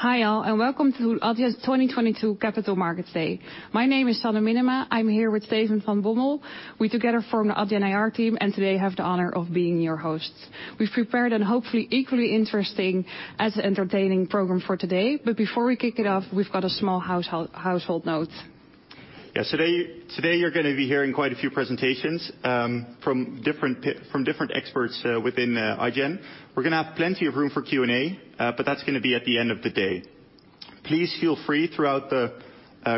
Hi, all, and welcome to Adyen's 2022 Capital Markets Day. My name is Sanne Minnema. I'm here with Steven van Bommel. We together form the Adyen IR team, and today have the honor of being your hosts. We've prepared and hopefully equally interesting and entertaining program for today, but before we kick it off, we've got a small household note. Yes. Today, you're gonna be hearing quite a few presentations from different experts within Adyen. We're gonna have plenty of room for Q&A, but that's gonna be at the end of the day. Please feel free throughout the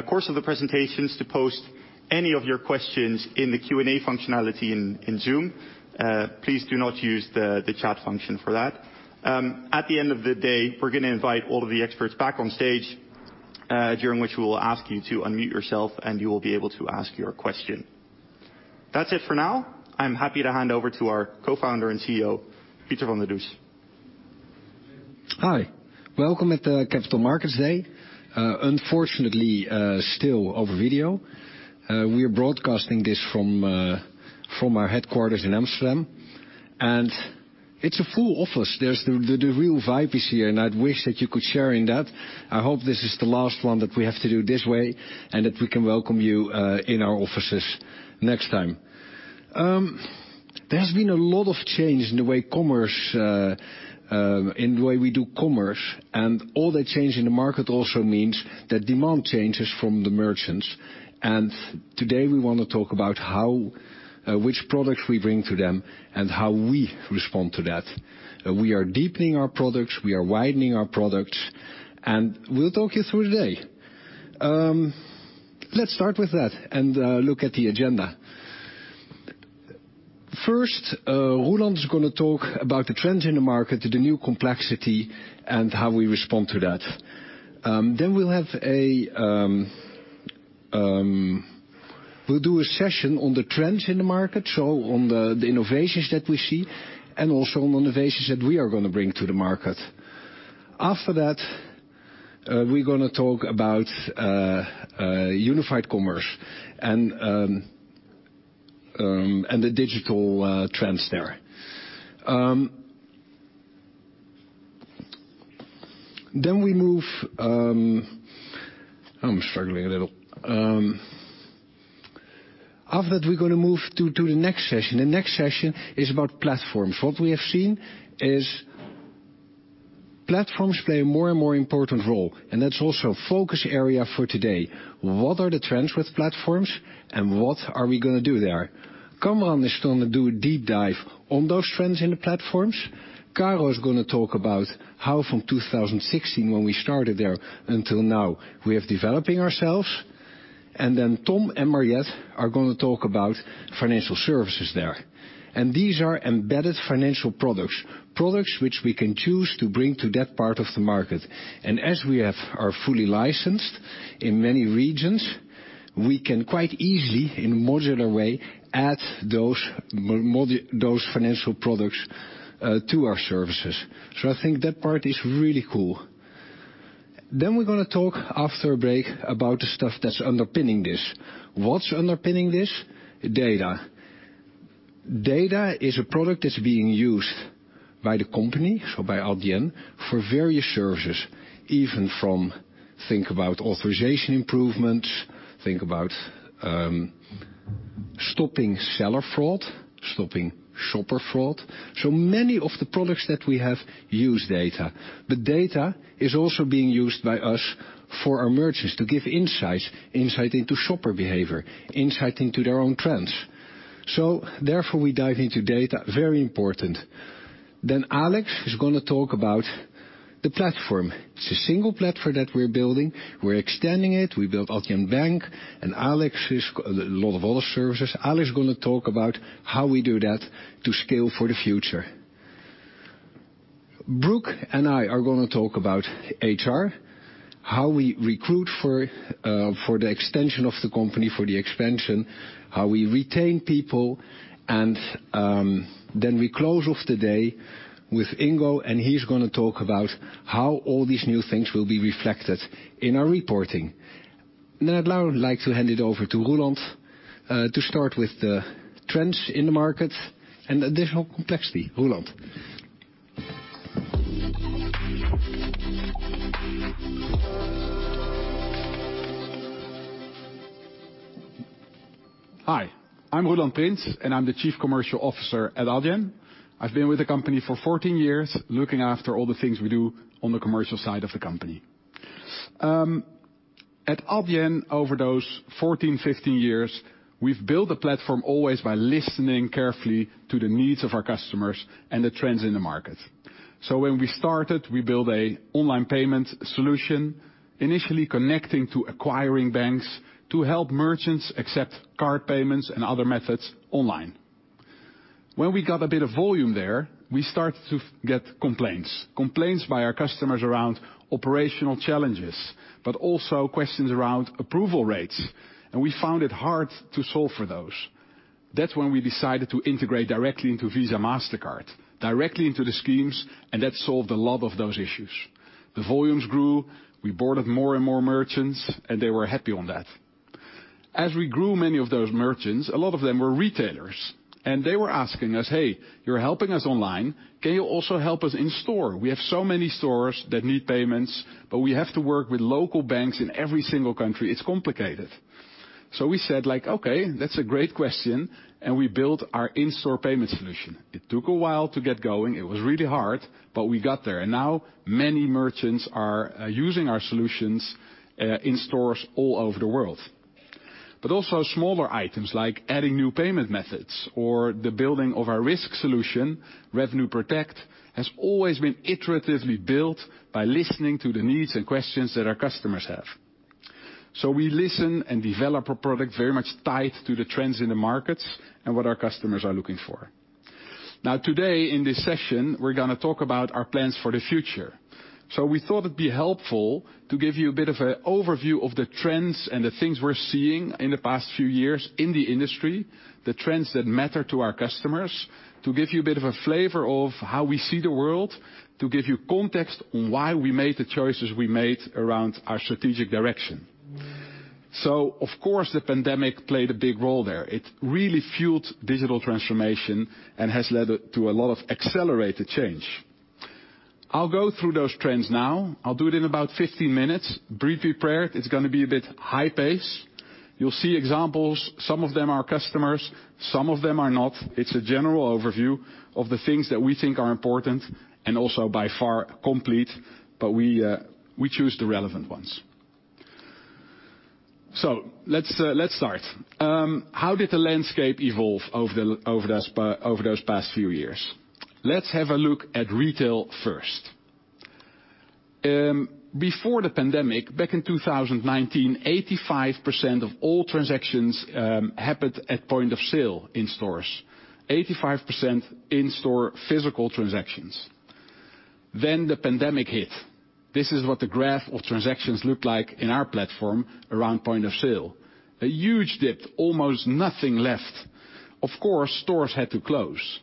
course of the presentations to post any of your questions in the Q&A functionality in Zoom. Please do not use the chat function for that. At the end of the day, we're gonna invite all of the experts back on stage, during which we will ask you to unmute yourself, and you will be able to ask your question. That's it for now. I'm happy to hand over to our co-founder and CEO, Pieter van der Does. Hi. Welcome to the Capital Markets Day. Unfortunately, still over video. We are broadcasting this from our headquarters in Amsterdam, and it's a full office. There's the real vibe here, and I wish that you could share in that. I hope this is the last one that we have to do this way, and that we can welcome you in our offices next time. There's been a lot of change in the way commerce in the way we do commerce, and all the change in the market also means that demand changes from the merchants. Today, we want to talk about which products we bring to them and how we respond to that. We are deepening our products, we are widening our products, and we'll talk you through today. Let's start with that and look at the agenda. First, Roelant's gonna talk about the trends in the market, the new complexity, and how we respond to that. We'll have a session on the trends in the market, so on the innovations that we see and also on the innovations that we are gonna bring to the market. After that, we're gonna talk about unified commerce and the digital trends there. We move. I'm struggling a little. After that, we're gonna move to the next session. The next session is about platforms. What we have seen is platforms play a more and more important role, and that's also focus area for today. What are the trends with platforms and what are we gonna do there? Kamran is gonna do a deep dive on those trends in the platforms. Karolina is gonna talk about how from 2016 when we started there until now we have developing ourselves. Then Tom and Mariët are gonna talk about financial services there. These are embedded financial products which we can choose to bring to that part of the market. As we are fully licensed in many regions, we can quite easily in modular way add those financial products to our services. I think that part is really cool. We're gonna talk after a break about the stuff that's underpinning this. What's underpinning this? Data. Data is a product that's being used by the company, so by Adyen, for various services, think about authorization improvements, think about stopping seller fraud, stopping shopper fraud. Many of the products that we have use data, but data is also being used by us for our merchants to give insights, insight into shopper behavior, insight into their own trends. We dive into data, very important. Alex is gonna talk about the platform. It's a single platform that we're building. We're extending it. We built Adyen Bank, and also a lot of other services. Alex is gonna talk about how we do that to scale for the future. Brooke and I are gonna talk about HR, how we recruit for the extension of the company, for the expansion, how we retain people, and then we close off the day with Ingo, and he's gonna talk about how all these new things will be reflected in our reporting. I'd now like to hand it over to Roelant to start with the trends in the market and additional complexity. Roelant. Hi, I'm Roelant Prins, and I'm the Chief Commercial Officer at Adyen. I've been with the company for 14 years, looking after all the things we do on the commercial side of the company. At Adyen, over those 14-15 years, we've built a platform always by listening carefully to the needs of our customers and the trends in the market. When we started, we built an online payment solution, initially connecting to acquiring banks to help merchants accept card payments and other methods online. When we got a bit of volume there, we started to get complaints. Complaints by our customers around operational challenges, but also questions around approval rates, and we found it hard to solve for those. That's when we decided to integrate directly into Visa, Mastercard, directly into the schemes, and that solved a lot of those issues. The volumes grew, we boarded more and more merchants, and they were happy on that. As we grew many of those merchants, a lot of them were retailers. They were asking us, "Hey, you're helping us online. Can you also help us in store? We have so many stores that need payments, but we have to work with local banks in every single country. It's complicated." We said like, "Okay, that's a great question," and we built our in-store payment solution. It took a while to get going. It was really hard, but we got there. Now many merchants are using our solutions in stores all over the world. Also smaller items like adding new payment methods or the building of our risk solution, RevenueProtect, has always been iteratively built by listening to the needs and questions that our customers have. We listen and develop a product very much tied to the trends in the markets and what our customers are looking for. Now today in this session, we're gonna talk about our plans for the future. We thought it'd be helpful to give you a bit of an overview of the trends and the things we're seeing in the past few years in the industry, the trends that matter to our customers, to give you a bit of a flavor of how we see the world, to give you context on why we made the choices we made around our strategic direction. Of course, the pandemic played a big role there. It really fueled digital transformation and has led to a lot of accelerated change. I'll go through those trends now. I'll do it in about 15 minutes. Briefly prepared. It's gonna be a bit high pace. You'll see examples. Some of them are customers, some of them are not. It's a general overview of the things that we think are important and also far from complete, but we choose the relevant ones. Let's start. How did the landscape evolve over those past few years? Let's have a look at retail first. Before the pandemic, back in 2019, 85% of all transactions happened at point of sale in stores. 85% in-store physical transactions. Then the pandemic hit. This is what the graph of transactions looked like in our platform around point of sale. A huge dip. Almost nothing left. Of course, stores had to close.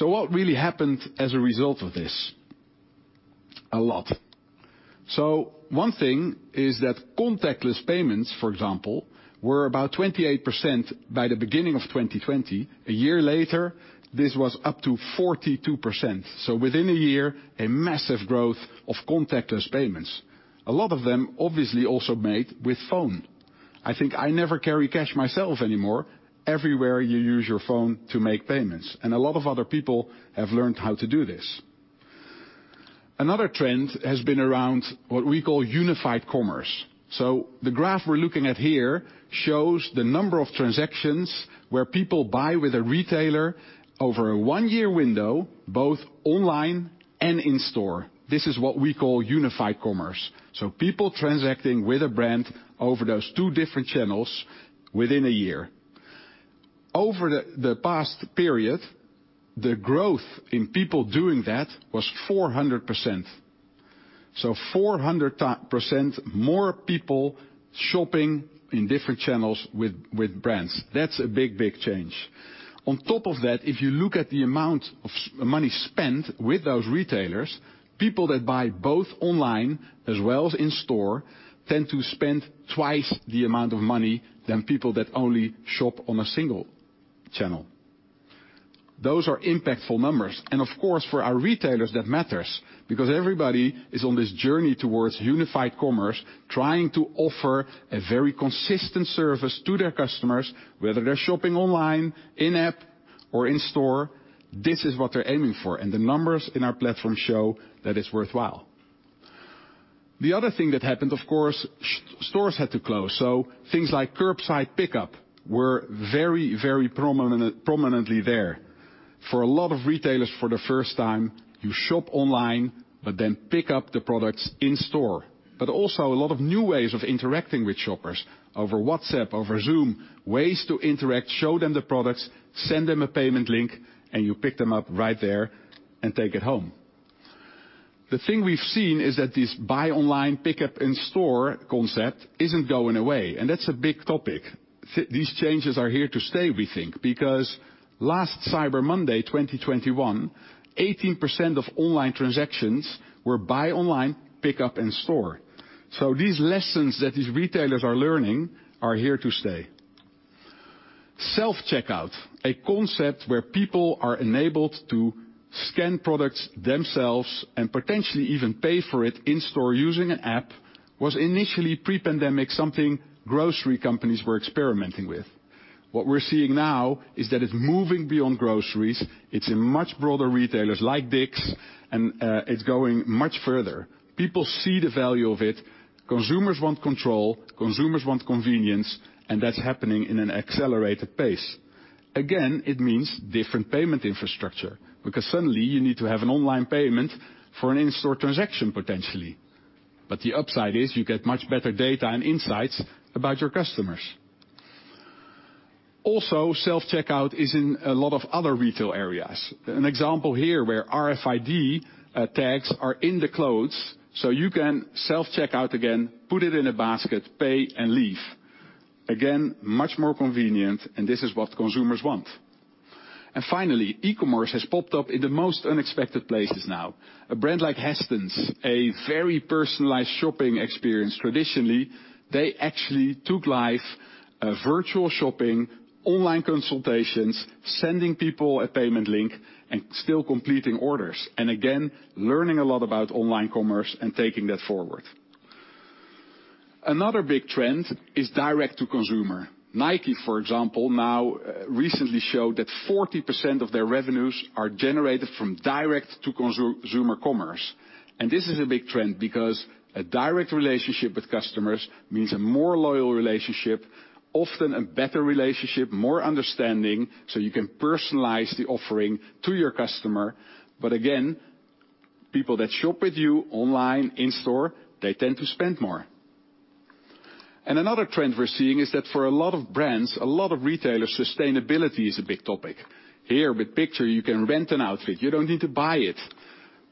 What really happened as a result of this? A lot. One thing is that contactless payments, for example, were about 28% by the beginning of 2020. A year later, this was up to 42%. Within a year, a massive growth of contactless payments. A lot of them obviously also made with phone. I think I never carry cash myself anymore. Everywhere you use your phone to make payments, and a lot of other people have learned how to do this. Another trend has been around what we call unified commerce. The graph we're looking at here shows the number of transactions where people buy with a retailer over a one-year window, both online and in store. This is what we call unified commerce. People transacting with a brand over those two different channels within a year. Over the past period, the growth in people doing that was 400%. 400% more people shopping in different channels with brands. That's a big, big change. On top of that, if you look at the amount of money spent with those retailers, people that buy both online as well as in store tend to spend twice the amount of money than people that only shop on a single channel. Those are impactful numbers, and of course, for our retailers that matters because everybody is on this journey towards unified commerce, trying to offer a very consistent service to their customers, whether they're shopping online, in app or in store. This is what they're aiming for, and the numbers in our platform show that it's worthwhile. The other thing that happened, of course, stores had to close, so things like curbside pickup were very, very prominently there. For a lot of retailers for the first time, you shop online but then pick up the products in store. Also a lot of new ways of interacting with shoppers, over WhatsApp, over Zoom. Ways to interact, show them the products, send them a payment link, and you pick them up right there and take it home. The thing we've seen is that this buy online, pick up in store concept isn't going away, and that's a big topic. These changes are here to stay, we think, because last Cyber Monday, 2021, 18% of online transactions were buy online, pick up in store. These lessons that these retailers are learning are here to stay. Self-checkout, a concept where people are enabled to scan products themselves and potentially even pay for it in store using an app, was initially pre-pandemic, something grocery companies were experimenting with. What we're seeing now is that it's moving beyond groceries. It's in much broader retailers like DICK'S, and it's going much further. People see the value of it. Consumers want control, consumers want convenience, and that's happening in an accelerated pace. Again, it means different payment infrastructure because suddenly you need to have an online payment for an in-store transaction, potentially. But the upside is you get much better data and insights about your customers. Also, self-checkout is in a lot of other retail areas. An example here where RFID tags are in the clothes, so you can self-checkout again, put it in a basket, pay and leave. Again, much more convenient and this is what consumers want. Finally, e-commerce has popped up in the most unexpected places now. A brand like Hastings, a very personalized shopping experience traditionally, they actually took live, virtual shopping, online consultations, sending people a payment link, and still completing orders. Again, learning a lot about online commerce and taking that forward. Another big trend is direct to consumer. Nike, for example, now recently showed that 40% of their revenues are generated from direct to consumer commerce. This is a big trend because a direct relationship with customers means a more loyal relationship, often a better relationship, more understanding, so you can personalize the offering to your customer. Again, people that shop with you online, in store, they tend to spend more. Another trend we're seeing is that for a lot of brands, a lot of retailers, sustainability is a big topic. Here with Picture, you can rent an outfit. You don't need to buy it.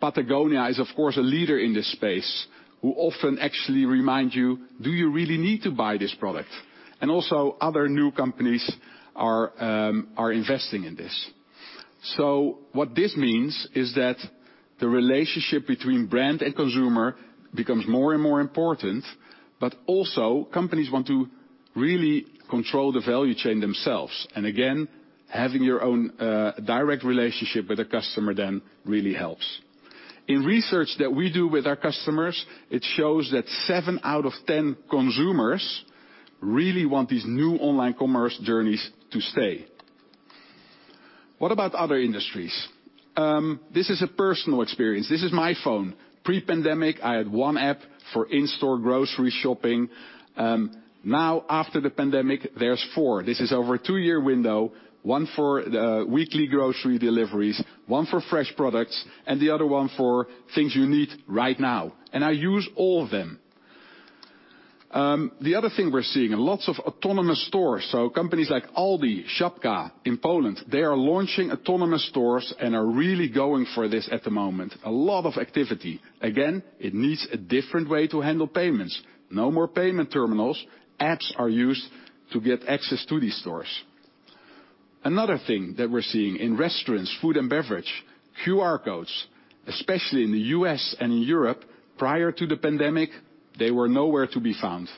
Patagonia is, of course, a leader in this space who often actually remind you, "Do you really need to buy this product?" Also other new companies are investing in this. What this means is that the relationship between brand and consumer becomes more and more important, but also companies want to really control the value chain themselves. Again, having your own direct relationship with a customer then really helps. In research that we do with our customers, it shows that seven out of ten consumers really want these new online commerce journeys to stay. What about other industries? This is a personal experience. This is my phone. Pre-pandemic, I had one app for in-store grocery shopping. Now after the pandemic, there's four. This is over a two-year window, one for the weekly grocery deliveries, one for fresh products, and the other one for things you need right now. I use all of them. The other thing we're seeing, lots of autonomous stores. Companies like Aldi, Żabka in Poland, they are launching autonomous stores and are really going for this at the moment. A lot of activity. Again, it needs a different way to handle payments. No more payment terminals. Apps are used to get access to these stores. Another thing that we're seeing in restaurants, food and beverage, QR codes, especially in the U.S. and in Europe, prior to the pandemic, they were nowhere to be found.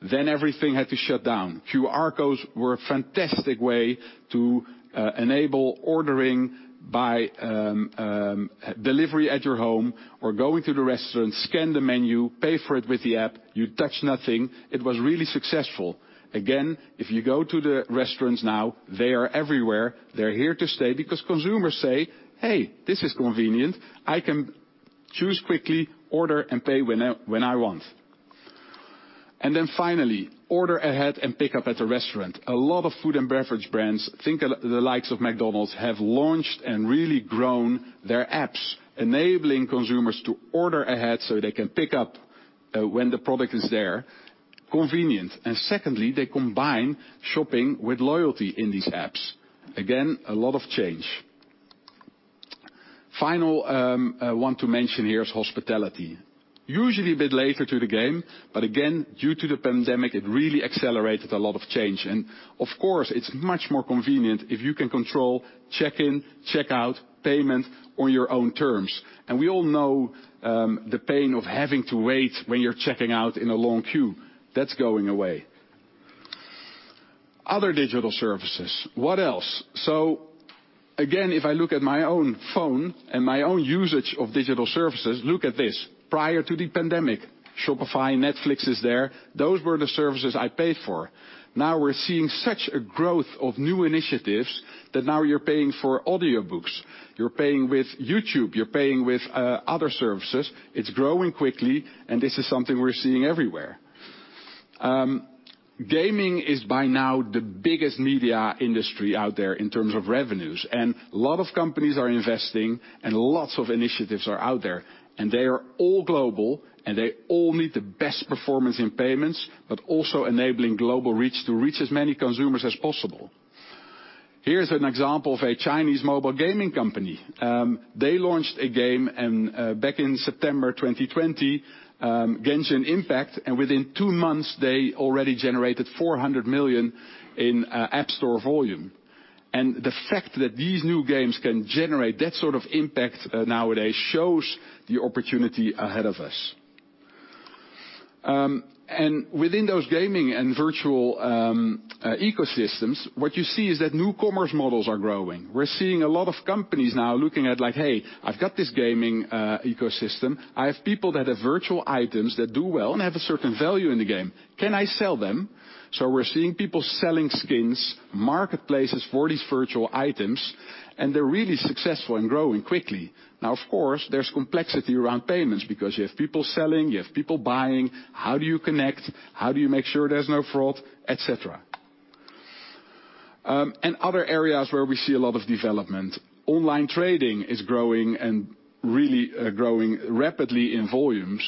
Then everything had to shut down. QR codes were a fantastic way to enable ordering by delivery at your home or going to the restaurant, scan the menu, pay for it with the app, you touch nothing. It was really successful. Again, if you go to the restaurants now, they are everywhere. They're here to stay because consumers say, "Hey, this is convenient. I can choose quickly, order, and pay when I want." Order ahead and pick up at a restaurant. A lot of food and beverage brands, think of the likes of McDonald's, have launched and really grown their apps, enabling consumers to order ahead so they can pick up when the product is there. Convenient. They combine shopping with loyalty in these apps. Again, a lot of change. Finally, I want to mention here is hospitality. Usually a bit later to the game, but again, due to the pandemic, it really accelerated a lot of change. Of course, it's much more convenient if you can control check-in, check-out, payment on your own terms. We all know the pain of having to wait when you're checking out in a long queue. That's going away. Other digital services, what else? Again, if I look at my own phone and my own usage of digital services, look at this. Prior to the pandemic, Shopify, Netflix is there. Those were the services I paid for. Now we're seeing such a growth of new initiatives that now you're paying for audiobooks, you're paying with YouTube, you're paying with other services. It's growing quickly, and this is something we're seeing everywhere. Gaming is by now the biggest media industry out there in terms of revenues. A lot of companies are investing and lots of initiatives are out there. They are all global, and they all need the best performance in payments, but also enabling global reach to reach as many consumers as possible. Here's an example of a Chinese mobile gaming company. They launched a game and back in September 2020, Genshin Impact, and within two months, they already generated $400 million in App Store volume. The fact that these new games can generate that sort of impact nowadays shows the opportunity ahead of us. Within those gaming and virtual ecosystems, what you see is that new commerce models are growing. We're seeing a lot of companies now looking at like, "Hey, I've got this gaming ecosystem. I have people that have virtual items that do well and have a certain value in the game. Can I sell them?" We're seeing people selling skins, marketplaces for these virtual items, and they're really successful and growing quickly. Now, of course, there's complexity around payments because you have people selling, you have people buying. How do you connect? How do you make sure there's no fraud, et cetera? Other areas where we see a lot of development. Online trading is growing and really, growing rapidly in volumes.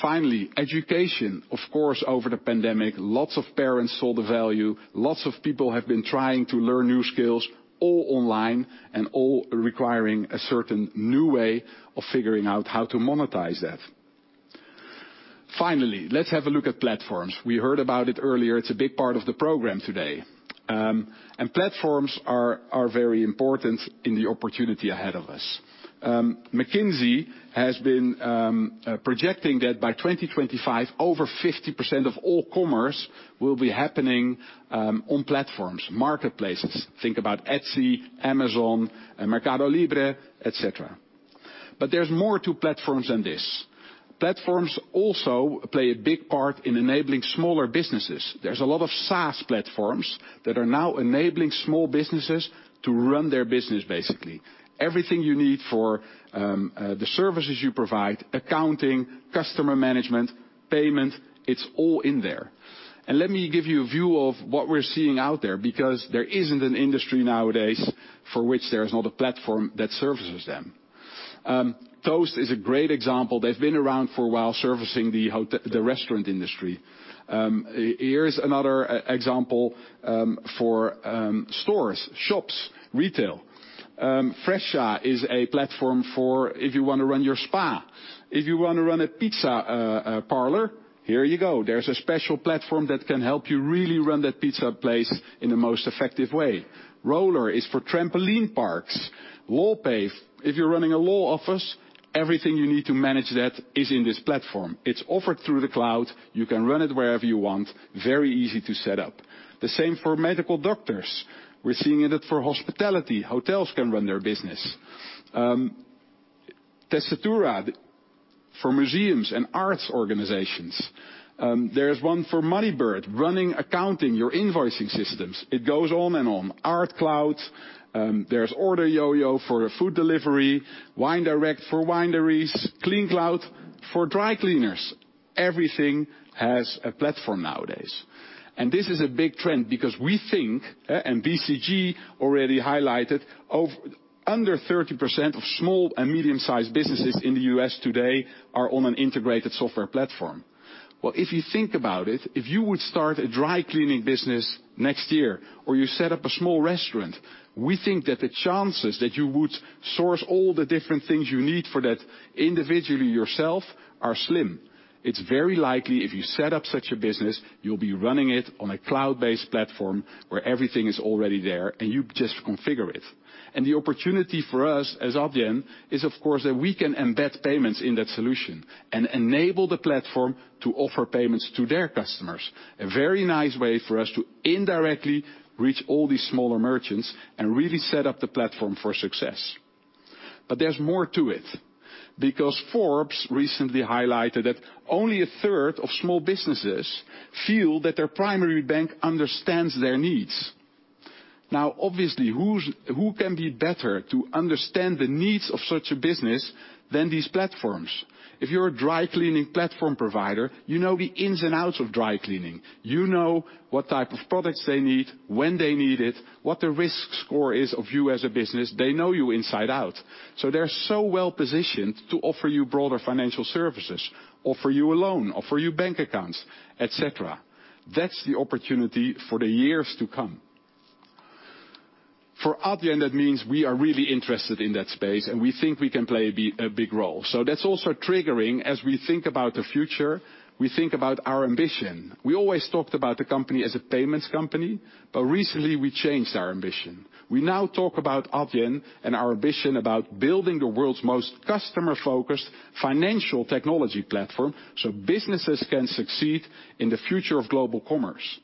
Finally, education. Of course, over the pandemic, lots of parents saw the value, lots of people have been trying to learn new skills, all online and all requiring a certain new way of figuring out how to monetize that. Finally, let's have a look at platforms. We heard about it earlier. It's a big part of the program today. Platforms are very important in the opportunity ahead of us. McKinsey has been projecting that by 2025, over 50% of all commerce will be happening on platforms, marketplaces. Think about Etsy, Amazon, Mercado Libre, et cetera. There's more to platforms than this. Platforms also play a big part in enabling smaller businesses. There's a lot of SaaS platforms that are now enabling small businesses to run their business, basically. Everything you need for the services you provide, accounting, customer management, payment, it's all in there. Let me give you a view of what we're seeing out there because there isn't an industry nowadays for which there is not a platform that services them. Toast is a great example. They've been around for a while servicing the restaurant industry. Here's another example for stores, shops, retail. Fresha is a platform for if you wanna run your spa. If you wanna run a pizza parlor, here you go. There's a special platform that can help you really run that pizza place in the most effective way. Roller is for trampoline parks. LawPay, if you're running a law office, everything you need to manage that is in this platform. It's offered through the cloud. You can run it wherever you want. Very easy to set up. The same for medical doctors. We're seeing it for hospitality. Hotels can run their business. Tessitura for museums and arts organizations. There's one for Moneybird, running accounting, your invoicing systems. It goes on and on. ArtCloud, there's OrderYOYO for food delivery, WineDirect for wineries, CleanCloud for dry cleaners. Everything has a platform nowadays. This is a big trend because we think, and BCG already highlighted that under 30% of small and medium-sized businesses in the U.S. today are on an integrated software platform. Well, if you think about it, if you would start a dry cleaning business next year or you set up a small restaurant, we think that the chances that you would source all the different things you need for that individually yourself are slim. It's very likely if you set up such a business, you'll be running it on a cloud-based platform where everything is already there, and you just configure it. The opportunity for us as Adyen is, of course, that we can embed payments in that solution and enable the platform to offer payments to their customers. A very nice way for us to indirectly reach all these smaller merchants and really set up the platform for success. There's more to it because Forbes recently highlighted that only a third of small businesses feel that their primary bank understands their needs. Now, obviously, who can be better to understand the needs of such a business than these platforms? If you're a dry cleaning platform provider, you know the ins and outs of dry cleaning. You know what type of products they need, when they need it, what the risk score is of you as a business. They know you inside out. They're so well-positioned to offer you broader financial services, offer you a loan, offer you bank accounts, et cetera. That's the opportunity for the years to come. For Adyen, that means we are really interested in that space, and we think we can play a big role. That's also triggering as we think about the future, we think about our ambition. We always talked about the company as a payments company, but recently we changed our ambition. We now talk about Adyen and our ambition about building the world's most customer-focused financial technology platform so businesses can succeed in the future of global commerce.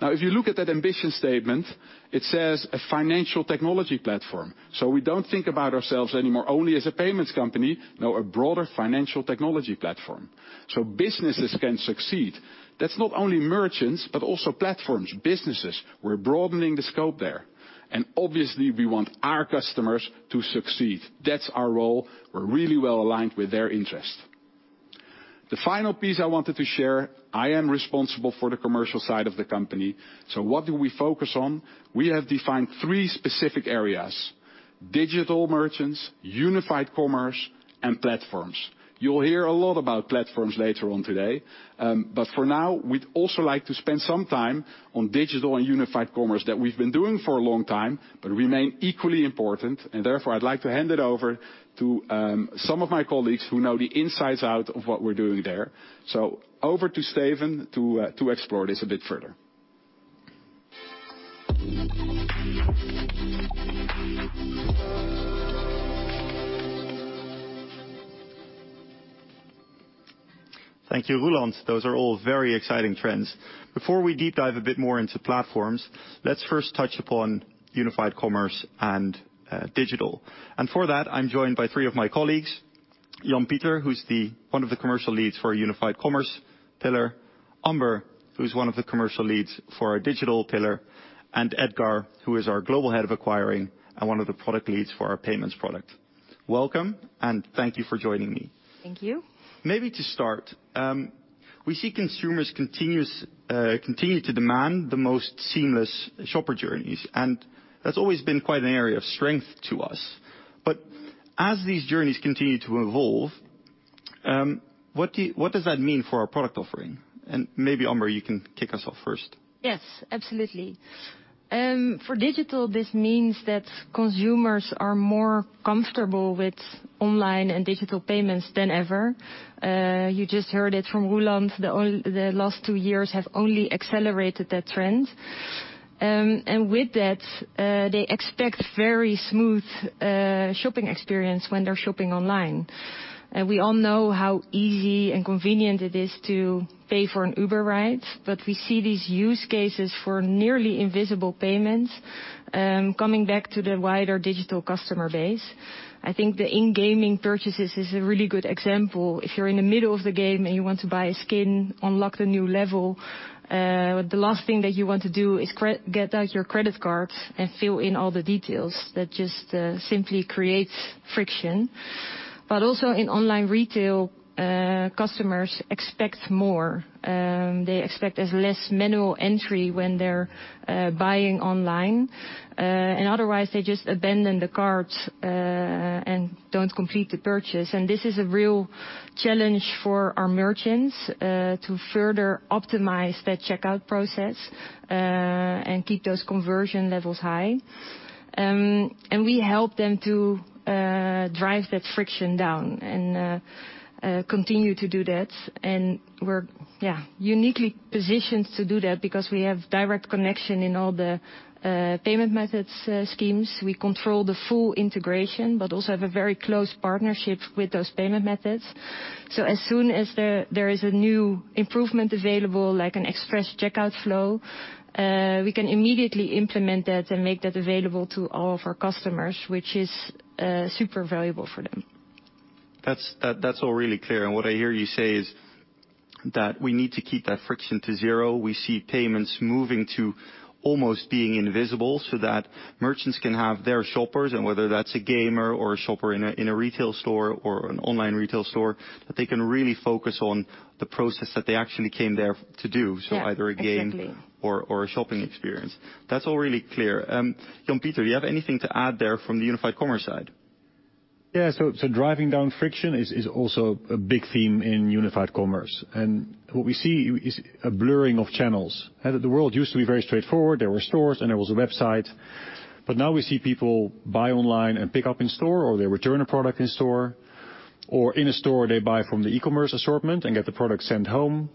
Now, if you look at that ambition statement, it says a financial technology platform. We don't think about ourselves anymore only as a payments company, no, a broader financial technology platform. Businesses can succeed. That's not only merchants, but also platforms, businesses. We're broadening the scope there. Obviously, we want our customers to succeed. That's our role. We're really well aligned with their interest. The final piece I wanted to share, I am responsible for the commercial side of the company. So what do we focus on? We have defined three specific areas: digital merchants, unified commerce, and platforms. You'll hear a lot about platforms later on today. But for now, we'd also like to spend some time on digital and unified commerce that we've been doing for a long time but remain equally important. Therefore, I'd like to hand it over to some of my colleagues who know the ins and outs of what we're doing there. So over to Steven to explore this a bit further. Thank you, Roelant. Those are all very exciting trends. Before we deep dive a bit more into platforms, let's first touch upon unified commerce and digital. For that, I'm joined by three of my colleagues, Jan-Pieter, who's one of the commercial leads for our unified commerce pillar, Amber, who's one of the commercial leads for our digital pillar, and Edgar, who is our Global Head of Acquiring and one of the product leads for our payments product. Welcome, and thank you for joining me. Thank you. Maybe to start, we see consumers continue to demand the most seamless shopper journeys, and that's always been quite an area of strength to us. As these journeys continue to evolve, what does that mean for our product offering? Maybe, Amber, you can kick us off first. Yes, absolutely. For digital, this means that consumers are more comfortable with online and digital payments than ever. You just heard it from Roelant, the last two years have only accelerated that trend. With that, they expect very smooth shopping experience when they're shopping online. We all know how easy and convenient it is to pay for an Uber ride, but we see these use cases for nearly invisible payments. Coming back to the wider digital customer base, I think the in-game purchases is a really good example. If you're in the middle of the game and you want to buy skin, unlock the new level, the last thing that you want to do is get out your credit card and fill in all the details. That just simply creates friction. Also in online retail, customers expect more. They expect there's less manual entry when they're buying online. Otherwise they just abandon the cart and don't complete the purchase. This is a real challenge for our merchants to further optimize that checkout process and keep those conversion levels high. We help them to drive that friction down and continue to do that. We're uniquely positioned to do that because we have direct connection in all the payment methods, schemes. We control the full integration, but also have a very close partnership with those payment methods. As soon as there is a new improvement available, like an express checkout flow, we can immediately implement that and make that available to all of our customers, which is super valuable for them. That's all really clear. What I hear you say is that we need to keep that friction to zero. We see payments moving to almost being invisible so that merchants can have their shoppers, and whether that's a gamer or a shopper in a retail store or an online retail store, that they can really focus on the process that they actually came there to do. Yeah. Exactly. Either a game or a shopping experience. That's all really clear. Pieter, do you have anything to add there from the unified commerce side? Yeah. Driving down friction is also a big theme in unified commerce. What we see is a blurring of channels. The world used to be very straightforward. There were stores, and there was a website. Now we see people buy online and pick up in store, or they return a product in store, or in a store they buy from the e-commerce assortment and get the product sent home.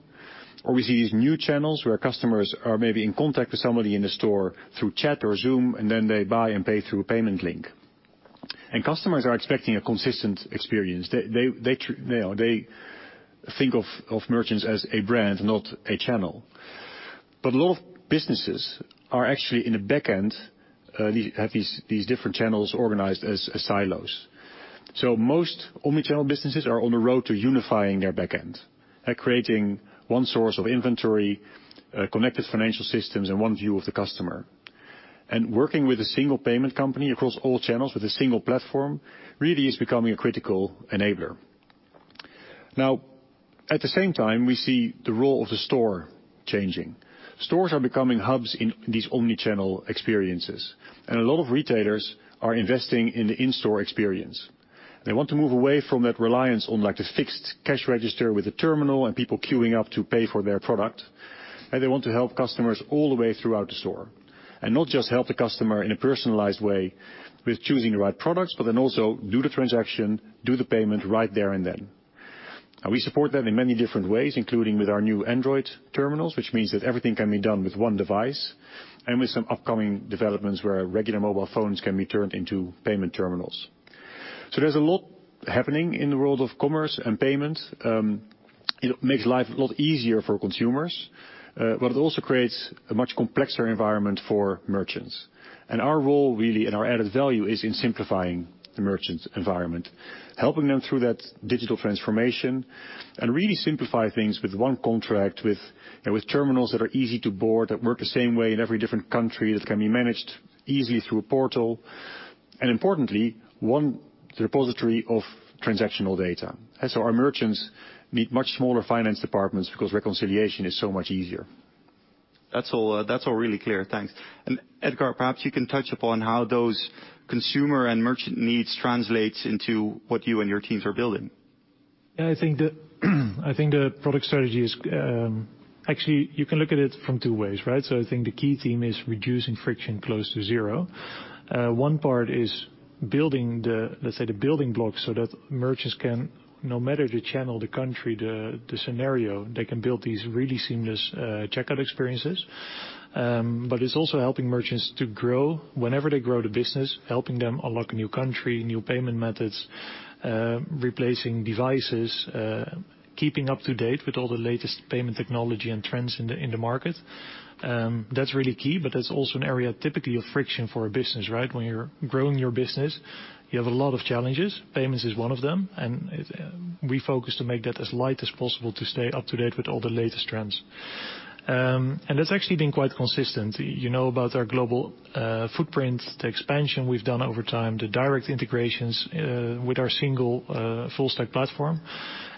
We see these new channels where customers are maybe in contact with somebody in the store through chat or Zoom, and then they buy and pay through a payment link. Customers are expecting a consistent experience. They think of merchants as a brand, not a channel. A lot of businesses are actually in the back end. These have different channels organized as silos. Most omni-channel businesses are on the road to unifying their back end, creating one source of inventory, connected financial systems and one view of the customer. Working with a single payment company across all channels with a single platform really is becoming a critical enabler. Now, at the same time, we see the role of the store changing. Stores are becoming hubs in these omni-channel experiences, and a lot of retailers are investing in the in-store experience. They want to move away from that reliance on, like, the fixed cash register with a terminal and people queuing up to pay for their product. They want to help customers all the way throughout the store, and not just help the customer in a personalized way with choosing the right products, but then also do the transaction, do the payment right there and then. We support that in many different ways, including with our new Android terminals, which means that everything can be done with one device, and with some upcoming developments where regular mobile phones can be turned into payment terminals. There's a lot happening in the world of commerce and payment. It makes life a lot easier for consumers, but it also creates a much more complex environment for merchants. Our role really and our added value is in simplifying the merchant environment, helping them through that digital transformation, and really simplify things with one contract with terminals that are easy to board, that work the same way in every different country, that can be managed easily through a portal. Importantly, one repository of transactional data. Our merchants need much smaller finance departments because reconciliation is so much easier. That's all, that's all really clear. Thanks. Edgar, perhaps you can touch upon how those consumer and merchant needs translates into what you and your teams are building. Yeah, I think the product strategy is actually, you can look at it from two ways, right? I think the key theme is reducing friction close to zero. One part is building the, let's say, the building blocks so that merchants can, no matter the channel, the country, the scenario, they can build these really seamless checkout experiences. It's also helping merchants to grow whenever they grow the business, helping them unlock a new country, new payment methods, replacing devices, keeping up to date with all the latest payment technology and trends in the market. That's really key, but that's also an area typically of friction for a business, right? When you're growing your business, you have a lot of challenges. Payments is one of them, and we focus to make that as light as possible to stay up to date with all the latest trends. That's actually been quite consistent. You know about our global footprint, the expansion we've done over time, the direct integrations with our single full stack platform.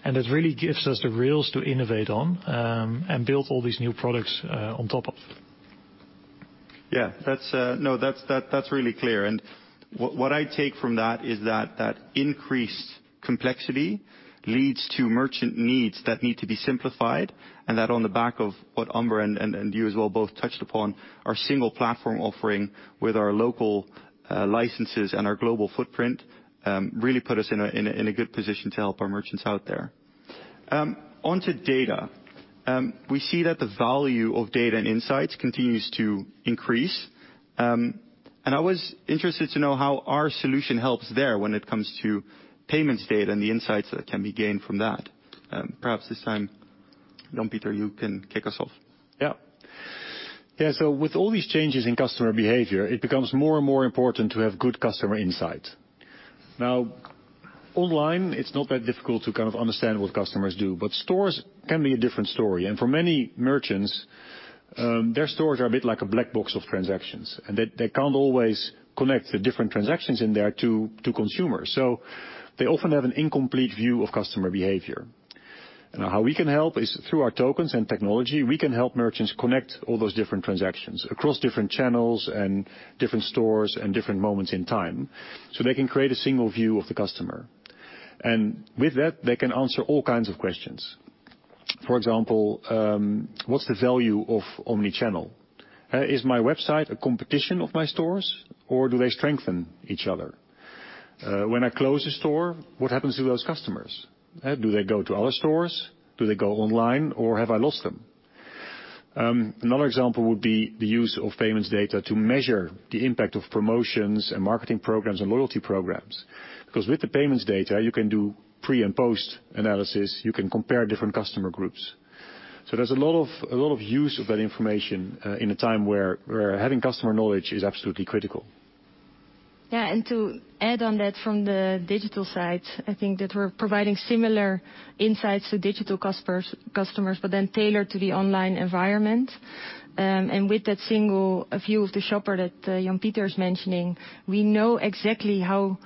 That really gives us the rails to innovate on, and build all these new products on top of. Yeah. That's really clear. What I take from that is that increased complexity leads to merchant needs that need to be simplified, and that on the back of what Amber and you as well both touched upon, our single platform offering with our local licenses and our global footprint really put us in a good position to help our merchants out there. Onto data. We see that the value of data and insights continues to increase. I was interested to know how our solution helps there when it comes to payments data and the insights that can be gained from that. Perhaps this time, Jan-Pieter, you can kick us off. Yeah. Yeah, with all these changes in customer behavior, it becomes more and more important to have good customer insight. Now, online, it's not that difficult to kind of understand what customers do, but stores can be a different story. For many merchants, their stores are a bit like a black box of transactions, and they can't always connect the different transactions in there to consumers. They often have an incomplete view of customer behavior. Now, how we can help is through our tokens and technology, we can help merchants connect all those different transactions across different channels and different stores and different moments in time, so they can create a single view of the customer. With that, they can answer all kinds of questions. For example, what's the value of omni-channel? Is my website a competition of my stores or do they strengthen each other? When I close a store, what happens to those customers? Do they go to other stores? Do they go online or have I lost them? Another example would be the use of payments data to measure the impact of promotions and marketing programs and loyalty programs. Because with the payments data, you can do pre- and post-analysis, you can compare different customer groups. There's a lot of use of that information in a time where having customer knowledge is absolutely critical. Yeah. To add on that from the digital side, I think that we're providing similar insights to digital customers, but then tailored to the online environment. With that single view of the shopper that Jan-Pieter's mentioning, we know exactly how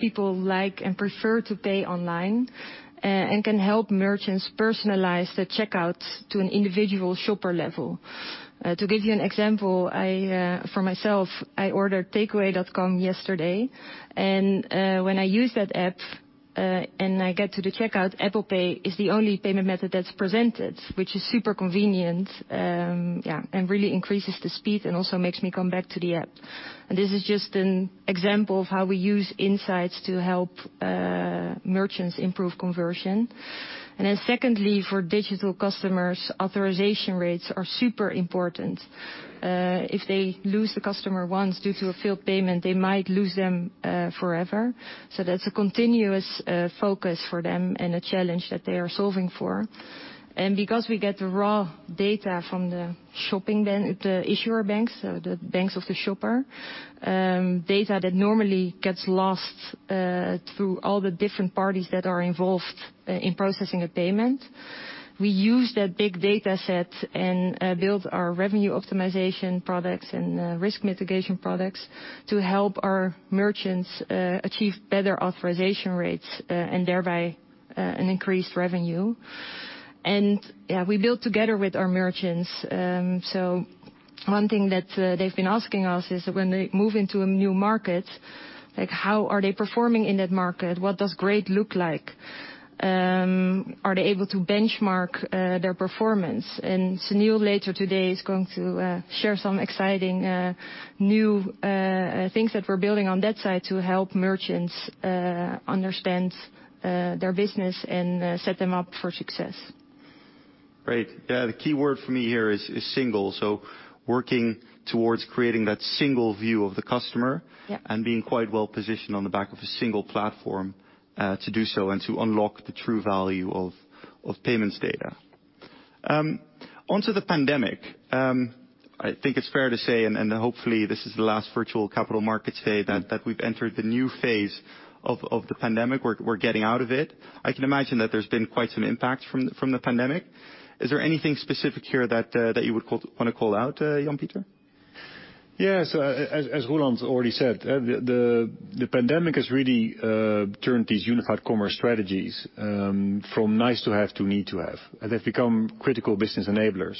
people like and prefer to pay online and can help merchants personalize the checkout to an individual shopper level. To give you an example, I for myself, I ordered Takeaway.com yesterday, and when I use that app and I get to the checkout, Apple Pay is the only payment method that's presented, which is super convenient, yeah, and really increases the speed and also makes me come back to the app. This is just an example of how we use Insights to help merchants improve conversion. Then secondly, for digital customers, authorization rates are super important. If they lose the customer once due to a failed payment, they might lose them forever. That's a continuous focus for them and a challenge that they are solving for. Because we get the raw data from the shopper, then the issuer banks, so the banks of the shopper, data that normally gets lost through all the different parties that are involved in processing a payment, we use that big data set and build our revenue optimization products and risk mitigation products to help our merchants achieve better authorization rates and thereby an increased revenue. Yeah, we build together with our merchants, so one thing that they've been asking us is when they move into a new market, like, how are they performing in that market? What does great look like? Are they able to benchmark their performance? Sunil later today is going to share some exciting new things that we're building on that side to help merchants understand their business and set them up for success. Great. Yeah, the key word for me here is single. Working towards creating that single view of the customer. Yeah. Being quite well positioned on the back of a single platform, to do so and to unlock the true value of payments data. Onto the pandemic, I think it's fair to say, hopefully this is the last virtual capital markets day, that we've entered the new phase of the pandemic. We're getting out of it. I can imagine that there's been quite some impact from the pandemic. Is there anything specific here that you would wanna call out, Jan-Pieter? Yes. As Roelant's already said, the pandemic has really turned these unified commerce strategies from nice to have to need to have. They've become critical business enablers.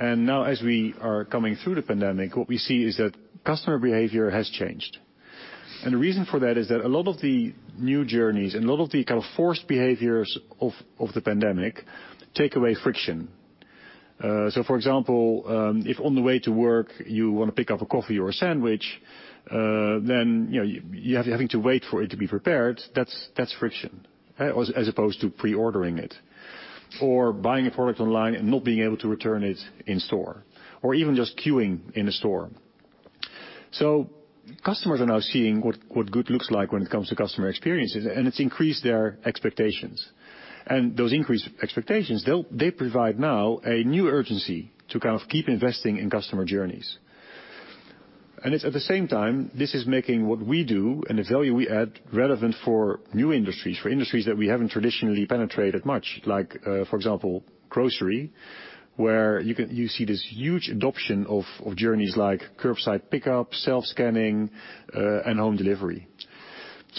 Now as we are coming through the pandemic, what we see is that customer behavior has changed. The reason for that is that a lot of the new journeys and a lot of the kind of forced behaviors of the pandemic take away friction. So for example, if on the way to work, you wanna pick up a coffee or a sandwich, then you know, having to wait for it to be prepared, that's friction as opposed to pre-ordering it, or buying a product online and not being able to return it in store, or even just queuing in a store. Customers are now seeing what good looks like when it comes to customer experiences, and it's increased their expectations. Those increased expectations, they provide now a new urgency to kind of keep investing in customer journeys. It's at the same time, this is making what we do and the value we add relevant for new industries, for industries that we haven't traditionally penetrated much like, for example, grocery, where you see this huge adoption of journeys like curbside pickup, self-scanning, and home delivery.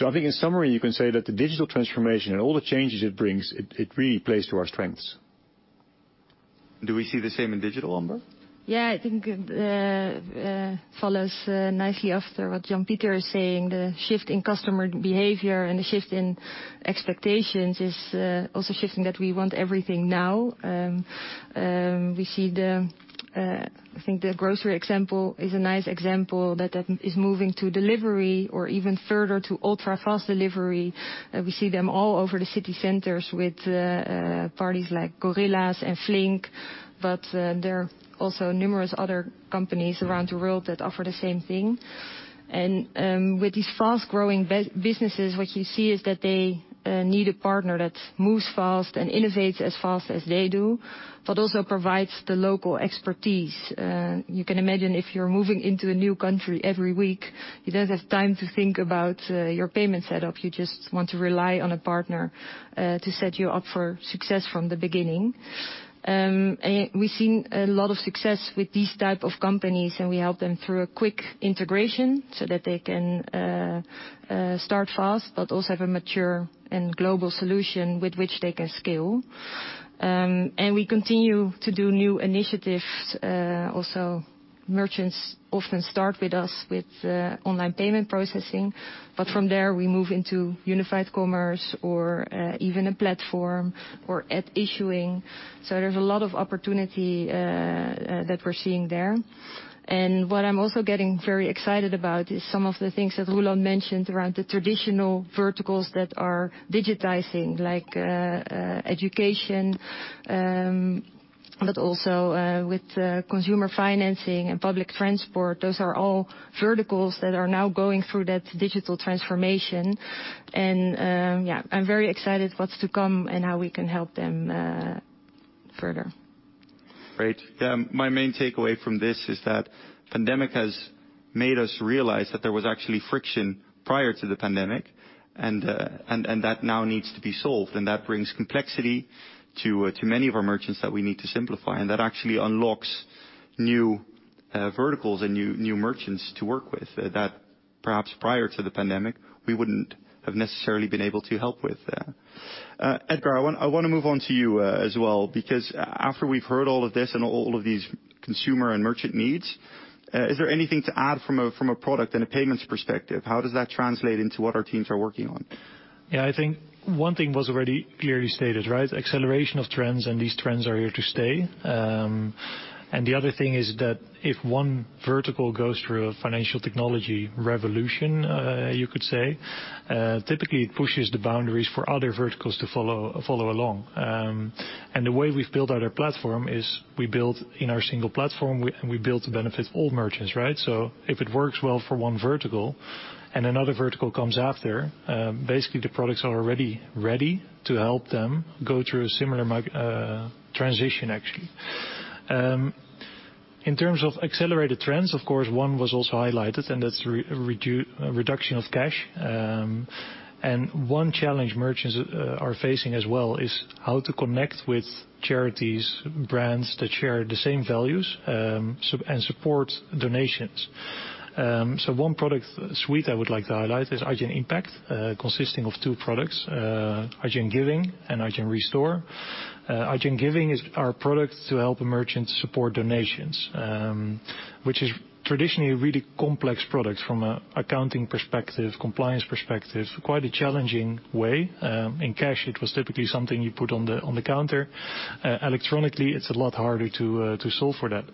I think in summary, you can say that the digital transformation and all the changes it brings, it really plays to our strengths. Do we see the same in digital, Amber? Yeah, I think it follows nicely after what Jan-Pieter is saying. The shift in customer behavior and the shift in expectations is also shifting that we want everything now. We see, I think, the grocery example is a nice example that is moving to delivery or even further to ultra-fast delivery. We see them all over the city centers with parties like Gorillas and Flink, but there are also numerous other companies around the world that offer the same thing. With these fast-growing businesses, what you see is that they need a partner that moves fast and innovates as fast as they do, but also provides the local expertise. You can imagine if you're moving into a new country every week, you don't have time to think about your payment setup. You just want to rely on a partner to set you up for success from the beginning. And we've seen a lot of success with these type of companies, and we help them through a quick integration so that they can start fast but also have a mature and global solution with which they can scale. We continue to do new initiatives. Also, merchants often start with us with online payment processing, but from there, we move into unified commerce or even a platform or issuing. There's a lot of opportunity that we're seeing there. What I'm also getting very excited about is some of the things that Roelant mentioned around the traditional verticals that are digitizing, like education, but also with consumer financing and public transport. Those are all verticals that are now going through that digital transformation. Yeah, I'm very excited what's to come and how we can help them further. Great. Yeah. My main takeaway from this is that the pandemic has made us realize that there was actually friction prior to the pandemic, and that now needs to be solved, and that brings complexity to many of our merchants that we need to simplify. That actually unlocks new verticals and new merchants to work with that perhaps prior to the pandemic we wouldn't have necessarily been able to help with. Edgar, I want to move on to you as well, because after we've heard all of this and all of these consumer and merchant needs, is there anything to add from a product and a payments perspective? How does that translate into what our teams are working on? Yeah. I think one thing was already clearly stated, right? Acceleration of trends, and these trends are here to stay. The other thing is that if one vertical goes through a financial technology revolution, you could say, typically it pushes the boundaries for other verticals to follow along. The way we've built out our platform is we build in our single platform and we build to benefit all merchants, right? If it works well for one vertical and another vertical comes after, basically the products are already ready to help them go through a similar transition, actually. In terms of accelerated trends, of course, one was also highlighted, and that's reduction of cash. One challenge merchants are facing as well is how to connect with charities, brands that share the same values and support donations. One product suite I would like to highlight is Adyen Impact, consisting of two products, Adyen Giving and Adyen Restore. Adyen Giving is our product to help merchants support donations, which is traditionally a really complex product from an accounting perspective, compliance perspective, quite a challenging way. In cash, it was typically something you put on the counter. Electronically it's a lot harder to solve for that.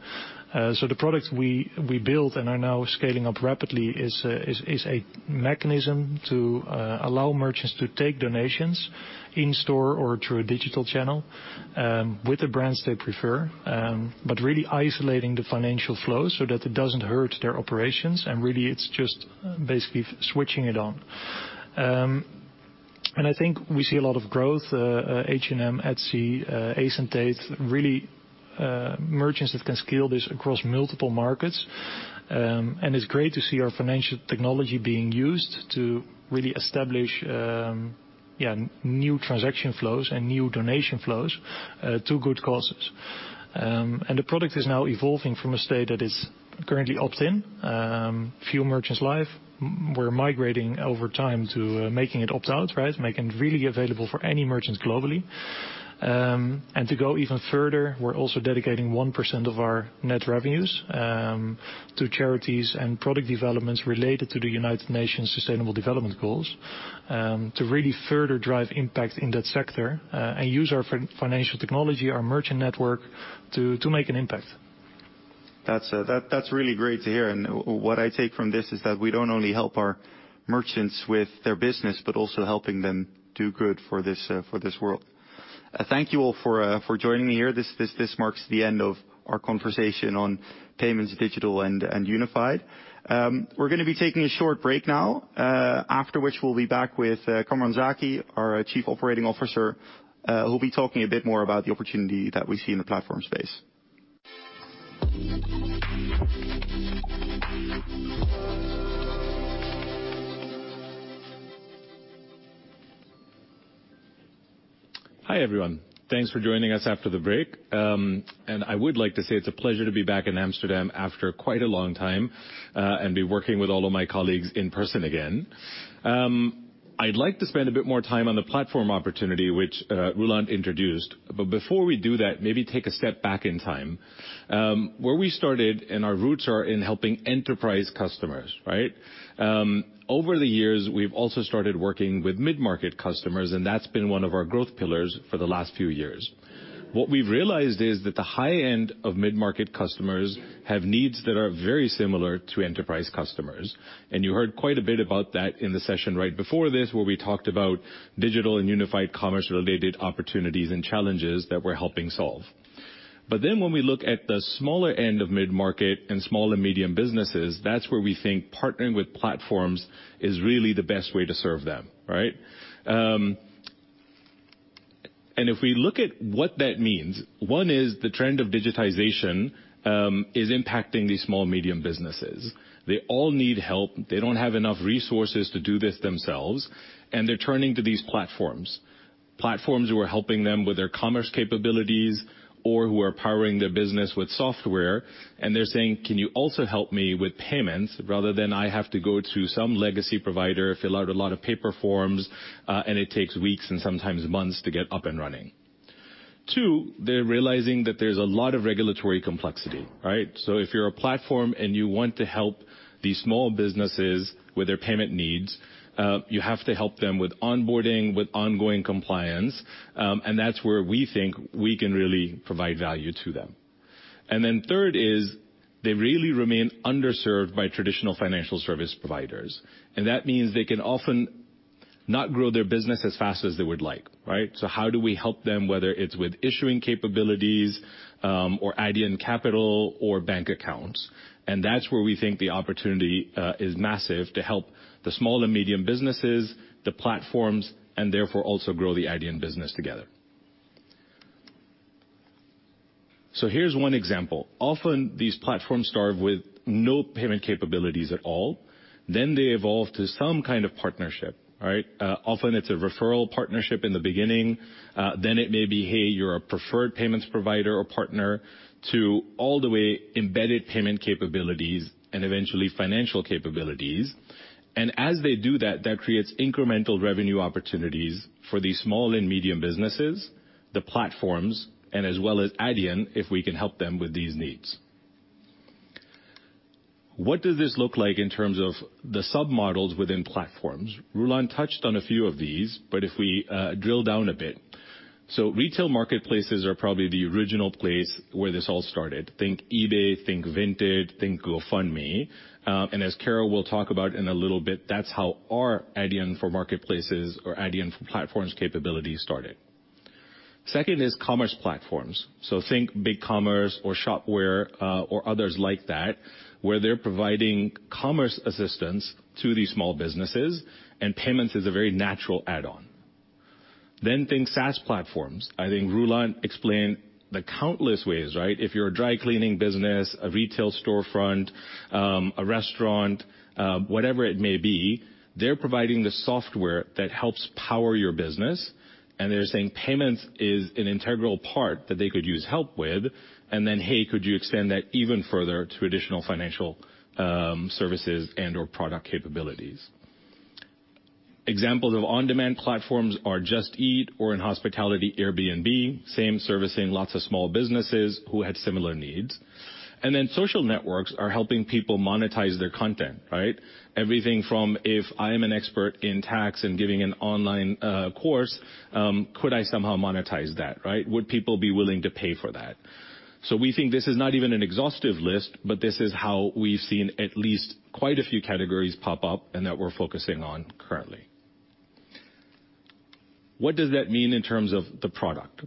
The product we built and are now scaling up rapidly is a mechanism to allow merchants to take donations in store or through a digital channel, with the brands they prefer, but really isolating the financial flow so that it doesn't hurt their operations. Really it's just basically switching it on. I think we see a lot of growth, H&M, Etsy, ASOS really, merchants that can scale this across multiple markets. It's great to see our financial technology being used to really establish new transaction flows and new donation flows to good causes. The product is now evolving from a state that is currently opt-in, few merchants live. We're migrating over time to making it opt-out, right? Making it really available for any merchants globally. To go even further, we're also dedicating 1% of our net revenues to charities and product developments related to the United Nations Sustainable Development Goals to really further drive impact in that sector and use our financial technology, our merchant network to make an impact. That's really great to hear. What I take from this is that we don't only help our merchants with their business, but also helping them do good for this world. Thank you all for joining me here. This marks the end of our conversation on payments digital and unified. We're gonna be taking a short break now, after which we'll be back with Kamran Zaki, our Chief Operating Officer. He'll be talking a bit more about the opportunity that we see in the platform space. Hi, everyone. Thanks for joining us after the break. I would like to say it's a pleasure to be back in Amsterdam after quite a long time and be working with all of my colleagues in person again. I'd like to spend a bit more time on the platform opportunity, which Roelant introduced. Before we do that, maybe take a step back in time. Where we started and our roots are in helping enterprise customers, right? Over the years, we've also started working with mid-market customers, and that's been one of our growth pillars for the last few years. What we've realized is that the high-end of mid-market customers have needs that are very similar to enterprise customers. You heard quite a bit about that in the session right before this, where we talked about digital and unified commerce-related opportunities and challenges that we're helping solve. When we look at the smaller end of mid-market and small and medium businesses, that's where we think partnering with platforms is really the best way to serve them, right? If we look at what that means, one is the trend of digitization is impacting these small, medium businesses. They all need help. They don't have enough resources to do this themselves, and they're turning to these platforms. Platforms who are helping them with their commerce capabilities or who are powering their business with software, and they're saying, "Can you also help me with payments rather than I have to go to some legacy provider, fill out a lot of paper forms, and it takes weeks and sometimes months to get up and running." Two, they're realizing that there's a lot of regulatory complexity, right? If you're a platform and you want to help these small businesses with their payment needs, you have to help them with onboarding, with ongoing compliance, and that's where we think we can really provide value to them. Third is they really remain underserved by traditional financial service providers. That means they can often not grow their business as fast as they would like, right? How do we help them, whether it's with issuing capabilities, or Adyen Capital or bank accounts? That's where we think the opportunity is massive to help the small and medium businesses, the platforms, and therefore also grow the Adyen business together. Here's one example. Often, these platforms start with no payment capabilities at all, then they evolve to some kind of partnership, right? Then it may be, "Hey, you're a preferred payments provider or partner," to all the way embedded payment capabilities and eventually financial capabilities. As they do that creates incremental revenue opportunities for these small and medium businesses, the platforms, and as well as Adyen, if we can help them with these needs. What does this look like in terms of the sub-models within platforms? Roelant touched on a few of these, but if we drill down a bit. Retail marketplaces are probably the original place where this all started. Think eBay, think Vinted, think GoFundMe. As Caro will talk about in a little bit, that's how our Adyen for Platforms capabilities started. Second is commerce platforms. Think BigCommerce or Shopware or others like that, where they're providing commerce assistance to these small businesses, and payments is a very natural add-on. Think SaaS platforms. I think Roelant explained the countless ways, right? If you're a dry cleaning business, a retail storefront, a restaurant, whatever it may be, they're providing the software that helps power your business, and they're saying payments is an integral part that they could use help with, and then, "Hey, could you extend that even further to additional financial, services and/or product capabilities?" Examples of on-demand platforms are Just Eat or in hospitality, Airbnb, same servicing lots of small businesses who had similar needs. Social networks are helping people monetize their content, right? Everything from if I am an expert in tax and giving an online course, could I somehow monetize that, right? Would people be willing to pay for that? We think this is not even an exhaustive list, but this is how we've seen at least quite a few categories pop up and that we're focusing on currently. What does that mean in terms of the product?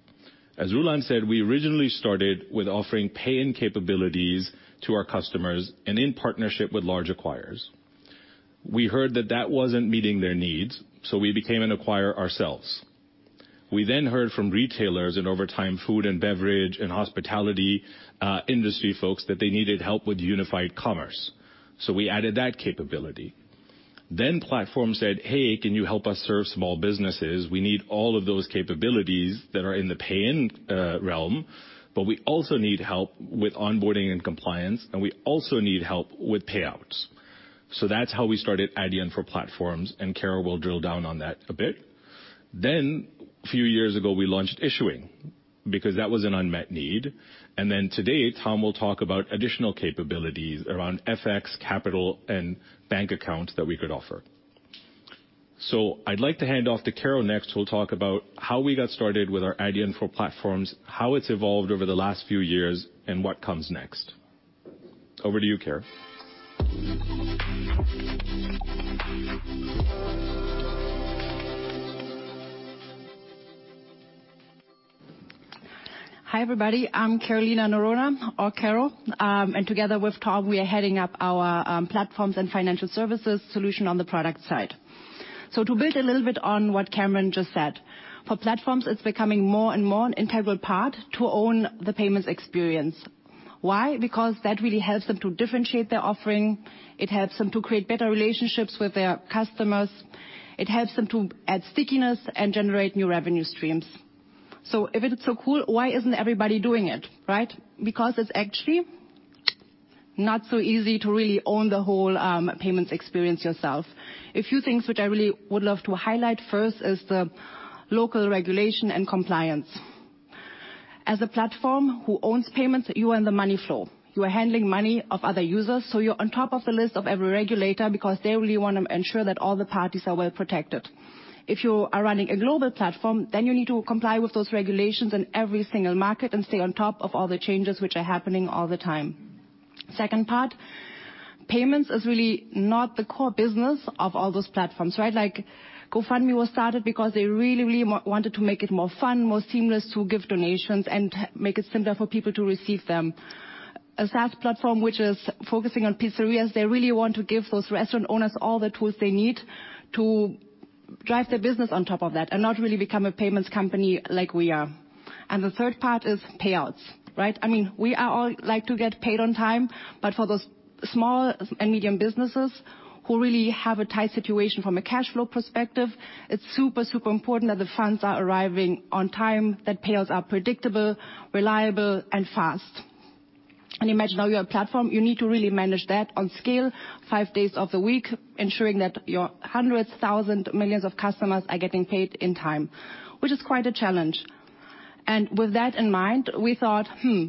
As Roelant said, we originally started with offering pay-in capabilities to our customers and in partnership with large acquirers. We heard that that wasn't meeting their needs, so we became an acquirer ourselves. We then heard from retailers and over time, food and beverage and hospitality industry folks that they needed help with unified commerce. We added that capability. Platforms said, "Hey, can you help us serve small businesses? We need all of those capabilities that are in the pay-in realm, but we also need help with onboarding and compliance, and we also need help with payouts." That's how we started Adyen for Platforms, and Caro will drill down on that a bit. A few years ago, we launched Issuing because that was an unmet need. Today, Tom will talk about additional capabilities around FX, capital, and bank accounts that we could offer. I'd like to hand off to Caro next, who'll talk about how we got started with our Adyen for Platforms, how it's evolved over the last few years, and what comes next. Over to you, Caro. Hi, everybody. I'm Carolina Noronha or Caro. And together with Tom, we are heading up our platforms and financial services solution on the product side. To build a little bit on what Kamran just said, for platforms, it's becoming more and more an integral part to own the payments experience. Why? Because that really helps them to differentiate their offering, it helps them to create better relationships with their customers, it helps them to add stickiness, and generate new revenue streams. If it's so cool, why isn't everybody doing it, right? Because it's actually not so easy to really own the whole payments experience yourself. A few things which I really would love to highlight. First is the local regulation and compliance. As a platform who owns payments, you own the money flow. You are handling money of other users, so you're on top of the list of every regulator because they really wanna ensure that all the parties are well protected. If you are running a global platform, then you need to comply with those regulations in every single market and stay on top of all the changes which are happening all the time. Second part, payments is really not the core business of all those platforms, right? Like, GoFundMe was started because they really, really wanted to make it more fun, more seamless to give donations and make it simpler for people to receive them. A SaaS platform which is focusing on pizzerias, they really want to give those restaurant owners all the tools they need to drive their business on top of that and not really become a payments company like we are. The third part is payouts, right? I mean, we are all like to get paid on time, but for those small and medium businesses who really have a tight situation from a cash flow perspective, it's super important that the funds are arriving on time, that payouts are predictable, reliable and fast. Imagine now you're a platform, you need to really manage that on scale 5 days of the week, ensuring that your hundreds, thousands, millions of customers are getting paid in time, which is quite a challenge. With that in mind, we thought, "Hmm,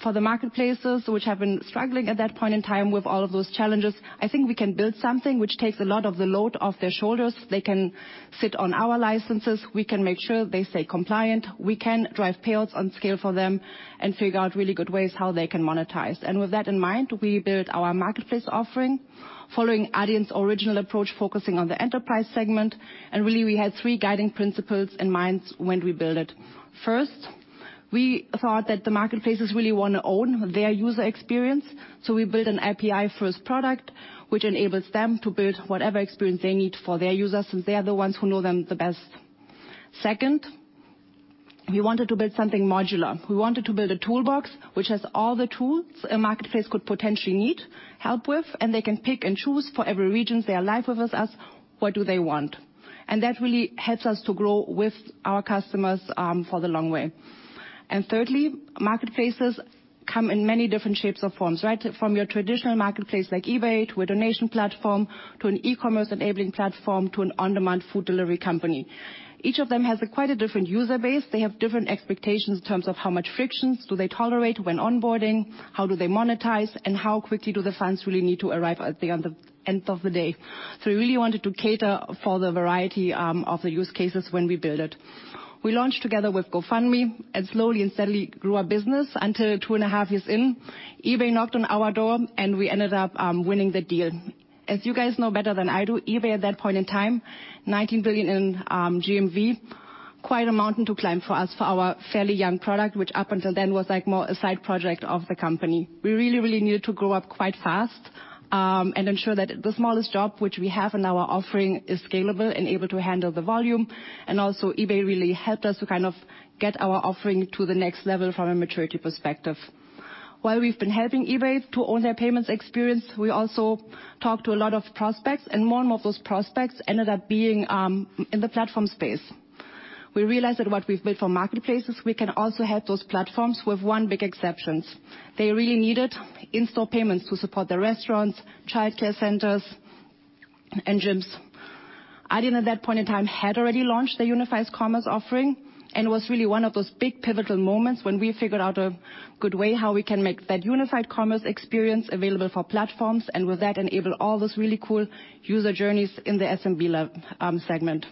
for the marketplaces which have been struggling at that point in time with all of those challenges, I think we can build something which takes a lot of the load off their shoulders. They can sit on our licenses. We can make sure they stay compliant. We can drive payouts on scale for them and figure out really good ways how they can monetize. With that in mind, we built our marketplace offering following Adyen's original approach, focusing on the enterprise segment. Really we had three guiding principles in mind when we built it. First, we thought that the marketplaces really wanna own their user experience, so we built an API-first product which enables them to build whatever experience they need for their users, since they are the ones who know them the best. Second, we wanted to build something modular. We wanted to build a toolbox which has all the tools a marketplace could potentially need help with, and they can pick and choose for every region they are live with us, what do they want. That really helps us to grow with our customers, for the long way. Thirdly, marketplaces come in many different shapes or forms, right? From your traditional marketplace like eBay, to a donation platform, to an e-commerce enabling platform, to an on-demand food delivery company. Each of them has quite a different user base. They have different expectations in terms of how much friction do they tolerate when onboarding, how do they monetize, and how quickly do the funds really need to arrive at the end of the day. We really wanted to cater for the variety of the use cases when we build it. We launched together with GoFundMe and slowly and steadily grew our business until 2.5 years in, eBay knocked on our door and we ended up winning the deal. As you guys know better than I do, eBay at that point in time, 19 billion in GMV, quite a mountain to climb for us, for our fairly young product, which up until then was, like, more a side project of the company. We really, really needed to grow up quite fast, and ensure that the smallest job which we have in our offering is scalable and able to handle the volume. Also eBay really helped us to kind of get our offering to the next level from a maturity perspective. While we've been helping eBay to own their payments experience, we also talked to a lot of prospects, and more and more of those prospects ended up being in the platform space. We realized that what we've built for marketplaces, we can also help those platforms with one big exception. They really needed in-store payments to support their restaurants, childcare centers, and gyms. Adyen at that point in time had already launched their unified commerce offering, and was really one of those big pivotal moments when we figured out a good way how we can make that unified commerce experience available for platforms, and with that enable all those really cool user journeys in the SMB segment.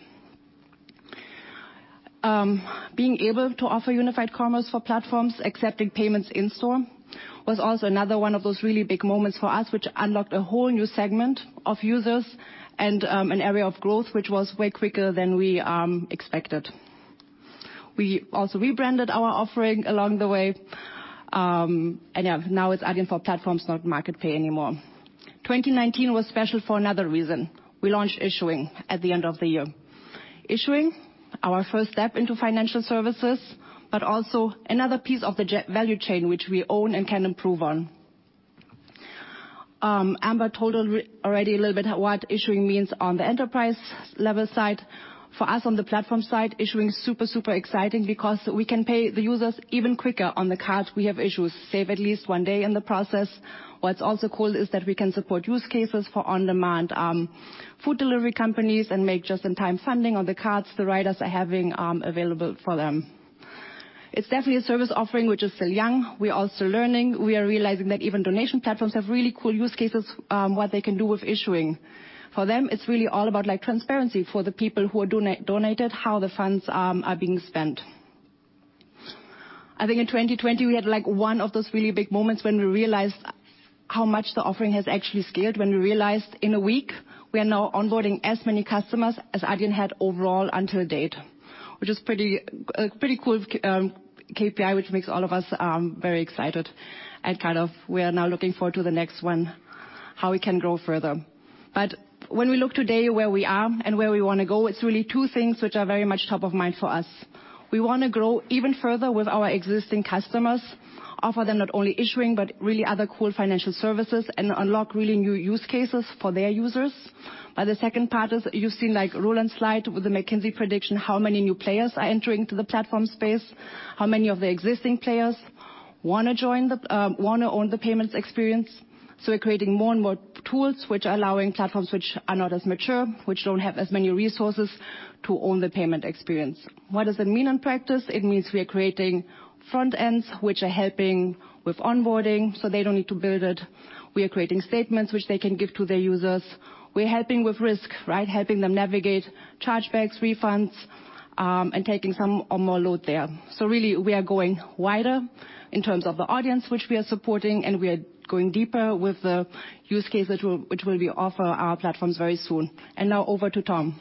Being able to offer unified commerce for platforms accepting payments in-store was also another one of those really big moments for us which unlocked a whole new segment of users and an area of growth which was way quicker than we expected. We also rebranded our offering along the way, and yeah, now it's Adyen for Platforms, not MarketPay anymore. 2019 was special for another reason. We launched Issuing at the end of the year. Issuing, our first step into financial services, but also another piece of the value chain which we own and can improve on. Amber told already a little bit what Issuing means on the enterprise level side. For us on the platform side, Issuing is super exciting because we can pay the users even quicker on the cards we have issued, save at least one day in the process. What's also cool is that we can support use cases for on-demand food delivery companies and make just-in-time funding on the cards the riders are having available for them. It's definitely a service offering which is still young. We are still learning. We are realizing that even donation platforms have really cool use cases what they can do with Issuing. For them, it's really all about, like, transparency for the people who donated, how the funds are being spent. I think in 2020 we had, like, one of those really big moments when we realized how much the offering has actually scaled, when we realized in a week we are now onboarding as many customers as Adyen had overall until date, which is pretty cool KPI, which makes all of us very excited. Kind of we are now looking forward to the next one, how we can grow further. When we look today where we are and where we wanna go, it's really two things which are very much top of mind for us. We wanna grow even further with our existing customers, offer them not only Issuing but really other cool financial services and unlock really new use cases for their users. The second part is you've seen like Roelant's slide with the McKinsey prediction, how many new players are entering the platform space, how many of the existing players want to own the payments experience. We're creating more and more tools which are allowing platforms which are not as mature, which don't have as many resources to own the payment experience. What does it mean in practice? It means we are creating front ends which are helping with onboarding, so they don't need to build it. We are creating statements which they can give to their users. We're helping with risk, right? Helping them navigate chargebacks, refunds, and taking some or more load there. Really we are going wider in terms of the audience which we are supporting, and we are going deeper with the use case which we offer our platforms very soon. Now over to Tom.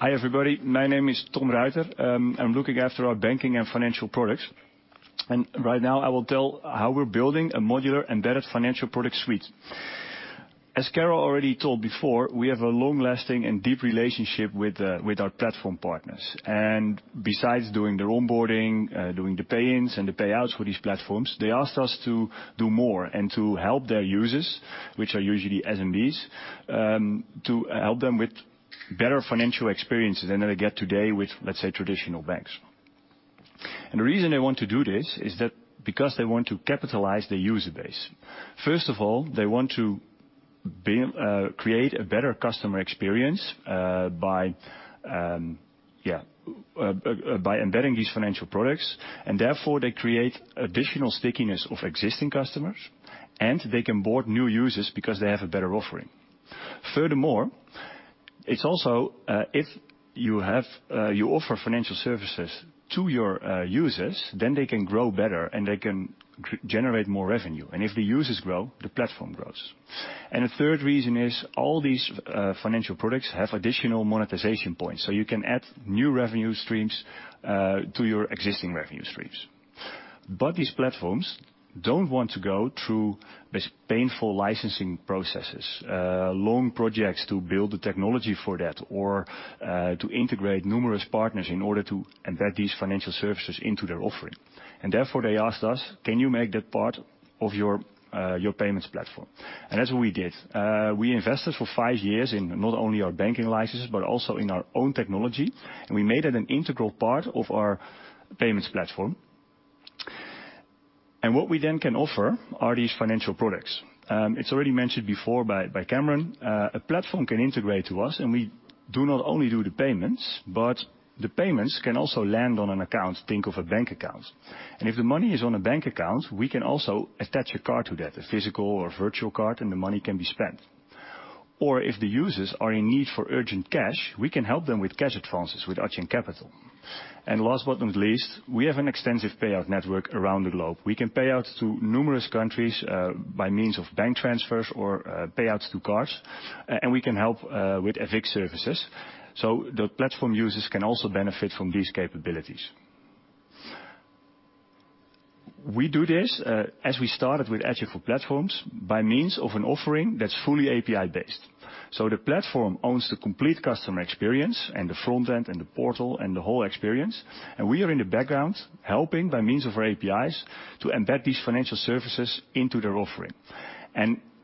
Hi, everybody. My name is Thom Ruiter. I'm looking after our banking and financial products, and right now I will tell how we're building a modular-embedded financial product suite. As Caro already told before, we have a long-lasting and deep relationship with our platform partners. Besides doing their onboarding, doing the pay-ins and the payouts for these platforms, they asked us to do more and to help their users, which are usually SMBs, to help them with better financial experiences than they get today with, let's say, traditional banks. The reason they want to do this is that because they want to capitalize their user base. First of all, they want to create a better customer experience by embedding these financial products, and therefore they create additional stickiness of existing customers, and they can onboard new users because they have a better offering. Furthermore, it's also if you offer financial services to your users, then they can grow better and they can generate more revenue. If the users grow, the platform grows. The third reason is all these financial products have additional monetization points. You can add new revenue streams to your existing revenue streams. These platforms don't want to go through these painful licensing processes, long projects to build the technology for that or to integrate numerous partners in order to embed these financial services into their offering. Therefore, they asked us, "Can you make that part of your payments platform?" That's what we did. We invested for five years in not only our banking licenses but also in our own technology, and we made it an integral part of our payments platform. What we then can offer are these financial products. It's already mentioned before by Kamran. A platform can integrate to us, and we do not only do the payments, but the payments can also land on an account. Think of a bank account. If the money is on a bank account, we can also attach a card to that, a physical or virtual card, and the money can be spent. If the users are in need for urgent cash, we can help them with cash advances with Adyen Capital. Last but not least, we have an extensive payout network around the globe. We can pay out to numerous countries by means of bank transfers or payouts to cards, and we can help with FX services. The platform users can also benefit from these capabilities. We do this as we started with Adyen for Platforms by means of an offering that's fully API-based. The platform owns the complete customer experience and the front end and the portal and the whole experience, and we are in the background helping by means of our APIs to embed these financial services into their offering.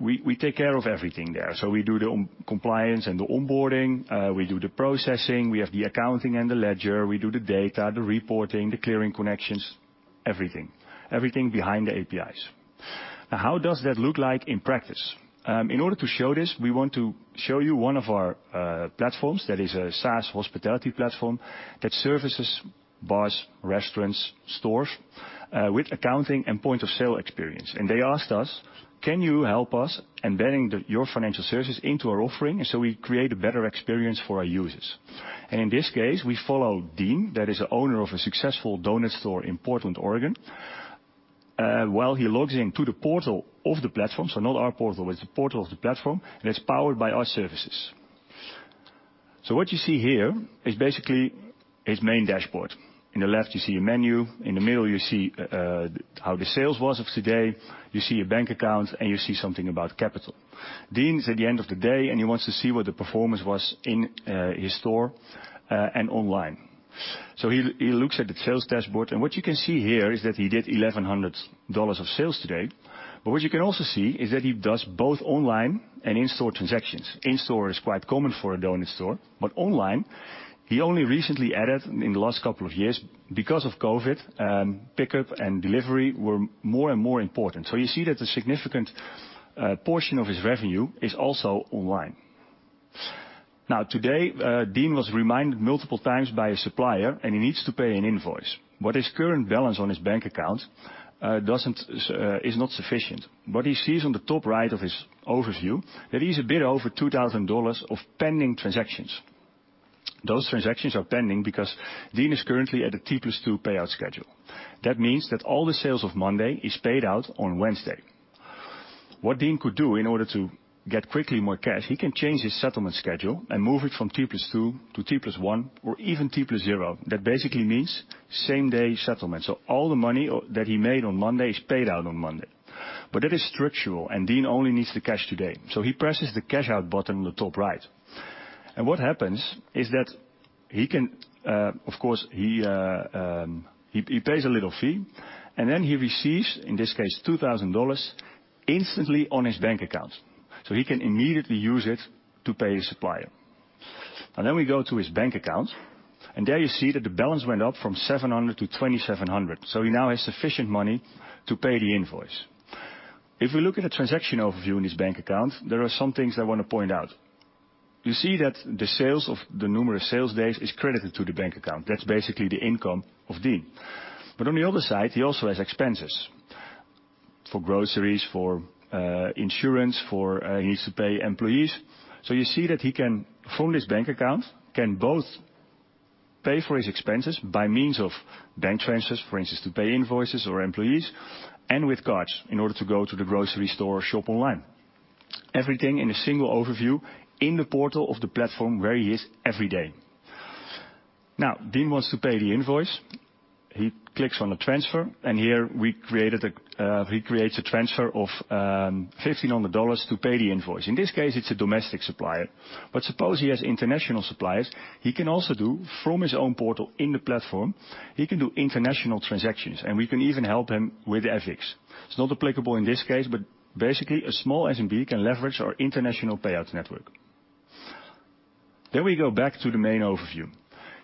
We take care of everything there. We do the compliance and the onboarding. We do the processing. We have the accounting and the ledger. We do the data, the reporting, the clearing connections, everything. Everything behind the APIs. How does that look like in practice? In order to show this, we want to show you one of our platforms that is a SaaS hospitality platform that services bars, restaurants, stores with accounting and point of sale experience. They asked us, "Can you help us embedding the your financial services into our offering, so we create a better experience for our users?" In this case, we follow Dean, that is the owner of a successful donut store in Portland, Oregon. While he logs into the portal of the platform, so not our portal, it's the portal of the platform, and it's powered by our services. What you see here is basically his main dashboard. In the left, you see a menu. In the middle, you see how the sales was of today. You see a bank account, and you see something about capital. Dean is at the end of the day, and he wants to see what the performance was in his store and online. He looks at the sales dashboard, and what you can see here is that he did $1,100 of sales today. What you can also see is that he does both online and in-store transactions. In-store is quite common for a donut store, but online, he only recently added in the last couple of years because of COVID, pickup and delivery were more and more important. You see that a significant portion of his revenue is also online. Now, today, Dean was reminded multiple times by a supplier, and he needs to pay an invoice. His current balance on his bank account is not sufficient. What he sees on the top right of his overview that he's a bit over $2,000 of pending transactions. Those transactions are pending because Dean is currently at a T+2 payout schedule. That means that all the sales of Monday is paid out on Wednesday. What Dean could do in order to get quickly more cash, he can change his settlement schedule and move it from T+2 to T+1 or even T+0. That basically means same-day settlement. All the money that he made on Monday is paid out on Monday. That is structural, and Dean only needs the cash today. He presses the cash out button on the top right. What happens is that he can, of course, pay a little fee and then he receives, in this case, $2,000 instantly on his bank account, so he can immediately use it to pay his supplier. Then we go to his bank account, and there you see that the balance went up from $700 to $2,700. He now has sufficient money to pay the invoice. If we look at the transaction overview in his bank account, there are some things I wanna point out. You see that the sales of the numerous sales days is credited to the bank account. That's basically the income of Dean. On the other side, he also has expenses for groceries, for insurance, he needs to pay employees. You see that he can, from his bank account, can both pay for his expenses by means of bank transfers, for instance, to pay invoices or employees, and with cards in order to go to the grocery store or shop online. Everything in a single overview in the portal of the platform where he is every day. Now, Dean wants to pay the invoice. He clicks on the transfer, and here he creates a transfer of $1,500 to pay the invoice. In this case, it's a domestic supplier. But suppose he has international suppliers. He can also do, from his own portal in the platform, he can do international transactions, and we can even help him with FX. It's not applicable in this case, but basically a small SMB can leverage our international payouts network. We go back to the main overview.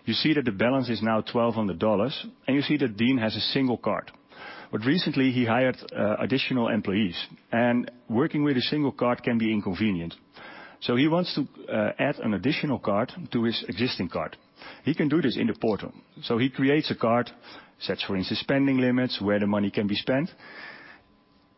You see that the balance is now $1,200, and you see that Dean has a single card. Recently, he hired additional employees, and working with a single card can be inconvenient. He wants to add an additional card to his existing card. He can do this in the portal. He creates a card, sets for instance spending limits, where the money can be spent,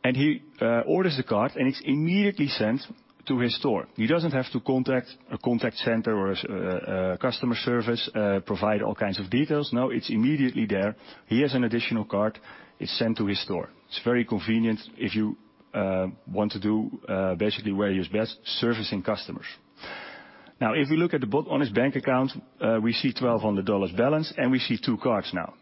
and he orders the card and it's immediately sent to his store. He doesn't have to contact a contact center or a customer service, provide all kinds of details. No, it's immediately there. He has an additional card. It's sent to his store. It's very convenient if you want to do basically where he is best, servicing customers. Now, if you look at the balance on his bank account, we see $1,200 balance and we see two cards now.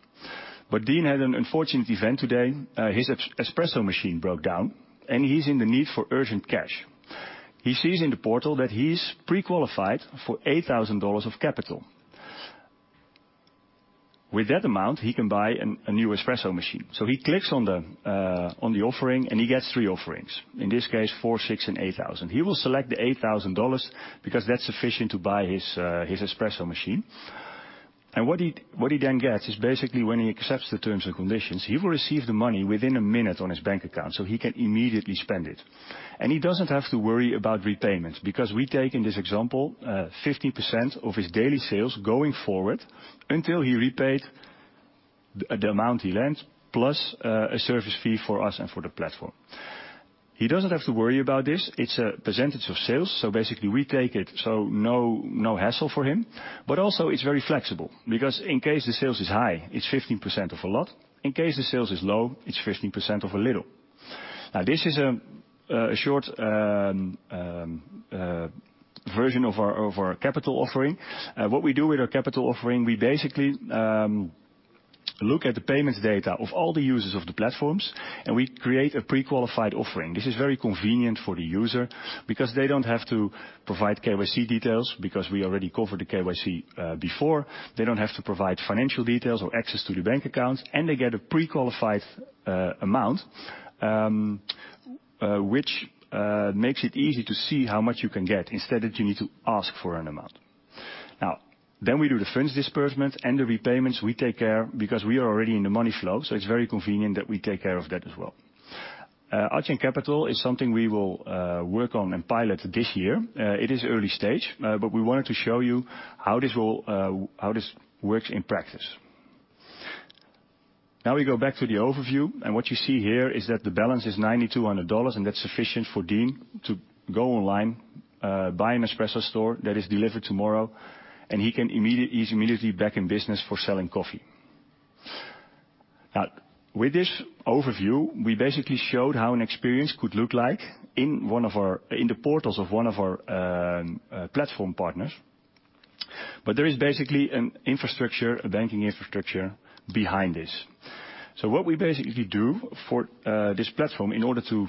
Dean had an unfortunate event today. His espresso machine broke down, and he's in need for urgent cash. He sees in the portal that he's pre-qualified for $8,000 of capital. With that amount, he can buy a new espresso machine. He clicks on the offering and he gets three offerings. In this case, $4,000, $6,000, and $8,000. He will select the $8,000 because that's sufficient to buy his espresso machine. What he then gets is basically when he accepts the terms and conditions, he will receive the money within a minute on his bank account, so he can immediately spend it. He doesn't have to worry about repayments because we take, in this example, 15% of his daily sales going forward until he repaid the amount we lent plus a service fee for us and for the platform. He doesn't have to worry about this. It's a percentage of sales, so basically we take it, so no hassle for him. It's very flexible because in case the sales is high, it's 15% of a lot. In case the sales is low, it's 15% of a little. Now, this is a short version of our capital offering. What we do with our capital offering, we basically look at the payments data of all the users of the platforms, and we create a pre-qualified offering. This is very convenient for the user because they don't have to provide KYC details because we already covered the KYC before. They don't have to provide financial details or access to the bank accounts, and they get a pre-qualified amount, which makes it easy to see how much you can get instead that you need to ask for an amount. Now we do the funds disbursement and the repayments. We take care because we are already in the money flow, so it's very convenient that we take care of that as well. Adyen Capital is something we will work on and pilot this year. It is early stage, but we wanted to show you how this works in practice. Now we go back to the overview, and what you see here is that the balance is $9,200, and that's sufficient for Dean to go online, buy an espresso store that is delivered tomorrow, and he's immediately back in business for selling coffee. Now, with this overview, we basically showed how an experience could look like in the portals of one of our platform partners. But there is basically an infrastructure, a banking infrastructure behind this. So what we basically do for this platform in order to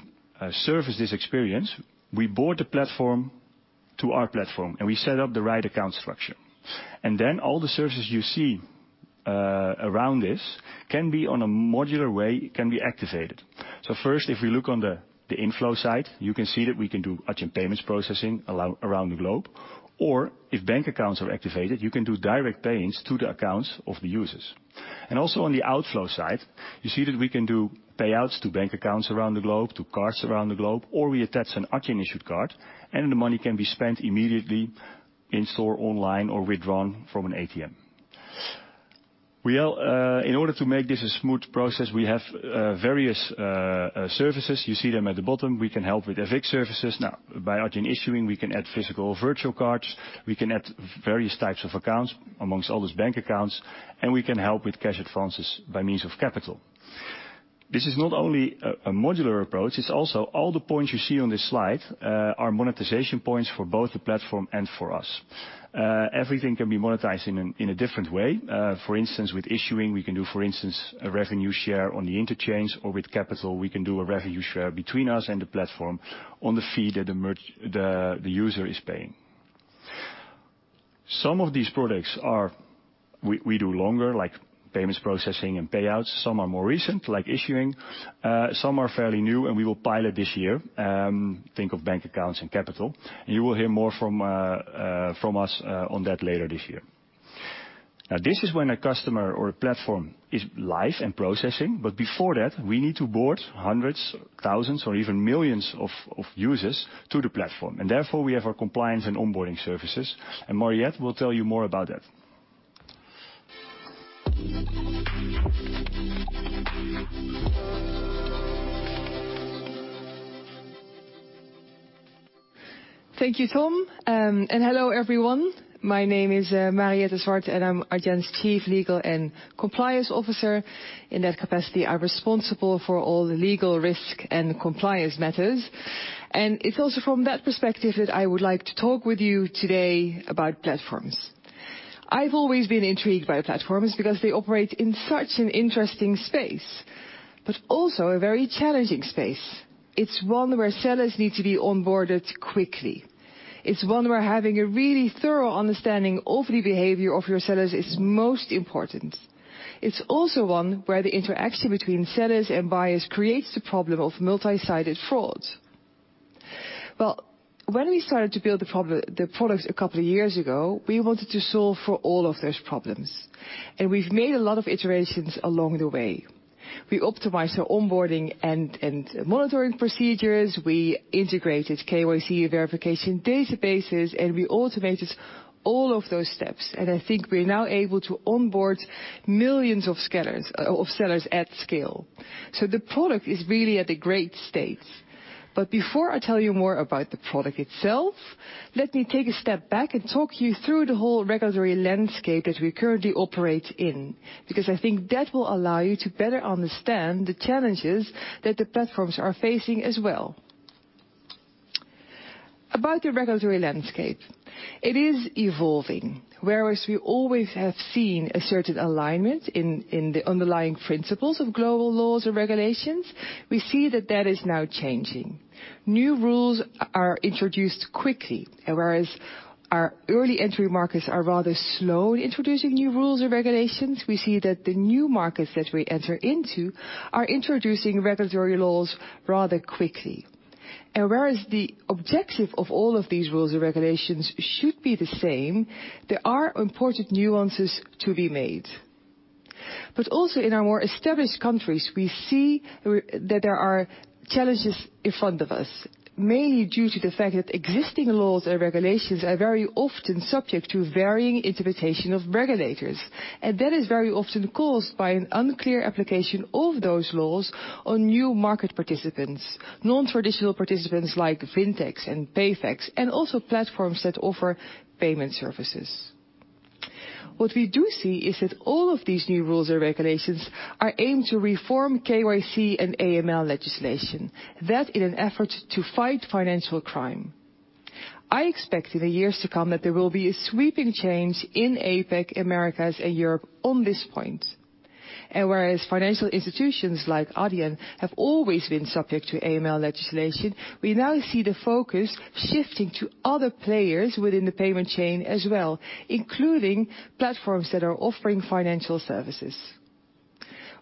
service this experience, we board the platform to our platform and we set up the right account structure. Then all the services you see around this can be in a modular way, can be activated. First, if we look on the inflow side, you can see that we can do Adyen payments processing around the globe. If bank accounts are activated, you can do direct payments to the accounts of the users. On the outflow side, you see that we can do payouts to bank accounts around the globe, to cards around the globe, or we attach an Adyen-issued card and the money can be spent immediately in-store, online or withdrawn from an ATM. In order to make this a smooth process, we have various services. You see them at the bottom. We can help with FX services. Now, by Adyen Issuing, we can add physical or virtual cards. We can add various types of accounts, among all those bank accounts, and we can help with cash advances by means of capital. This is not only a modular approach, it's also all the points you see on this slide are monetization points for both the platform and for us. Everything can be monetized in a different way. For instance, with Issuing, we can do, for instance, a revenue share on the interchange or with Capital, we can do a revenue share between us and the platform on the fee that the user is paying. Some of these products we do longer, like payments processing and payouts. Some are more recent, like Issuing. Some are fairly new, and we will pilot this year, think of bank accounts and Capital. You will hear more from us on that later this year. Now, this is when a customer or a platform is live and processing, but before that, we need to board hundreds, thousands, or even millions of users to the platform. Therefore, we have our compliance and onboarding services. Mariëtte will tell you more about that. Thank you, Tom. Hello, everyone. My name is Mariëtte Swart, and I'm Adyen's Chief Legal and Compliance Officer. In that capacity, I'm responsible for all the legal risk and compliance matters. It's also from that perspective that I would like to talk with you today about platforms. I've always been intrigued by platforms because they operate in such an interesting space, but also a very challenging space. It's one where sellers need to be onboarded quickly. It's one where having a really thorough understanding of the behavior of your sellers is most important. It's also one where the interaction between sellers and buyers creates the problem of multi-sided fraud. Well, when we started to build the product a couple of years ago, we wanted to solve for all of those problems. We've made a lot of iterations along the way. We optimized our onboarding and monitoring procedures. We integrated KYC verification databases, and we automated all of those steps. I think we're now able to onboard millions of sellers at scale. The product is really at a great state. Before I tell you more about the product itself, let me take a step back and talk you through the whole regulatory landscape that we currently operate in, because I think that will allow you to better understand the challenges that the platforms are facing as well. About the regulatory landscape, it is evolving. Whereas we always have seen a certain alignment in the underlying principles of global laws and regulations, we see that is now changing. New rules are introduced quickly. Whereas our early entry markets are rather slow in introducing new rules or regulations, we see that the new markets that we enter into are introducing regulatory laws rather quickly. Whereas the objective of all of these rules and regulations should be the same, there are important nuances to be made. Also in our more established countries, we see that there are challenges in front of us, mainly due to the fact that existing laws and regulations are very often subject to varying interpretation of regulators. That is very often caused by an unclear application of those laws on new market participants, nontraditional participants like fintechs and paytechs, and also platforms that offer payment services. What we do see is that all of these new rules and regulations are aimed to reform KYC and AML legislation that, in an effort to fight financial crime. I expect in the years to come that there will be a sweeping change in APAC, Americas, and Europe on this point. Whereas financial institutions like Adyen have always been subject to AML legislation, we now see the focus shifting to other players within the payment chain as well, including platforms that are offering financial services.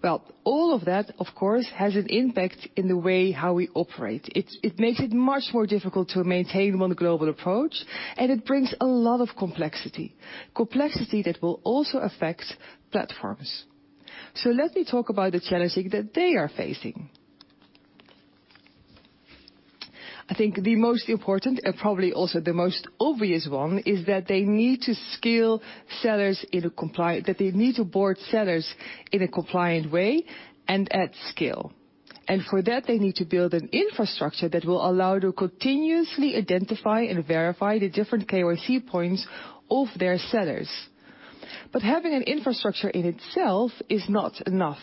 Well, all of that, of course, has an impact in the way how we operate. It makes it much more difficult to maintain one global approach, and it brings a lot of complexity. Complexity that will also affect platforms. Let me talk about the challenges that they are facing. I think the most important, and probably also the most obvious one, is that they need to board sellers in a compliant way and at scale. For that, they need to build an infrastructure that will allow to continuously identify and verify the different KYC points of their sellers. Having an infrastructure in itself is not enough.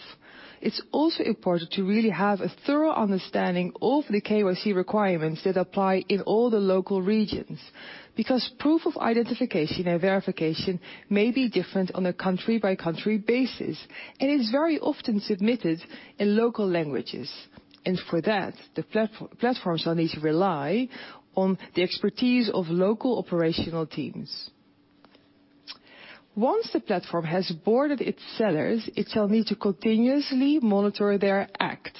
It's also important to really have a thorough understanding of the KYC requirements that apply in all the local regions. Proof of identification and verification may be different on a country-by-country basis, and it's very often submitted in local languages. For that, the platforms will need to rely on the expertise of local operational teams. Once the platform has boarded its sellers, it shall need to continuously monitor their acts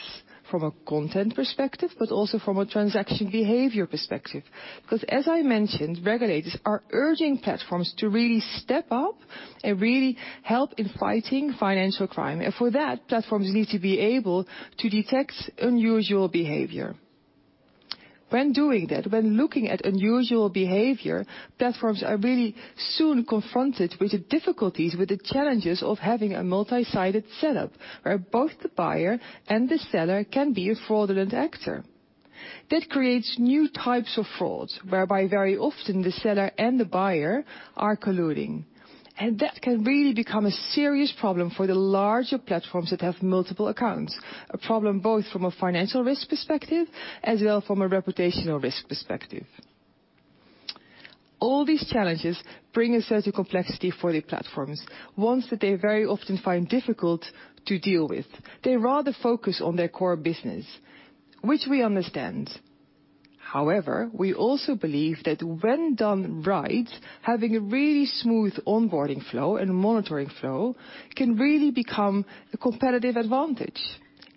from a content perspective, but also from a transaction behavior perspective, because as I mentioned, regulators are urging platforms to really step up and really help in fighting financial crime. For that, platforms need to be able to detect unusual behavior. When doing that, when looking at unusual behavior, platforms are really soon confronted with the difficulties, with the challenges of having a multi-sided setup where both the buyer and the seller can be a fraudulent actor. That creates new types of fraud, whereby very often the seller and the buyer are colluding. That can really become a serious problem for the larger platforms that have multiple accounts, a problem both from a financial risk perspective as well from a reputational risk perspective. All these challenges bring a certain complexity for the platforms, ones that they very often find difficult to deal with. They rather focus on their core business, which we understand. However, we also believe that when done right, having a really smooth onboarding flow and monitoring flow can really become a competitive advantage.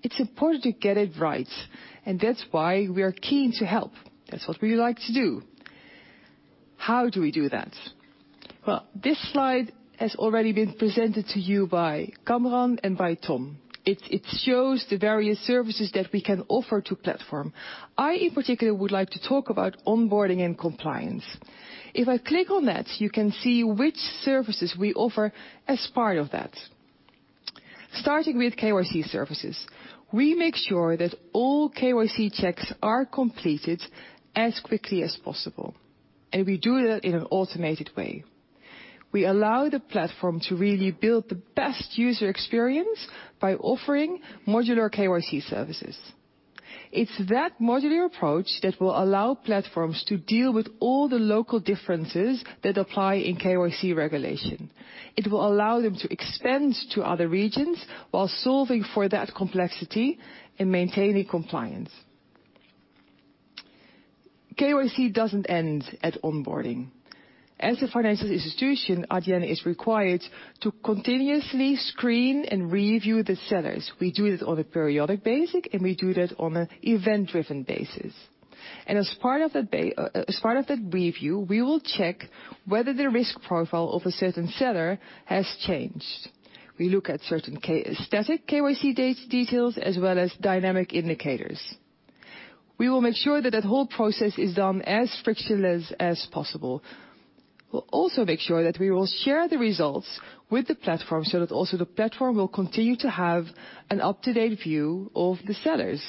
It's important to get it right, and that's why we are keen to help. That's what we like to do. How do we do that? Well, this slide has already been presented to you by Kamran and by Tom. It shows the various services that we can offer to platforms. I in particular would like to talk about onboarding and compliance. If I click on that, you can see which services we offer as part of that. Starting with KYC services, we make sure that all KYC checks are completed as quickly as possible, and we do that in an automated way. We allow the platform to really build the best user experience by offering modular KYC services. It's that modular approach that will allow platforms to deal with all the local differences that apply in KYC regulation. It will allow them to expand to other regions while solving for that complexity and maintaining compliance. KYC doesn't end at onboarding. As a financial institution, Adyen is required to continuously screen and review the sellers. We do that on a periodic basis, and we do that on an event-driven basis. As part of the review, we will check whether the risk profile of a certain seller has changed. We look at certain static KYC details as well as dynamic indicators. We will make sure that whole process is done as frictionless as possible. We'll also make sure that we will share the results with the platform so that also the platform will continue to have an up-to-date view of the sellers.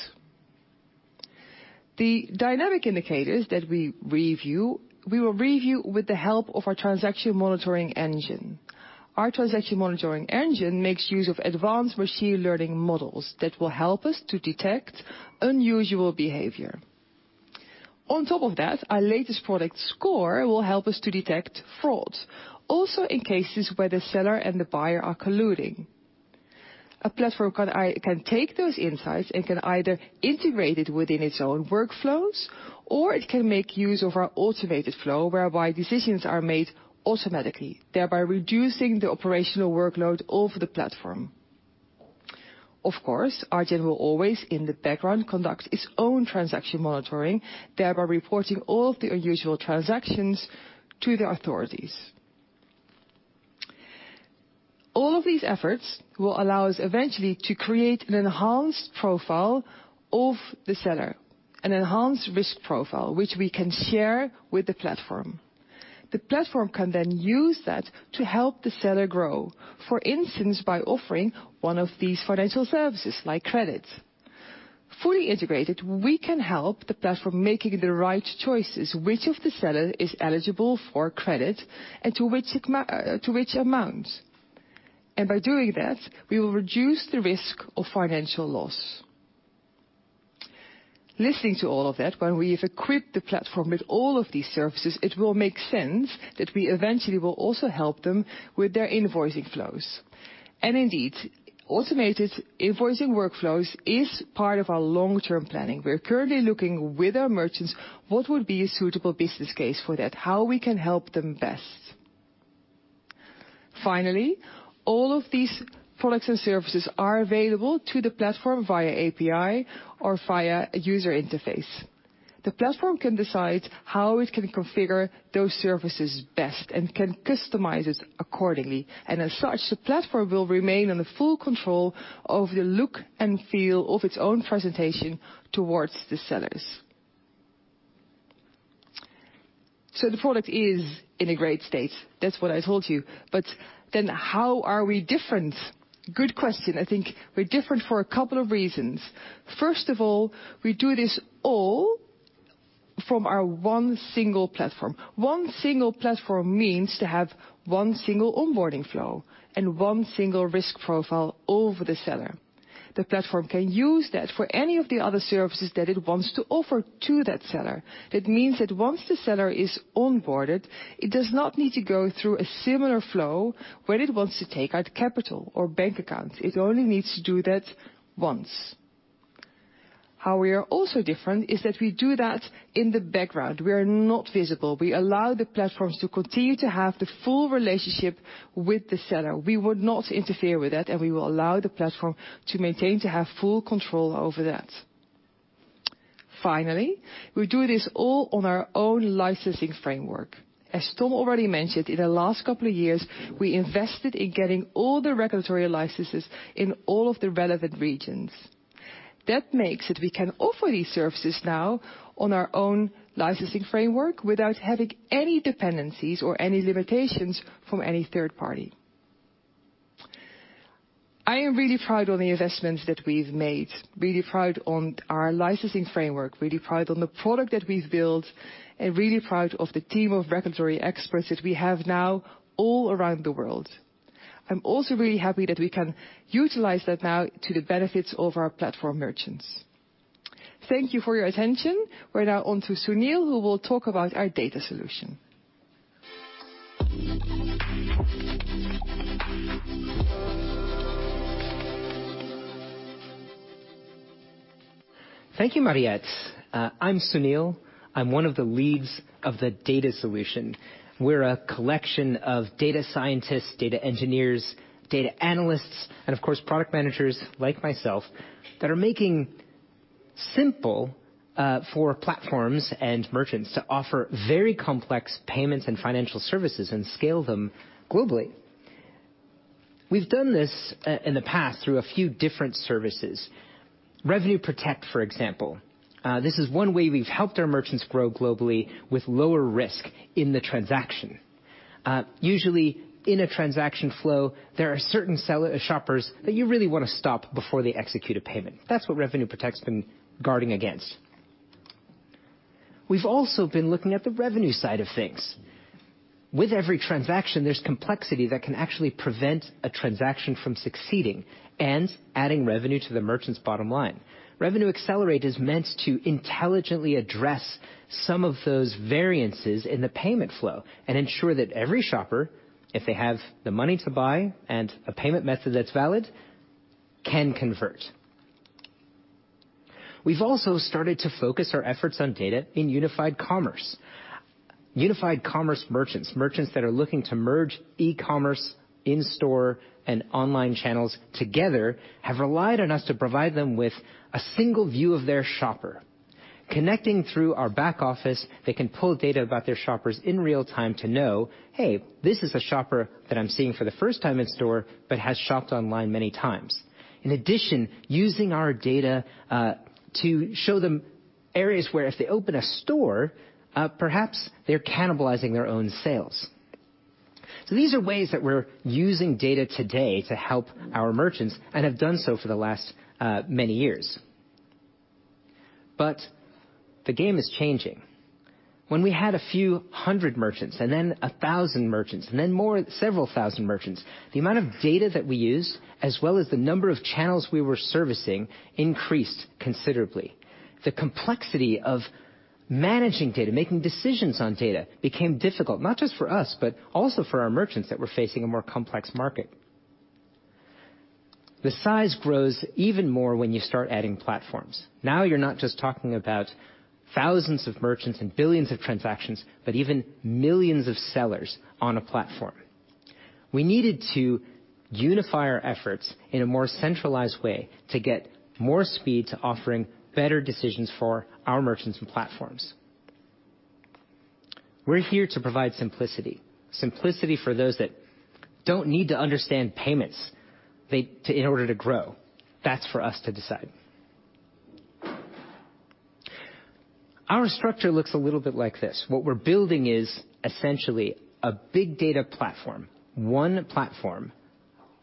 The dynamic indicators that we review, we will review with the help of our transaction monitoring engine. Our transaction monitoring engine makes use of advanced machine learning models that will help us to detect unusual behavior. On top of that, our latest Adyen Score will help us to detect fraud, also in cases where the seller and the buyer are colluding. A platform can take those insights and can either integrate it within its own workflows, or it can make use of our automated flow, whereby decisions are made automatically, thereby reducing the operational workload of the platform. Of course, Adyen will always, in the background, conduct its own transaction monitoring, thereby reporting all of the unusual transactions to the authorities. All of these efforts will allow us eventually to create an enhanced profile of the seller, an enhanced risk profile, which we can share with the platform. The platform can then use that to help the seller grow. For instance, by offering one of these financial services, like credit. Fully integrated, we can help the platform making the right choices, which of the seller is eligible for credit and to which amount. By doing that, we will reduce the risk of financial loss. Listening to all of that, when we've equipped the platform with all of these services, it will make sense that we eventually will also help them with their invoicing flows. Indeed, automated invoicing workflows is part of our long-term planning. We're currently looking with our merchants what would be a suitable business case for that, how we can help them best. Finally, all of these products and services are available to the platform via API or via a user interface. The platform can decide how it can configure those services best and can customize it accordingly. As such, the platform will remain in the full control of the look and feel of its own presentation towards the sellers. The product is in a great state. That's what I told you. How are we different? Good question. I think we're different for a couple of reasons. First of all, we do this all from our one single platform. One single platform means to have one single onboarding flow and one single risk profile of the seller. The platform can use that for any of the other services that it wants to offer to that seller. That means that once the seller is onboarded, it does not need to go through a similar flow when it wants to take out capital or bank accounts. It only needs to do that once. How we are also different is that we do that in the background. We are not visible. We allow the platforms to continue to have the full relationship with the seller. We would not interfere with that, and we will allow the platform to maintain to have full control over that. Finally, we do this all on our own licensing framework. As Tom already mentioned, in the last couple of years, we invested in getting all the regulatory licenses in all of the relevant regions. That makes it so we can offer these services now on our own licensing framework without having any dependencies or any limitations from any third party. I am really proud of the investments that we've made, really proud of our licensing framework, really proud of the product that we've built, and really proud of the team of regulatory experts that we have now all around the world. I'm also really happy that we can utilize that now to the benefits of our platform merchants. Thank you for your attention. We're now on to Sunil who will talk about our data solution. Thank you, Mariëtte. I'm Sunil. I'm one of the leads of the data solution. We're a collection of data scientists, data engineers, data analysts, and of course, product managers like myself, that are making simple for platforms and merchants to offer very complex payments and financial services and scale them globally. We've done this in the past through a few different services. RevenueProtect, for example. This is one way we've helped our merchants grow globally with lower risk in the transaction. Usually in a transaction flow, there are certain sellers, shoppers that you really wanna stop before they execute a payment. That's what RevenueProtect's been guarding against. We've also been looking at the revenue side of things. With every transaction, there's complexity that can actually prevent a transaction from succeeding and adding revenue to the merchant's bottom line. Revenue Accelerate is meant to intelligently address some of those variances in the payment flow and ensure that every shopper, if they have the money to buy and a payment method that's valid, can convert. We've also started to focus our efforts on data in unified commerce. Unified commerce merchants that are looking to merge e-commerce in-store and online channels together, have relied on us to provide them with a single view of their shopper. Connecting through our back office, they can pull data about their shoppers in real time to know, hey, this is a shopper that I'm seeing for the first time in store but has shopped online many times. In addition, using our data, to show them areas where if they open a store, perhaps they're cannibalizing their own sales. These are ways that we're using data today to help our merchants and have done so for the last many years. The game is changing. When we had a few hundred merchants, and then 1,000 merchants, and then more, several thousand merchants, the amount of data that we used, as well as the number of channels we were servicing increased considerably. The complexity of managing data, making decisions on data, became difficult, not just for us, but also for our merchants that were facing a more complex market. The size grows even more when you start adding platforms. Now you're not just talking about thousands of merchants and billions of transactions, but even millions of sellers on a platform. We needed to unify our efforts in a more centralized way to get more speed to offering better decisions for our merchants and platforms. We're here to provide simplicity for those that don't need to understand payments in order to grow. That's for us to decide. Our structure looks a little bit like this. What we're building is essentially a big data platform, one platform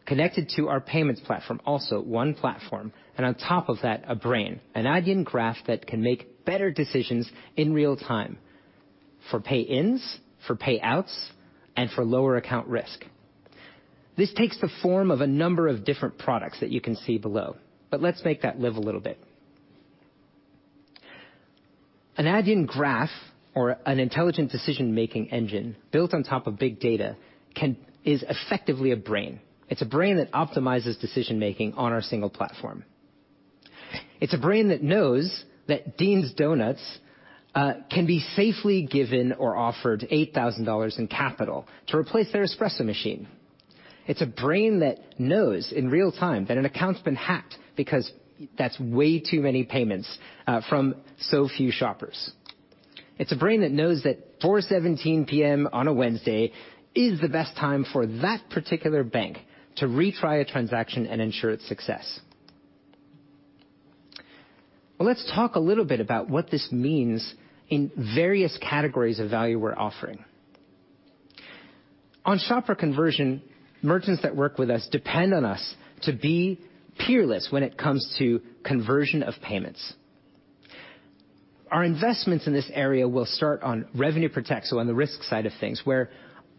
connected to our payments platform, also one platform, and on top of that, a brain, an identity graph that can make better decisions in real time for pay-ins, for payouts, and for lower account risk. This takes the form of a number of different products that you can see below, but let's make that live a little bit. An identity graph or an intelligent decision-making engine built on top of big data is effectively a brain. It's a brain that optimizes decision-making on our single platform. It's a brain that knows that Dean's Donuts can be safely given or offered $8,000 in capital to replace their espresso machine. It's a brain that knows in real time that an account's been hacked because that's way too many payments from so few shoppers. It's a brain that knows that 4:17 P.M. on a Wednesday is the best time for that particular bank to retry a transaction and ensure its success. Let's talk a little bit about what this means in various categories of value we're offering. On shopper conversion, merchants that work with us depend on us to be peerless when it comes to conversion of payments. Our investments in this area will start on RevenueProtect, so on the risk side of things, where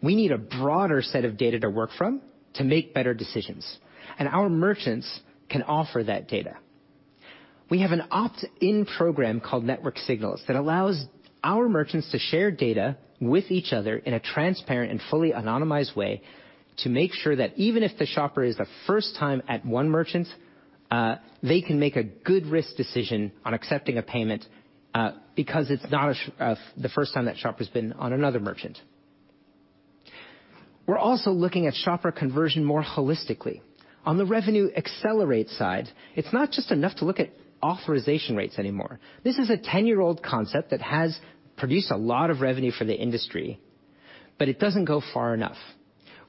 we need a broader set of data to work from to make better decisions, and our merchants can offer that data. We have an opt-in program called Network Signals that allows our merchants to share data with each other in a transparent and fully anonymized way to make sure that even if the shopper is the first time at one merchant, they can make a good risk decision on accepting a payment, because it's not the first time that shopper's been on another merchant. We're also looking at shopper conversion more holistically. On the Revenue Accelerate side, it's not just enough to look at authorization rates anymore. This is a ten-year-old concept that has produced a lot of revenue for the industry, but it doesn't go far enough.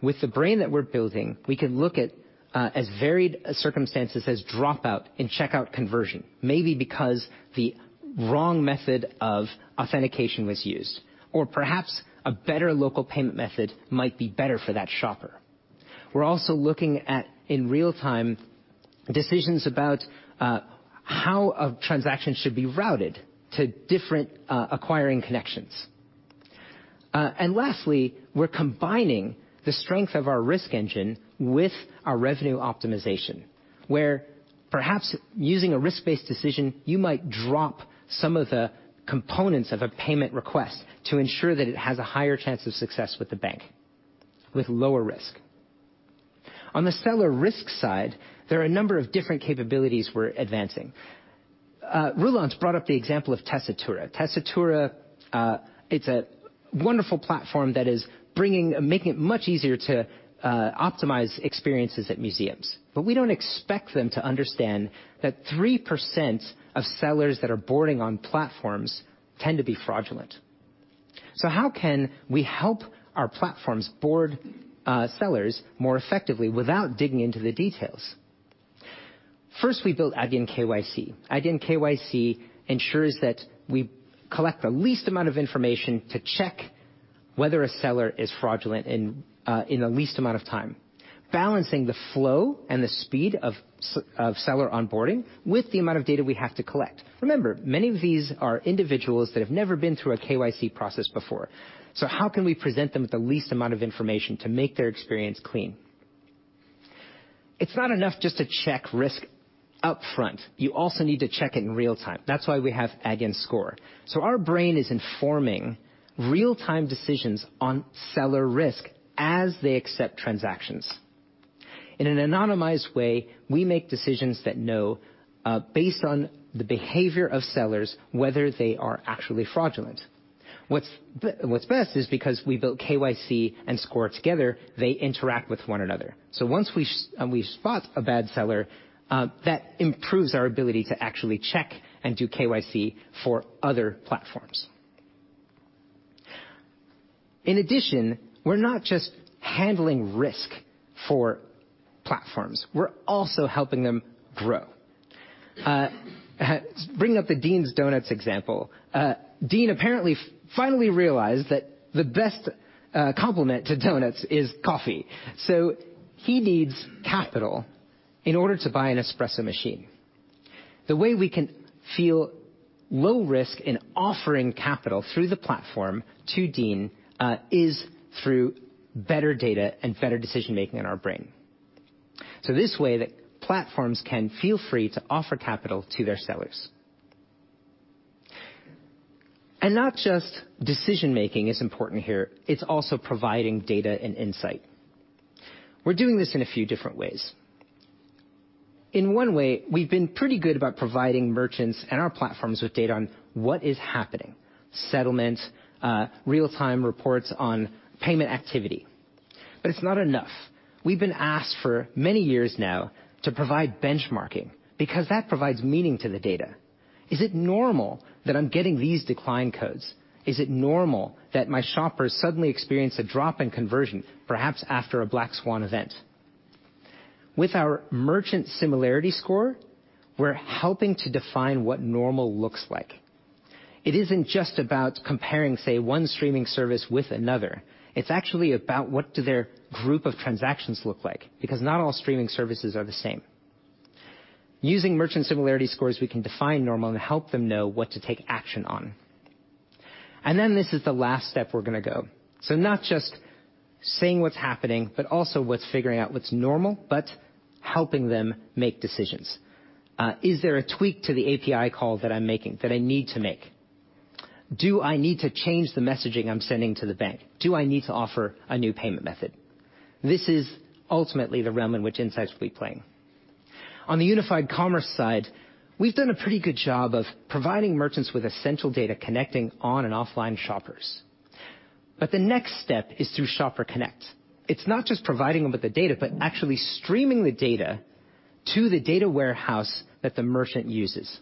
With the brain that we're building, we could look at as varied circumstances as dropout and checkout conversion, maybe because the wrong method of authentication was used or perhaps a better local payment method might be better for that shopper. We're also looking at, in real time, decisions about how a transaction should be routed to different acquiring connections. Lastly, we're combining the strength of our risk engine with our revenue optimization, where perhaps using a risk-based decision, you might drop some of the components of a payment request to ensure that it has a higher chance of success with the bank with lower risk. On the seller risk side, there are a number of different capabilities we're advancing. Roelant's brought up the example of Tessitura. Tessitura, it's a wonderful platform that is making it much easier to optimize experiences at museums. We don't expect them to understand that 3% of sellers that are boarding on platforms tend to be fraudulent. How can we help our platforms board sellers more effectively without digging into the details? First, we built Adyen KYC. Adyen KYC ensures that we collect the least amount of information to check whether a seller is fraudulent in the least amount of time, balancing the flow and the speed of seller onboarding with the amount of data we have to collect. Remember, many of these are individuals that have never been through a KYC process before. How can we present them with the least amount of information to make their experience clean? It's not enough just to check risk upfront. You also need to check it in real time. That's why we have Adyen Score. Our brain is informing real-time decisions on seller risk as they accept transactions. In an anonymized way, we make decisions that know based on the behavior of sellers, whether they are actually fraudulent. What's best is because we built KYC and Score together, they interact with one another. Once we spot a bad seller, that improves our ability to actually check and do KYC for other platforms. In addition, we're not just handling risk for platforms. We're also helping them grow. Bringing up the Dean's Donuts example. Dean apparently finally realized that the best complement to donuts is coffee. He needs capital in order to buy an espresso machine. The way we can feel low risk in offering capital through the platform to Dean is through better data and better decision-making in our brain. This way, the platforms can feel free to offer capital to their sellers. Not just decision-making is important here, it's also providing data and insight. We're doing this in a few different ways. In one way, we've been pretty good about providing merchants and our platforms with data on what is happening, settlement, real-time reports on payment activity. It's not enough. We've been asked for many years now to provide benchmarking because that provides meaning to the data. Is it normal that I'm getting these decline codes? Is it normal that my shoppers suddenly experience a drop in conversion, perhaps after a black swan event? With our merchant similarity score, we're helping to define what normal looks like. It isn't just about comparing, say, one streaming service with another. It's actually about what their group of transactions look like, because not all streaming services are the same. Using merchant similarity scores, we can define normal and help them know what to take action on. This is the last step we're gonna go. Not just saying what's happening, but also figuring out what's normal, but helping them make decisions. Is there a tweak to the API call that I need to make? Do I need to change the messaging I'm sending to the bank? Do I need to offer a new payment method? This is ultimately the realm in which Insights will be playing. On the unified commerce side, we've done a pretty good job of providing merchants with essential data connecting on and offline shoppers. The next step is through Shopper Connect. It's not just providing them with the data, but actually streaming the data to the data warehouse that the merchant uses.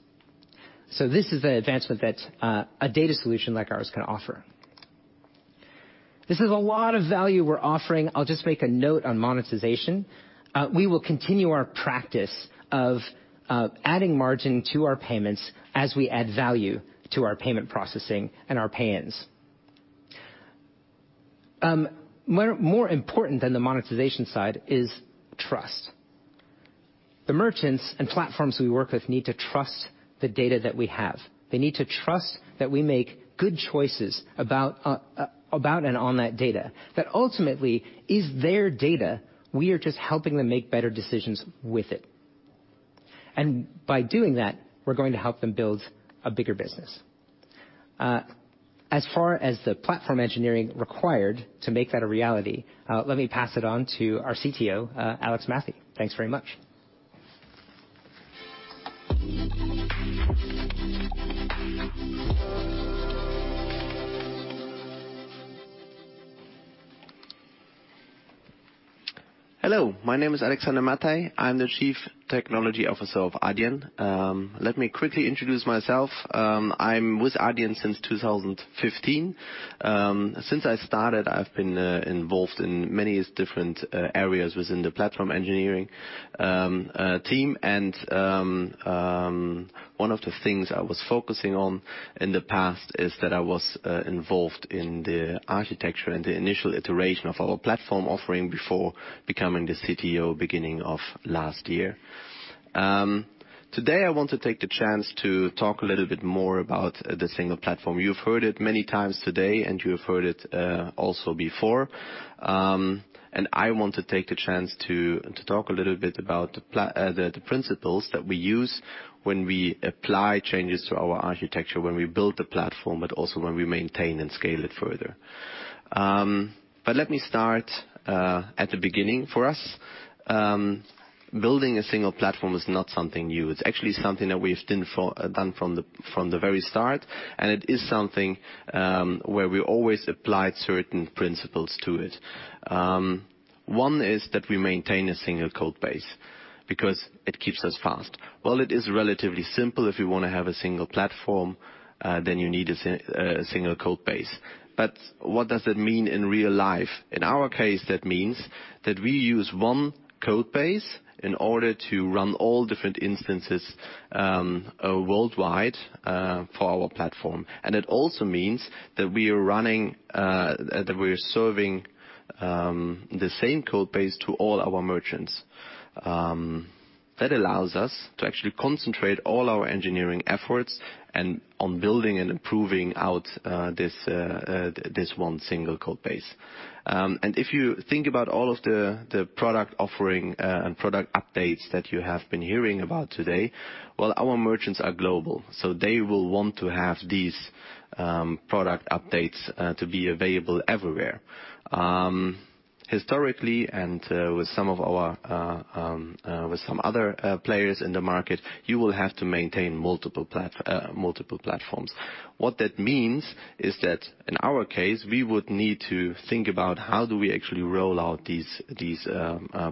This is an advancement that a data solution like ours can offer. This is a lot of value we're offering. I'll just make a note on monetization. We will continue our practice of adding margin to our payments as we add value to our payment processing and our pay-ins. More important than the monetization side is trust. The merchants and platforms we work with need to trust the data that we have. They need to trust that we make good choices about and on that data, that ultimately is their data, we are just helping them make better decisions with it. By doing that, we're going to help them build a bigger business. As far as the platform engineering required to make that a reality, let me pass it on to our CTO, Alex Mathey. Thanks very much. Hello, my name is Alexander Mathey. I'm the Chief Technology Officer of Adyen. Let me quickly introduce myself. I'm with Adyen since 2015. Since I started, I've been involved in many different areas within the platform engineering team. One of the things I was focusing on in the past is that I was involved in the architecture and the initial iteration of our platform offering before becoming the CTO beginning of last year. Today I want to take the chance to talk a little bit more about the single platform. You've heard it many times today, and you have heard it also before. I want to take the chance to talk a little bit about the principles that we use when we apply changes to our architecture, when we build the platform, but also when we maintain and scale it further. Let me start at the beginning for us. Building a single platform is not something new. It's actually something that we've done from the very start, and it is something where we always applied certain principles to it. One is that we maintain a single code base because it keeps us fast. Well, it is relatively simple. If you wanna have a single platform, then you need a single code base. What does that mean in real life? In our case, that means that we use one code base in order to run all different instances worldwide for our platform. It also means that we are serving the same code base to all our merchants. That allows us to actually concentrate all our engineering efforts on building and improving this one single code base. If you think about all of the product offering and product updates that you have been hearing about today, well, our merchants are global, so they will want to have these product updates to be available everywhere. Historically, with some other players in the market, you will have to maintain multiple platforms. What that means is that in our case, we would need to think about how do we actually roll out these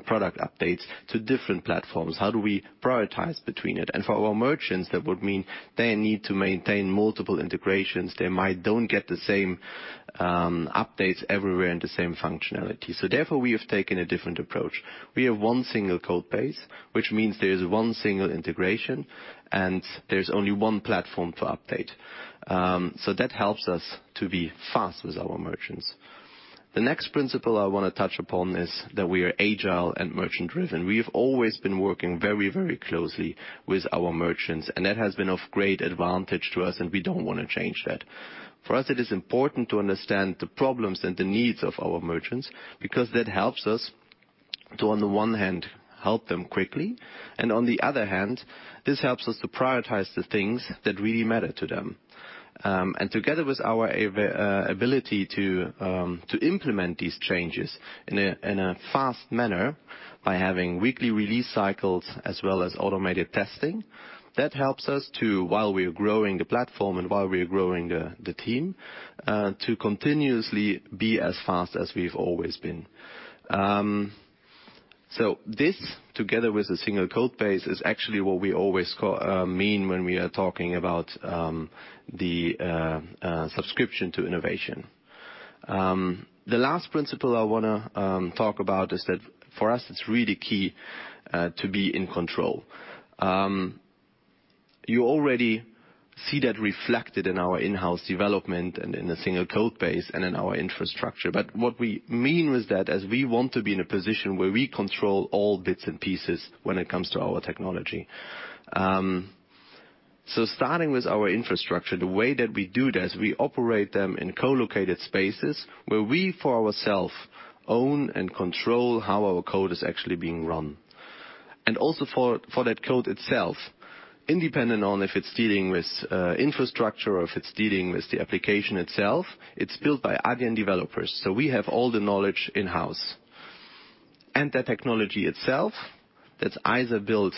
product updates to different platforms, how do we prioritize between it? For our merchants, that would mean they need to maintain multiple integrations. They might not get the same updates everywhere and the same functionality. Therefore, we have taken a different approach. We have one single code base, which means there is one single integration and there's only one platform for update. That helps us to be fast with our merchants. The next principle I wanna touch upon is that we are agile and merchant driven. We have always been working very, very closely with our merchants, and that has been of great advantage to us, and we don't wanna change that. For us, it is important to understand the problems and the needs of our merchants because that helps us to, on the one hand, help them quickly, and on the other hand, this helps us to prioritize the things that really matter to them. Together with our ability to implement these changes in a fast manner by having weekly release cycles as well as automated testing, that helps us to, while we are growing the platform and while we are growing the team, to continuously be as fast as we've always been. This, together with the single code base, is actually what we always mean when we are talking about the subscription to innovation. The last principle I wanna talk about is that for us, it's really key to be in control. You already see that reflected in our in-house development and in the single code base and in our infrastructure. What we mean with that is we want to be in a position where we control all bits and pieces when it comes to our technology. Starting with our infrastructure, the way that we do this, we operate them in co-located spaces where we, for ourselves, own and control how our code is actually being run. Also for that code itself, independent of if it's dealing with infrastructure or if it's dealing with the application itself, it's built by Adyen developers, so we have all the knowledge in-house. The technology itself, that's either built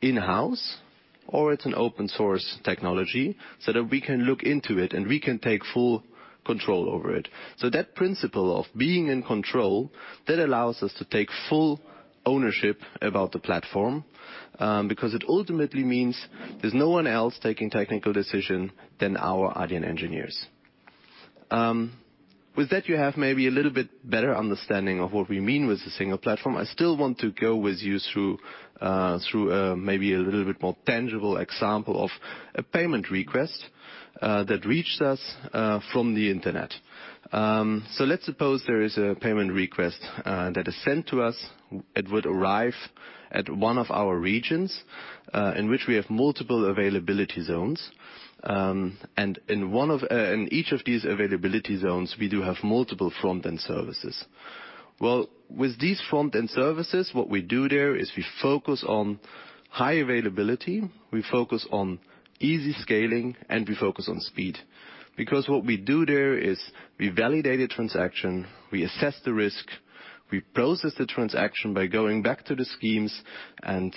in-house or it's an open source technology so that we can look into it and we can take full control over it. That principle of being in control, that allows us to take full ownership about the platform, because it ultimately means there's no one else taking technical decision than our Adyen engineers. With that, you have maybe a little bit better understanding of what we mean with the single platform. I still want to go with you through maybe a little bit more tangible example of a payment request that reached us from the Internet. Let's suppose there is a payment request that is sent to us. It would arrive at one of our regions in which we have multiple availability zones. In each of these availability zones, we do have multiple front-end services. Well, with these front-end services, what we do there is we focus on high availability, we focus on easy scaling, and we focus on speed. Because what we do there is we validate a transaction, we assess the risk, we process the transaction by going back to the schemes and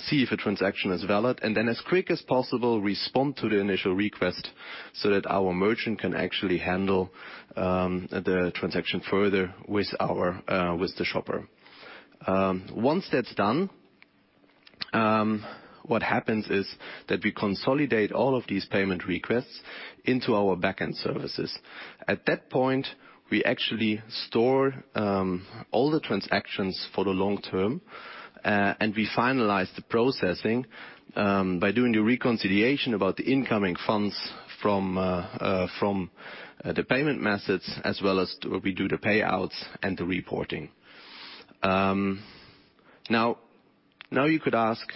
see if a transaction is valid, and then as quick as possible, respond to the initial request so that our merchant can actually handle the transaction further with the shopper. Once that's done, what happens is that we consolidate all of these payment requests into our backend services. At that point, we actually store all the transactions for the long term, and we finalize the processing by doing the reconciliation about the incoming funds from the payment methods as well as we do the payouts and the reporting. Now you could ask,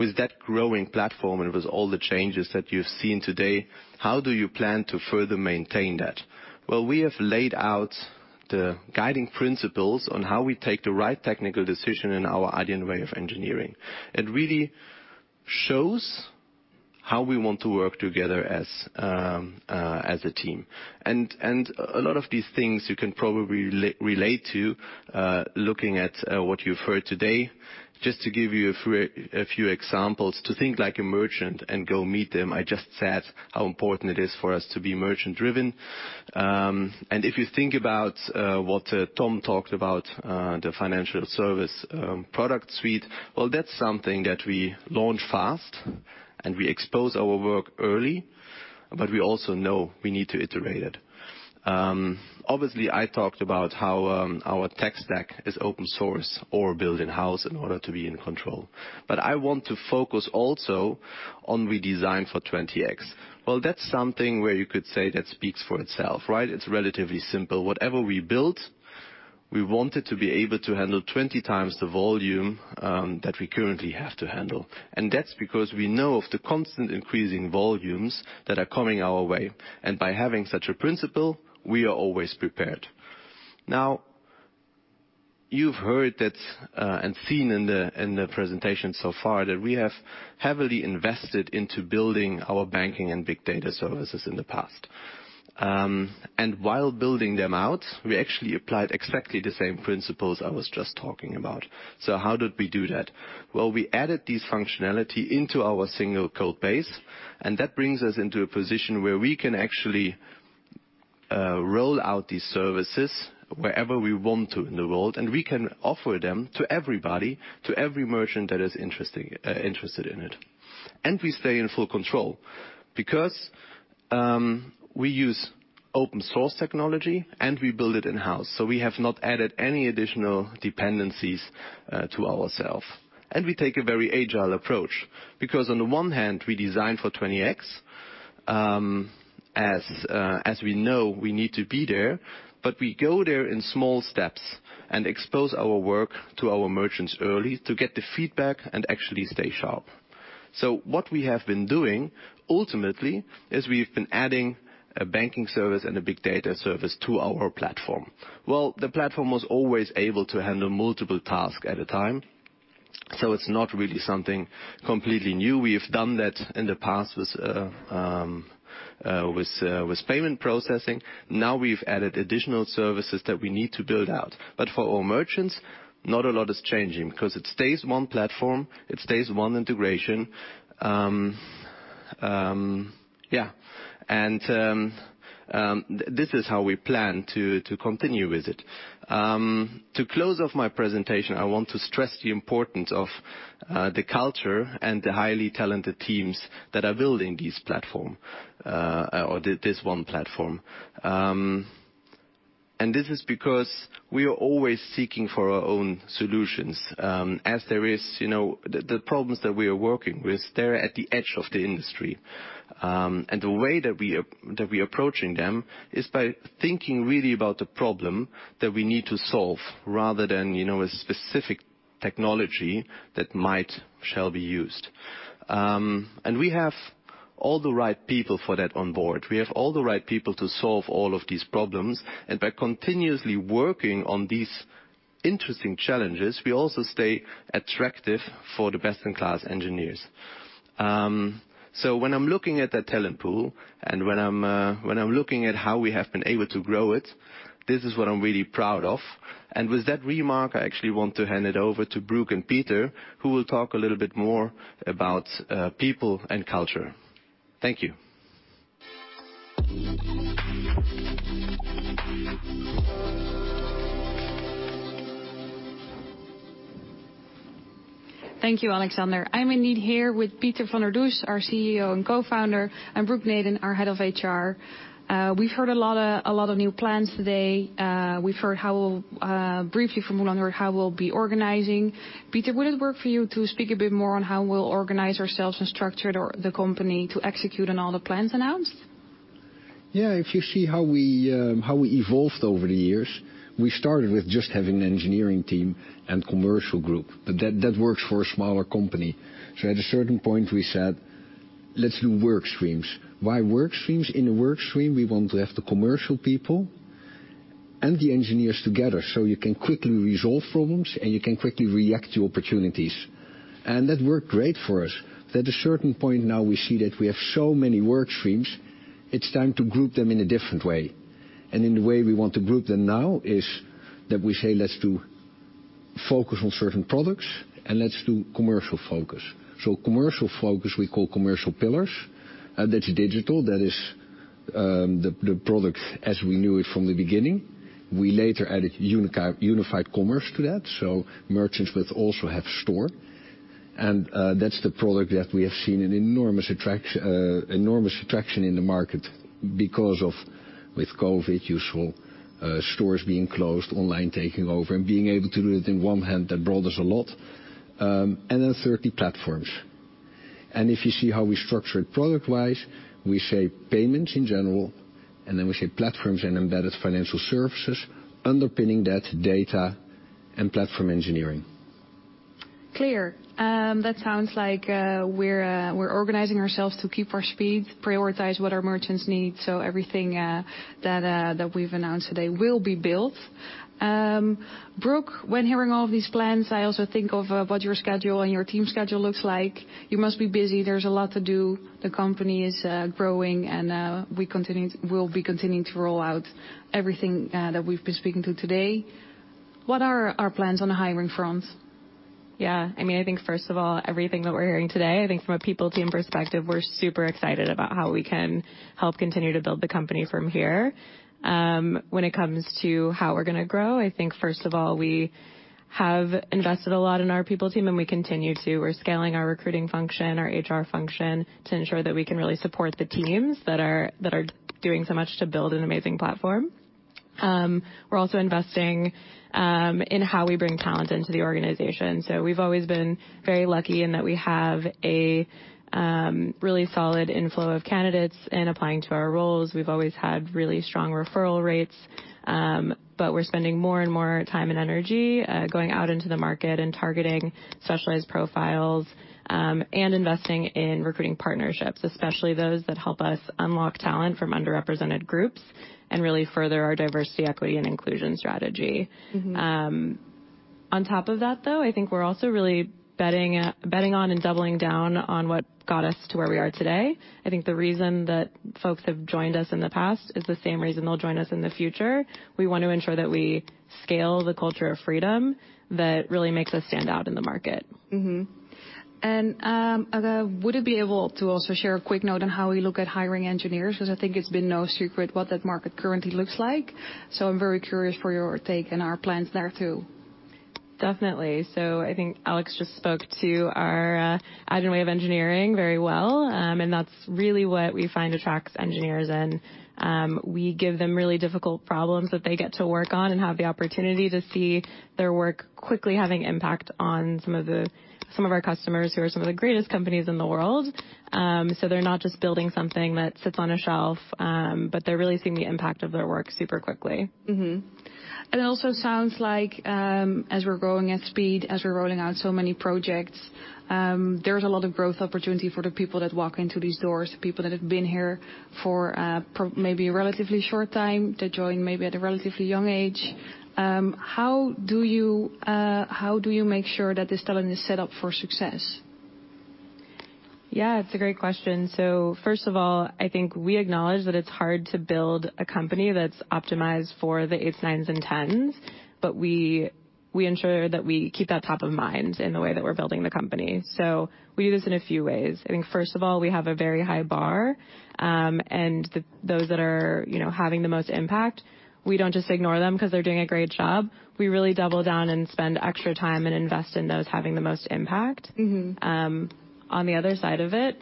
with that growing platform and with all the changes that you've seen today, how do you plan to further maintain that? Well, we have laid out the guiding principles on how we take the right technical decision in our Adyen way of engineering. It really shows how we want to work together as a team. A lot of these things you can probably relate to, looking at what you've heard today. Just to give you a few examples, to think like a merchant and go meet them. I just said how important it is for us to be merchant driven. If you think about what Tom talked about, the financial service product suite, that's something that we launch fast and we expose our work early, but we also know we need to iterate it. Obviously, I talked about how our tech stack is open source or built in-house in order to be in control. I want to focus also on redesign for 20x. That's something where you could say that speaks for itself, right? It's relatively simple. Whatever we build, we want it to be able to handle 20 times the volume that we currently have to handle. That's because we know of the constant increasing volumes that are coming our way. By having such a principle, we are always prepared. Now, you've heard that and seen in the presentation so far that we have heavily invested into building our banking and big data services in the past. And while building them out, we actually applied exactly the same principles I was just talking about. How did we do that? Well, we added this functionality into our single code base, and that brings us into a position where we can actually roll out these services wherever we want to in the world, and we can offer them to everybody, to every merchant that is interested in it. And we stay in full control because we use open source technology, and we build it in-house. We have not added any additional dependencies to ourself. We take a very agile approach, because on the one hand, we design for 20x, as we know we need to be there, but we go there in small steps and expose our work to our merchants early to get the feedback and actually stay sharp. What we have been doing ultimately is we've been adding a banking service and a big data service to our platform. Well, the platform was always able to handle multiple tasks at a time, so it's not really something completely new. We have done that in the past with payment processing. Now we've added additional services that we need to build out. But for our merchants, not a lot is changing because it stays one platform, it stays one integration. Yeah. This is how we plan to continue with it. To close off my presentation, I want to stress the importance of the culture and the highly talented teams that are building this platform, or this one platform. This is because we are always seeking for our own solutions. As there is, you know, the problems that we are working with, they're at the edge of the industry. The way that we're approaching them is by thinking really about the problem that we need to solve rather than, you know, a specific technology that might shall be used. We have all the right people for that on board. We have all the right people to solve all of these problems. By continuously working on these interesting challenges, we also stay attractive for the best-in-class engineers. When I'm looking at that talent pool and when I'm looking at how we have been able to grow it, this is what I'm really proud of. With that remark, I actually want to hand it over to Brooke and Pieter, who will talk a little bit more about people and culture. Thank you. Thank you, Alexander. I'm indeed here with Pieter van der Does, our CEO and co-founder, and Brooke Noden, our head of HR. We've heard a lot of new plans today. We've heard briefly from Roelant Prins how we'll be organizing. Pieter, would it work for you to speak a bit more on how we'll organize ourselves and structure the company to execute on all the plans announced? Yeah. If you see how we evolved over the years, we started with just having an engineering team and commercial group. That works for a smaller company. At a certain point, we said, "Let's do work streams." Why work streams? In a work stream, we want to have the commercial people and the engineers together, so you can quickly resolve problems, and you can quickly react to opportunities. That worked great for us. At a certain point now we see that we have so many work streams, it's time to group them in a different way. In the way we want to group them now is that we say, "Let's do focus on certain products and let's do commercial focus." Commercial focus we call commercial pillars. That's digital. That is the product as we knew it from the beginning. We later added unified commerce to that, so merchants would also have store. That's the product that we have seen an enormous attraction in the market because with COVID, you saw stores being closed, online taking over, and being able to do it in one hand, that brought us a lot. Then thirdly, platforms. If you see how we structured product-wise, we say payments in general, and then we say platforms and embedded financial services underpinning that data and platform engineering. Clear. That sounds like we're organizing ourselves to keep our speed, prioritize what our merchants need, so everything that we've announced today will be built. Brooke, when hearing all of these plans, I also think of what your schedule and your team's schedule looks like. You must be busy. There's a lot to do. The company is growing and we will be continuing to roll out everything that we've been speaking to today. What are our plans on the hiring front? Yeah. I mean, I think first of all, everything that we're hearing today, I think from a people team perspective, we're super excited about how we can help continue to build the company from here. When it comes to how we're gonna grow, I think first of all, we have invested a lot in our people team, and we continue to. We're scaling our recruiting function, our HR function to ensure that we can really support the teams that are doing so much to build an amazing platform. We're also investing in how we bring talent into the organization. We've always been very lucky in that we have a really solid inflow of candidates applying to our roles. We've always had really strong referral rates, but we're spending more and more time and energy, going out into the market and targeting specialized profiles, and investing in recruiting partnerships, especially those that help us unlock talent from underrepresented groups and really further our diversity, equity, and inclusion strategy. Mm-hmm. On top of that, though, I think we're also really betting on and doubling down on what got us to where we are today. I think the reason that folks have joined us in the past is the same reason they'll join us in the future. We want to ensure that we scale the culture of freedom that really makes us stand out in the market. Aga, would you be able to also share a quick note on how we look at hiring engineers? 'Cause I think it's been no secret what that market currently looks like, so I'm very curious for your take and our plans there too. Definitely. I think Alex just spoke to our Adyen way of engineering very well, and that's really what we find attracts engineers in. We give them really difficult problems that they get to work on and have the opportunity to see their work quickly having impact on some of our customers who are some of the greatest companies in the world. They're not just building something that sits on a shelf, but they're really seeing the impact of their work super quickly. Mm-hmm. It also sounds like, as we're growing at speed, as we're rolling out so many projects, there's a lot of growth opportunity for the people that walk into these doors, people that have been here for maybe a relatively short time to join maybe at a relatively young age. How do you make sure that this talent is set up for success? Yeah, it's a great question. First of all, I think we acknowledge that it's hard to build a company that's optimized for the eights, nines, and tens, but we ensure that we keep that top of mind in the way that we're building the company. We do this in a few ways. I think first of all, we have a very high bar, and those that are, you know, having the most impact, we don't just ignore them 'cause they're doing a great job. We really double down and spend extra time and invest in those having the most impact. Mm-hmm. On the other side of it,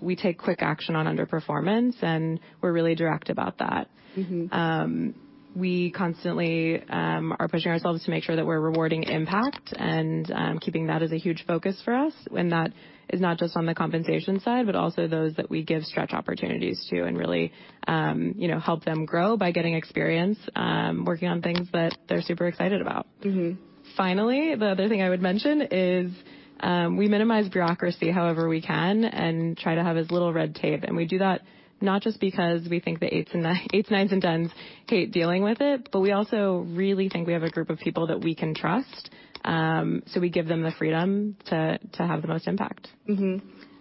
we take quick action on underperformance, and we're really direct about that. Mm-hmm. We constantly are pushing ourselves to make sure that we're rewarding impact and keeping that as a huge focus for us. That is not just on the compensation side, but also those that we give stretch opportunities to and really, you know, help them grow by getting experience working on things that they're super excited about. Mm-hmm. Finally, the other thing I would mention is, we minimize bureaucracy however we can and try to have as little red tape. We do that not just because we think the eights, nines, and tens hate dealing with it, but we also really think we have a group of people that we can trust, so we give them the freedom to have the most impact.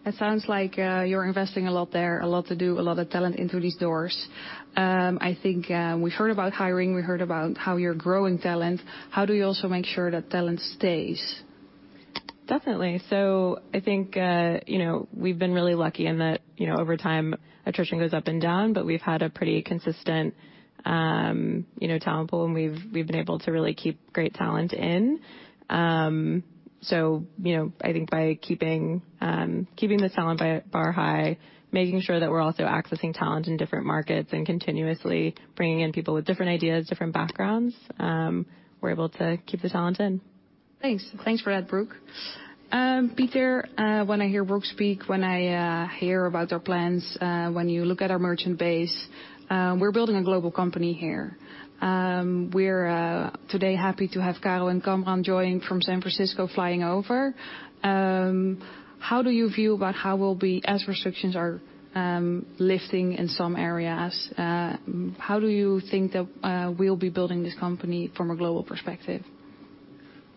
It sounds like you're investing a lot there, a lot to do, a lot of talent in through these doors. I think we've heard about hiring, we heard about how you're growing talent. How do you also make sure that talent stays? Definitely. I think, you know, we've been really lucky in that, you know, over time, attrition goes up and down, but we've had a pretty consistent, you know, talent pool, and we've been able to really keep great talent in. You know, I think by keeping the talent bar high, making sure that we're also accessing talent in different markets and continuously bringing in people with different ideas, different backgrounds, we're able to keep the talent in. Thanks for that, Brooke. Pieter, when I hear Brooke speak, when I hear about our plans, when you look at our merchant base, we're building a global company here. We're today happy to have Carl and Kamran joining from San Francisco, flying over. As restrictions are lifting in some areas, how do you think that we'll be building this company from a global perspective?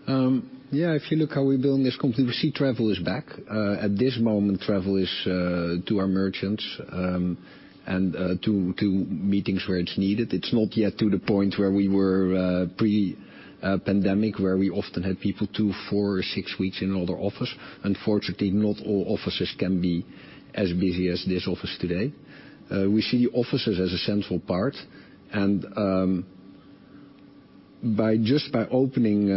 If you look how we're building this company, we see travel is back. At this moment, travel is to our merchants and to meetings where it's needed. It's not yet to the point where we were pre-pandemic, where we often had people two, four, or six weeks in another office. Unfortunately, not all offices can be as busy as this office today. We see offices as a central part, and by just having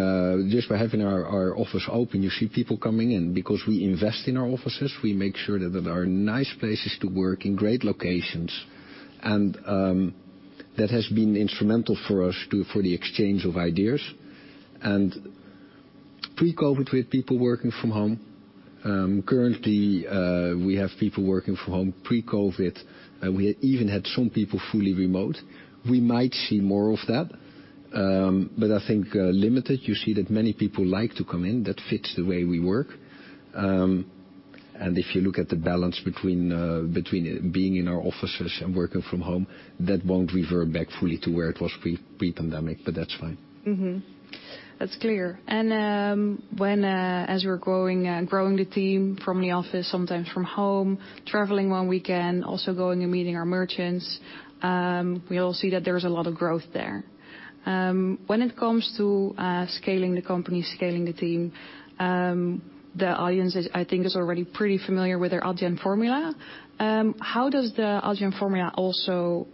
our office open, you see people coming in. Because we invest in our offices, we make sure that they are nice places to work in great locations. That has been instrumental for us for the exchange of ideas. Pre-COVID, we had people working from home. Currently, we have people working from home. Pre-COVID, we even had some people fully remote. We might see more of that, but I think limited. You see that many people like to come in, that fits the way we work. If you look at the balance between being in our offices and working from home, that won't revert back fully to where it was pre-pandemic, but that's fine. Mm-hmm. That's clear. When, as we're growing the team from the office, sometimes from home, traveling one weekend, also going and meeting our merchants, we all see that there's a lot of growth there. When it comes to scaling the company, scaling the team, the audience, I think, is already pretty familiar with their Adyen Formula. How does the Adyen Formula also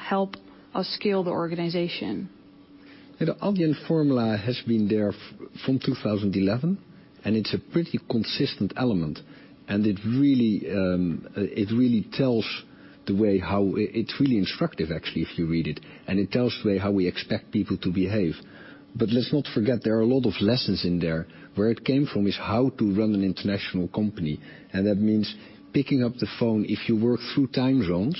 help us scale the organization? The Adyen Formula has been there from 2011, and it's a pretty consistent element, and it really tells the way how. It's really instructive actually if you read it, and it tells the way how we expect people to behave. Let's not forget there are a lot of lessons in there. Where it came from is how to run an international company, and that means picking up the phone. If you work through time zones,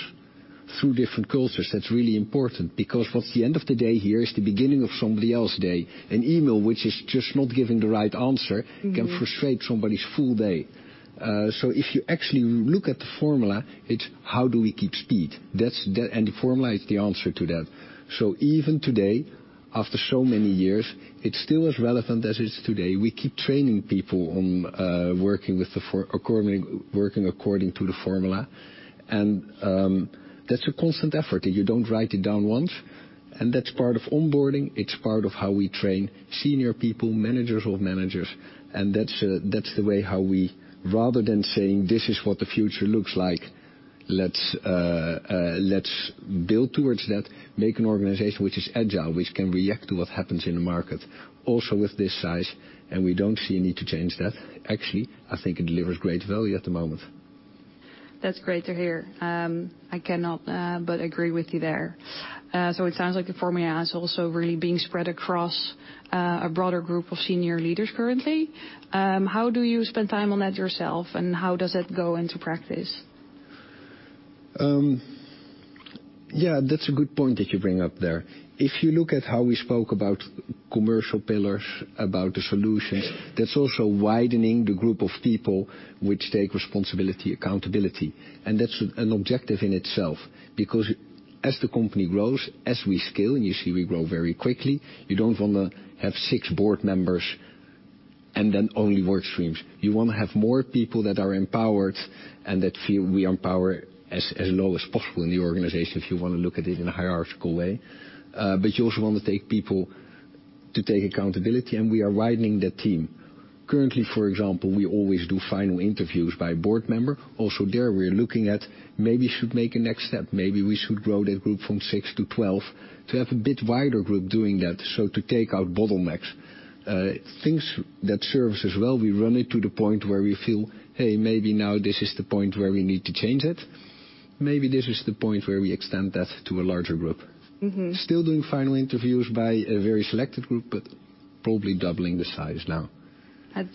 through different cultures, that's really important because what's the end of the day here is the beginning of somebody else's day. An email which is just not giving the right answer. Mm-hmm. Can frustrate somebody's full day. If you actually look at the Formula, it's how do we keep speed? That's the Formula is the answer to that. Even today, after so many years, it's still as relevant as it is today. We keep training people on working according to the Formula and that's a constant effort. You don't write it down once, and that's part of onboarding, it's part of how we train senior people, managers of managers, and that's the way how we, rather than saying, "This is what the future looks like," let's build towards that, make an organization which is agile, which can react to what happens in the market, also with this size, and we don't see a need to change that. Actually, I think it delivers great value at the moment. That's great to hear. I cannot but agree with you there. It sounds like the formula is also really being spread across a broader group of senior leaders currently. How do you spend time on that yourself, and how does it go into practice? Yeah, that's a good point that you bring up there. If you look at how we spoke about commercial pillars, about the solutions, that's also widening the group of people which take responsibility, accountability, and that's an objective in itself. Because as the company grows, as we scale, and you see we grow very quickly, you don't wanna have six board members and then only work streams. You wanna have more people that are empowered and that feel we empower as low as possible in the organization, if you wanna look at it in a hierarchical way. But you also want to take people to take accountability, and we are widening the team. Currently, for example, we always do final interviews by board member. Also there, we're looking at maybe should make a next step. Maybe we should grow that group from six to 12 to have a bit wider group doing that, so to take out bottlenecks. Things that serves us well, we run it to the point where we feel, hey, maybe now this is the point where we need to change it. Maybe this is the point where we extend that to a larger group. Mm-hmm. Still doing final interviews by a very selected group, but probably doubling the size now.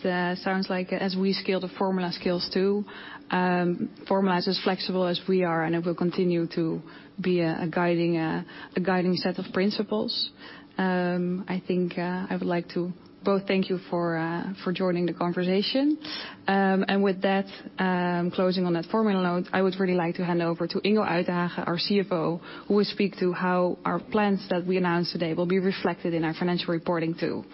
That sounds like as we scale, the Formula scales, too. Formula is as flexible as we are, and it will continue to be a guiding set of principles. I think I would like to both thank you for joining the conversation. With that, closing on that Formula note, I would really like to hand over to Ingo Uytdehaage, our CFO, who will speak to how our plans that we announced today will be reflected in our financial reporting, too.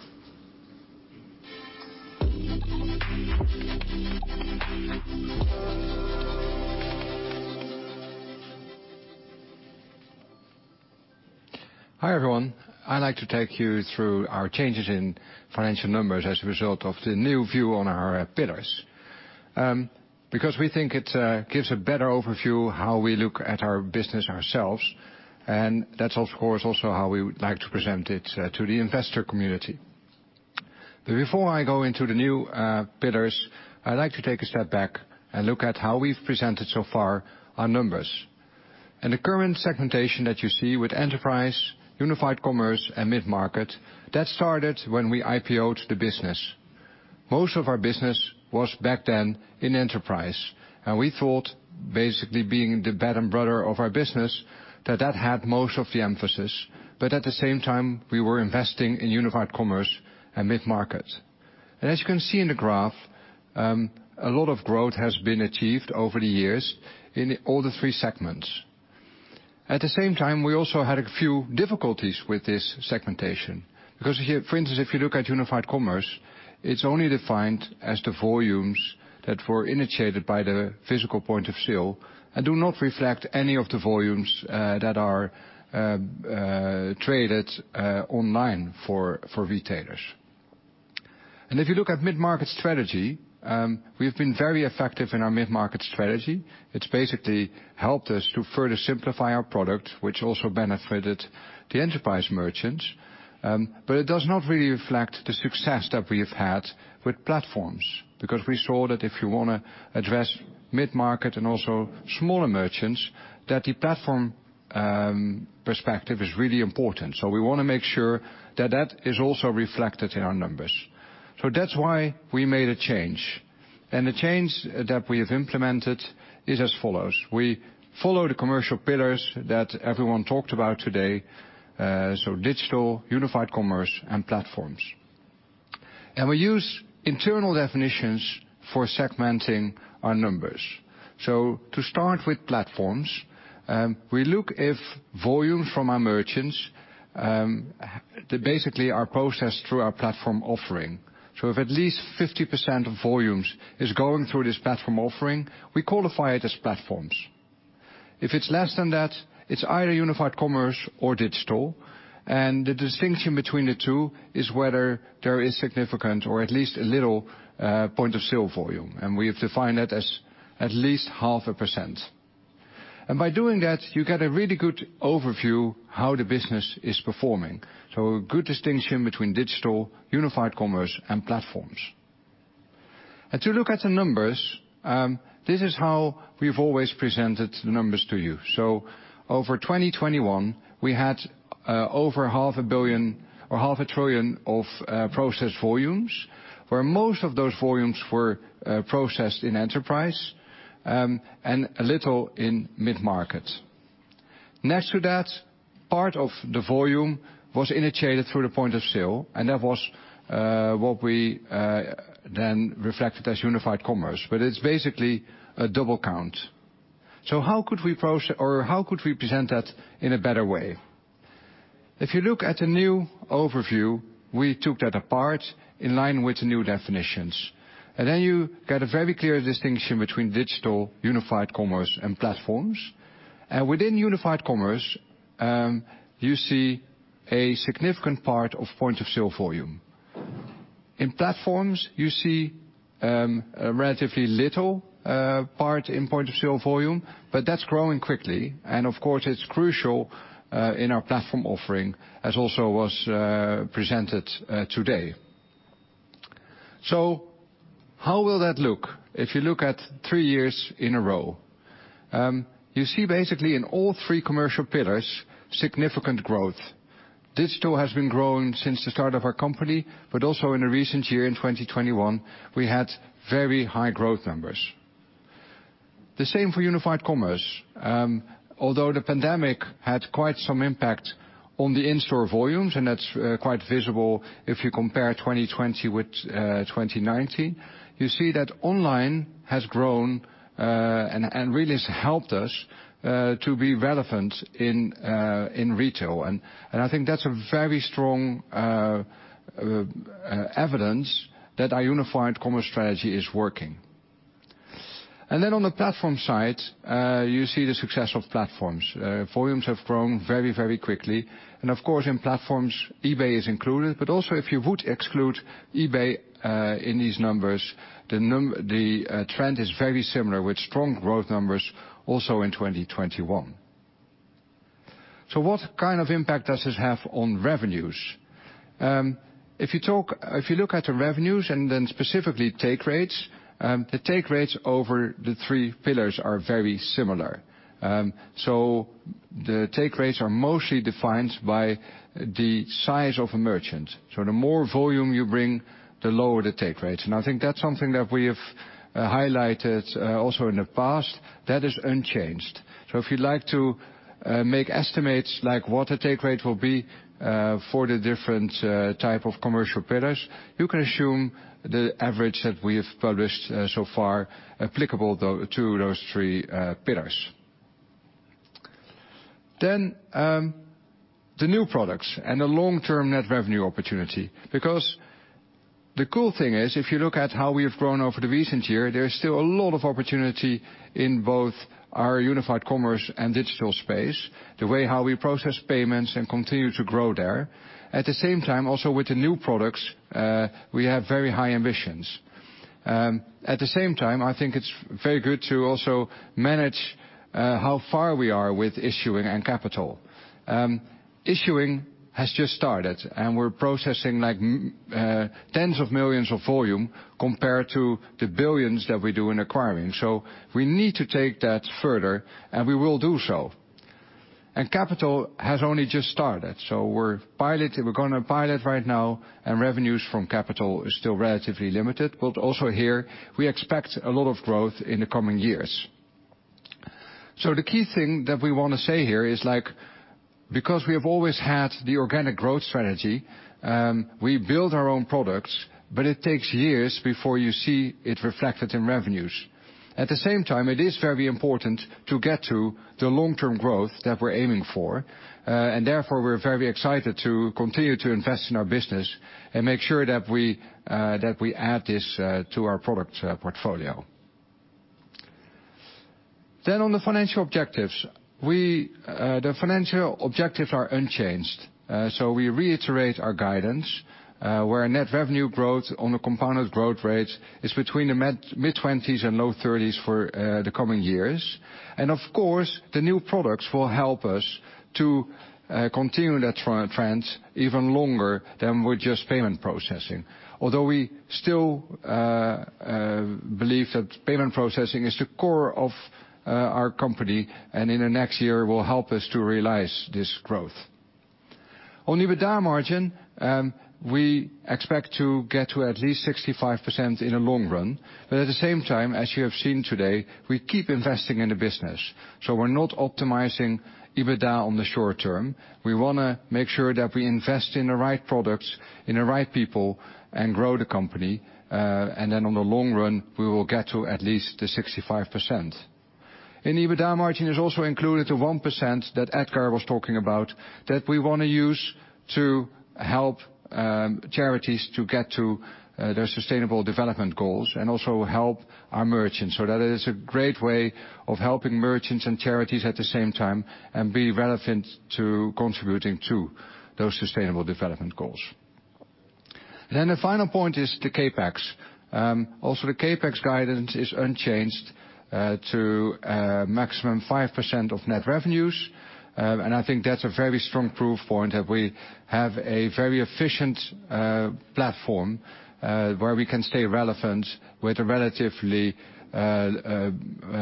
Hi, everyone. I'd like to take you through our changes in financial numbers as a result of the new view on our pillars. Because we think it gives a better overview how we look at our business ourselves, and that's of course also how we would like to present it to the investor community. Before I go into the new pillars, I'd like to take a step back and look at how we've presented so far our numbers. The current segmentation that you see with Enterprise, Unified Commerce and Mid-Market, that started when we IPO'd the business. Most of our business was back then in Enterprise. We thought basically being the bread and butter of our business, that had most of the emphasis. At the same time, we were investing in Unified Commerce and Mid-Market. As you can see in the graph, a lot of growth has been achieved over the years in all the three segments. At the same time, we also had a few difficulties with this segmentation, because here, for instance, if you look at unified commerce, it's only defined as the volumes that were initiated by the physical point of sale and do not reflect any of the volumes that are traded online for retailers. If you look at mid-market strategy, we've been very effective in our mid-market strategy. It's basically helped us to further simplify our product, which also benefited the enterprise merchants. It does not really reflect the success that we have had with platforms, because we saw that if you wanna address mid-market and also smaller merchants, that the platform perspective is really important. We want to make sure that that is also reflected in our numbers. That's why we made a change. The change that we have implemented is as follows. We follow the commercial pillars that everyone talked about today, Digital, Unified Commerce, and Platforms. We use internal definitions for segmenting our numbers. To start with Platforms, we look if volume from our merchants basically are processed through our platform offering. If at least 50% of volumes is going through this platform offering, we qualify it as Platforms. If it's less than that, it's either Unified Commerce or Digital, and the distinction between the two is whether there is significant or at least a little point of sale volume, and we have defined that as at least 0.5%. By doing that, you get a really good overview how the business is performing. A good distinction between digital, unified commerce, and platforms. To look at the numbers, this is how we've always presented the numbers to you. Over 2021, we had over half a trillion EUR of processed volumes, where most of those volumes were processed in enterprise and a little in mid-market. Next to that, part of the volume was initiated through the point of sale, and that was what we then reflected as unified commerce, but it's basically a double count. How could we process or how could we present that in a better way? If you look at the new overview, we took that apart in line with the new definitions. Then you get a very clear distinction between Digital, Unified Commerce, and Platforms. Within Unified Commerce, you see a significant part of point of sale volume. In Platforms, you see a relatively little part in point of sale volume, but that's growing quickly, and of course, it's crucial in our platform offering as also was presented today. How will that look if you look at three years in a row? You see basically in all three commercial pillars, significant growth. Digital has been growing since the start of our company, but also in the recent year, in 2021, we had very high growth numbers. The same for Unified Commerce. Although the pandemic had quite some impact on the in-store volumes, and that's quite visible if you compare 2020 with 2019. You see that online has grown and really has helped us to be relevant in retail. I think that's a very strong evidence that our unified commerce strategy is working. On the platform side, you see the success of platforms. Volumes have grown very, very quickly. Of course, in platforms, eBay is included. Also if you would exclude eBay in these numbers, the trend is very similar with strong growth numbers also in 2021. What kind of impact does this have on revenues? If you look at the revenues and then specifically take rates, the take rates over the three pillars are very similar. The take rates are mostly defined by the size of a merchant. The more volume you bring, the lower the take rates. I think that's something that we have highlighted also in the past. That is unchanged. If you'd like to make estimates like what the take rate will be for the different type of commercial pillars, you can assume the average that we have published so far applicable to those three pillars. The new products and the long-term net revenue opportunity, because the cool thing is, if you look at how we have grown over the recent year, there is still a lot of opportunity in both our unified commerce and digital space, the way how we process payments and continue to grow there. At the same time, also with the new products, we have very high ambitions. At the same time, I think it's very good to also manage how far we are with issuing and capital. Issuing has just started, and we're processing like tens of millions EUR of volume compared to the billions EUR that we do in acquiring. We need to take that further, and we will do so. Capital has only just started. We're gonna pilot right now, and revenues from capital is still relatively limited, but also here we expect a lot of growth in the coming years. The key thing that we wanna say here is, like, because we have always had the organic growth strategy, we build our own products, but it takes years before you see it reflected in revenues. At the same time, it is very important to get to the long-term growth that we're aiming for. Therefore, we're very excited to continue to invest in our business and make sure that we add this to our product portfolio. On the financial objectives, the financial objectives are unchanged. We reiterate our guidance, where net revenue growth on a compounded growth rate is between the mid-20s% and low 30s% for the coming years. Of course, the new products will help us to continue that trend even longer than with just payment processing. Although we still believe that payment processing is the core of our company, and in the next year will help us to realize this growth. On EBITDA margin, we expect to get to at least 65% in the long run, but at the same time, as you have seen today, we keep investing in the business. We're not optimizing EBITDA in the short term. We wanna make sure that we invest in the right products, in the right people, and grow the company. In the long run, we will get to at least 65%. The EBITDA margin also includes the 1% that Edgar was talking about, that we wanna use to help charities to get to their sustainable development goals and also help our merchants. That is a great way of helping merchants and charities at the same time and be relevant to contributing to those sustainable development goals. The final point is the CapEx. Also the CapEx guidance is unchanged to maximum 5% of net revenues. I think that's a very strong proof point that we have a very efficient platform where we can stay relevant with a relatively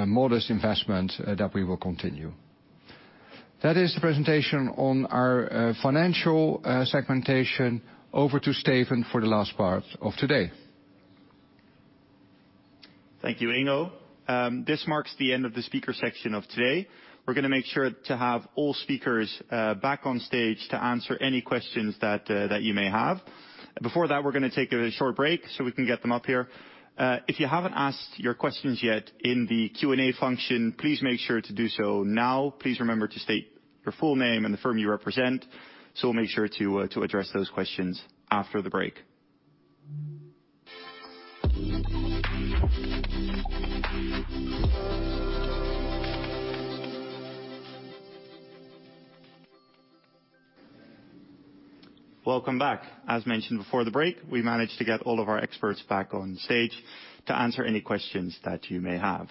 modest investment that we will continue. That is the presentation on our financial segmentation. Over to Steven for the last part of today. Thank you, Ingo. This marks the end of the speaker section of today. We're gonna make sure to have all speakers back on stage to answer any questions that you may have. Before that, we're gonna take a short break so we can get them up here. If you haven't asked your questions yet in the Q&A function, please make sure to do so now. Please remember to state your full name and the firm you represent, so we'll make sure to address those questions after the break. Welcome back. As mentioned before the break, we managed to get all of our experts back on stage to answer any questions that you may have.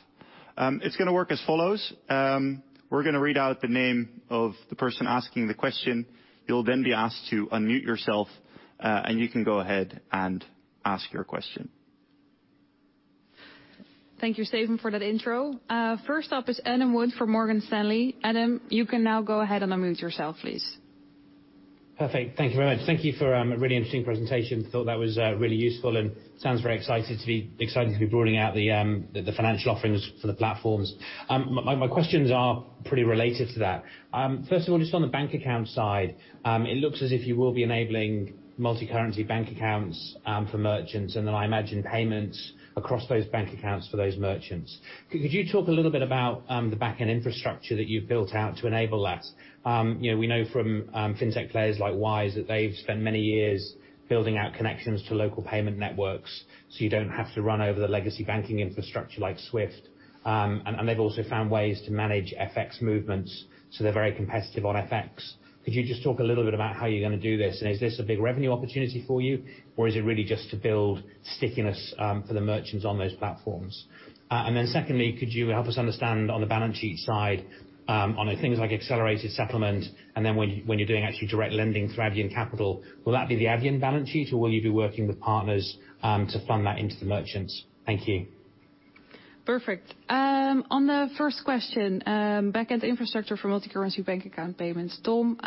It's gonna work as follows. We're gonna read out the name of the person asking the question. You'll then be asked to unmute yourself, and you can go ahead and ask your question. Thank you, Steven, for that intro. First up is Adam Wood from Morgan Stanley. Adam, you can now go ahead and unmute yourself, please. Perfect. Thank you very much. Thank you for a really interesting presentation. Thought that was really useful and sounds very excited to be rolling out the financial offerings for the platforms. My questions are pretty related to that. First of all, just on the bank account side, it looks as if you will be enabling multi-currency bank accounts for merchants, and then I imagine payments across those bank accounts for those merchants. Could you talk a little bit about the backend infrastructure that you've built out to enable that? You know, we know from fintech players like Wise that they've spent many years building out connections to local payment networks so you don't have to run over the legacy banking infrastructure like SWIFT. They've also found ways to manage FX movements, so they're very competitive on FX. Could you just talk a little bit about how you're gonna do this? And is this a big revenue opportunity for you, or is it really just to build stickiness for the merchants on those platforms? And then secondly, could you help us understand on the balance sheet side, on things like accelerated settlement, and then when you're doing actually direct lending through Adyen Capital, will that be the Adyen balance sheet or will you be working with partners to fund that into the merchants? Thank you. Perfect. On the first question, backend infrastructure for multi-currency bank account payments. Tom,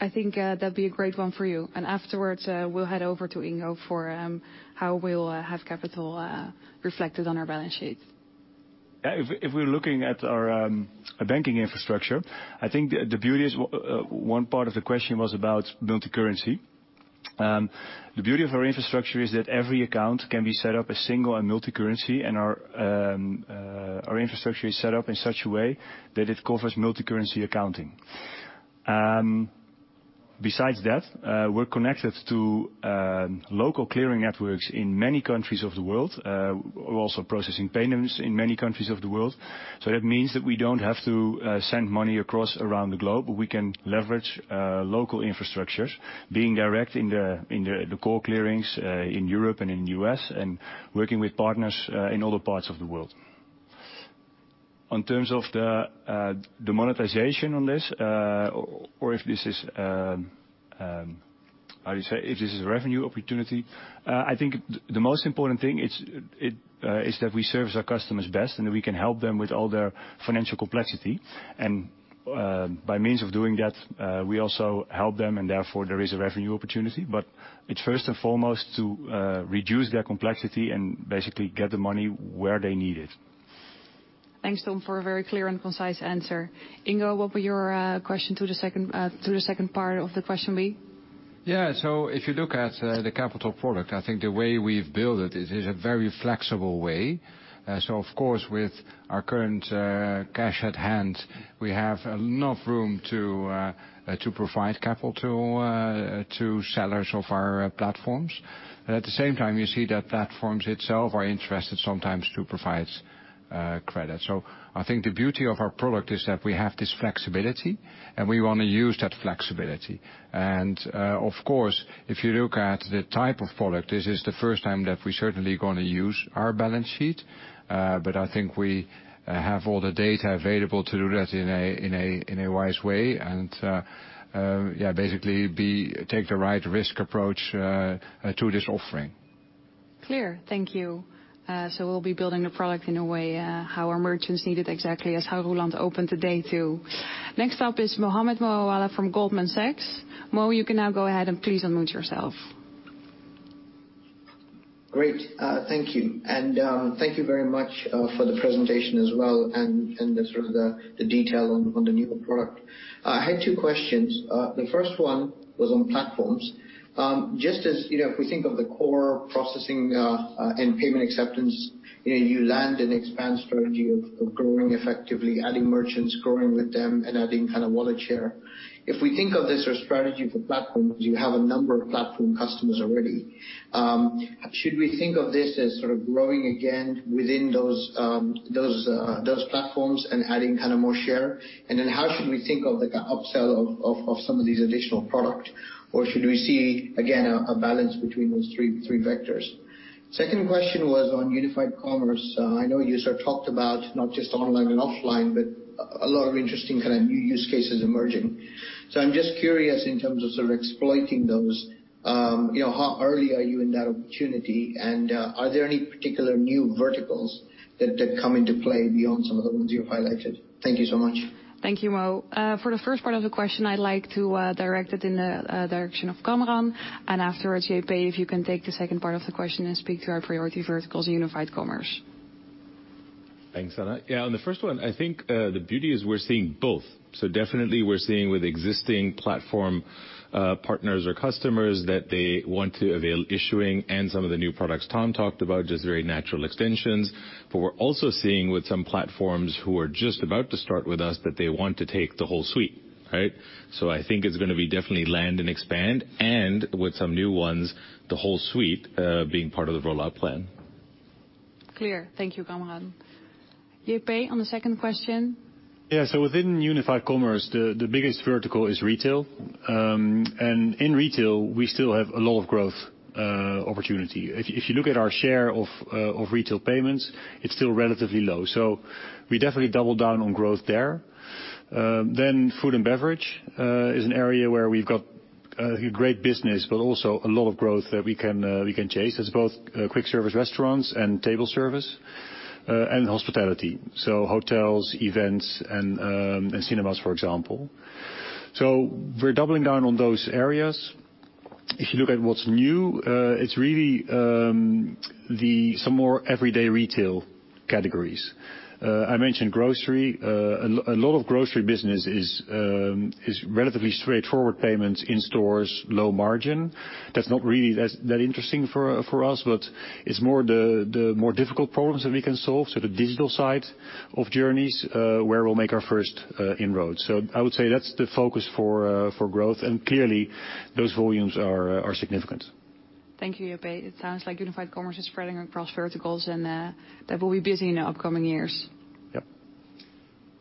I think, that'd be a great one for you. Afterwards, we'll head over to Ingo for how we'll have capital reflected on our balance sheets. Yeah. If we're looking at our banking infrastructure, I think the beauty is, one part of the question was about multi-currency. The beauty of our infrastructure is that every account can be set up as single and multi-currency, and our infrastructure is set up in such a way that it covers multi-currency accounting. Besides that, we're connected to local clearing networks in many countries of the world. We're also processing payments in many countries of the world. That means that we don't have to send money around the globe. We can leverage local infrastructures being direct in the core clearings in Europe and in the U.S. and working with partners in other parts of the world. In terms of the monetization of this, or if this is a revenue opportunity, I think the most important thing is that we service our customers best and that we can help them with all their financial complexity. By means of doing that, we also help them and therefore there is a revenue opportunity. It's first and foremost to reduce their complexity and basically get the money where they need it. Thanks, Tom, for a very clear and concise answer. Ingo, what would your question to the second part of the question be? If you look at the capital product, I think the way we've built it is in a very flexible way. Of course, with our current cash at hand, we have enough room to provide capital to sellers of our platforms. At the same time, you see that platforms itself are interested sometimes to provide credit. I think the beauty of our product is that we have this flexibility, and we wanna use that flexibility. Of course, if you look at the type of product, this is the first time that we're certainly gonna use our balance sheet. But I think we have all the data available to do that in a wise way and, yeah, basically take the right risk approach to this offering. Clear. Thank you. We'll be building the product in a way how our merchants need it exactly, as how Roelant opened the day, too. Next up is Mohammed Moawalla from Goldman Sachs. Mo, you can now go ahead and please unmute yourself. Great. Thank you. Thank you very much for the presentation as well and the sort of the detail on the new product. I had two questions. The first one was on platforms. Just as, you know, if we think of the core processing and payment acceptance, you know, you land and expand strategy of growing effectively, adding merchants, growing with them and adding kind of wallet share. If we think of this as strategy for platforms, you have a number of platform customers already. Should we think of this as sort of growing again within those platforms and adding kind of more share? Then how should we think of the up-sell of some of these additional product? Should we see again a balance between those three vectors? Second question was on unified commerce. I know you sort of talked about not just online and offline, but a lot of interesting kind of new use cases emerging. I'm just curious in terms of sort of exploiting those, you know, how early are you in that opportunity? Are there any particular new verticals that come into play beyond some of the ones you have highlighted? Thank you so much. Thank you, Mo. For the first part of the question, I'd like to direct it in the direction of Kamran, and afterwards, JP, if you can take the second part of the question and speak to our priority verticals in unified commerce. Thanks, Anna. Yeah, on the first one, I think the beauty is we're seeing both. Definitely we're seeing with existing platform partners or customers that they want to avail issuing and some of the new products Tom talked about, just very natural extensions. We're also seeing with some platforms who are just about to start with us that they want to take the whole suite, right? I think it's gonna be definitely land and expand and with some new ones, the whole suite being part of the rollout plan. Clear. Thank you, Kamran. J.P., on the second question. Within unified commerce, the biggest vertical is retail. In retail, we still have a lot of growth opportunity. If you look at our share of retail payments, it's still relatively low. We definitely double down on growth there. Then food and beverage is an area where we've got great business, but also a lot of growth that we can chase. It's both quick service restaurants and table service and hospitality, so hotels, events and cinemas, for example. We're doubling down on those areas. If you look at what's new, it's really some more everyday retail categories. I mentioned grocery. A lot of grocery business is relatively straightforward payments in-stores, low margin. That's not really as that interesting for us, but it's more the more difficult problems that we can solve, so the digital side of journeys, where we'll make our first inroads. I would say that's the focus for growth. Clearly those volumes are significant. Thank you, J.P. It sounds like unified commerce is spreading across verticals, and that we'll be busy in the upcoming years. Yep.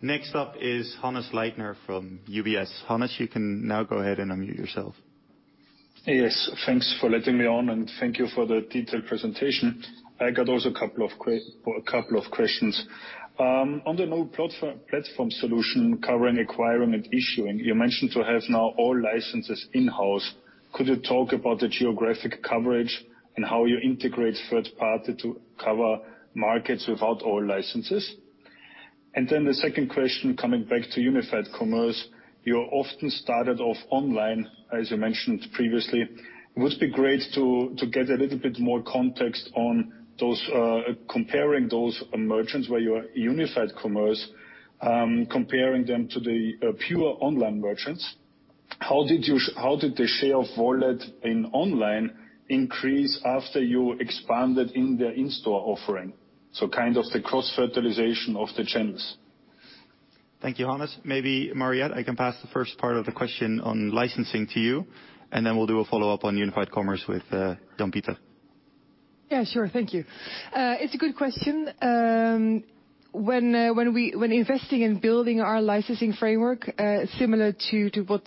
Next up is Hannes Leitner from UBS. Hannes, you can now go ahead and unmute yourself. Yes, thanks for letting me on, and thank you for the detailed presentation. I got also a couple of questions. On the new platform solution covering acquiring and issuing, you mentioned to have now all licenses in-house. Could you talk about the geographic coverage and how you integrate third party to cover markets without all licenses? And then the second question, coming back to unified commerce, you often started off online, as you mentioned previously. Would be great to get a little bit more context on those, comparing those merchants where you're unified commerce, comparing them to the pure online merchants. How did the share of wallet in online increase after you expanded in the in-store offering? So kind of the cross-fertilization of the channels. Thank you, Hannes. Maybe, Mariëtte, I can pass the first part of the question on licensing to you, and then we'll do a follow-up on unified commerce with Jan-Pieter. Yeah, sure. Thank you. It's a good question. When investing in building our licensing framework, similar to what's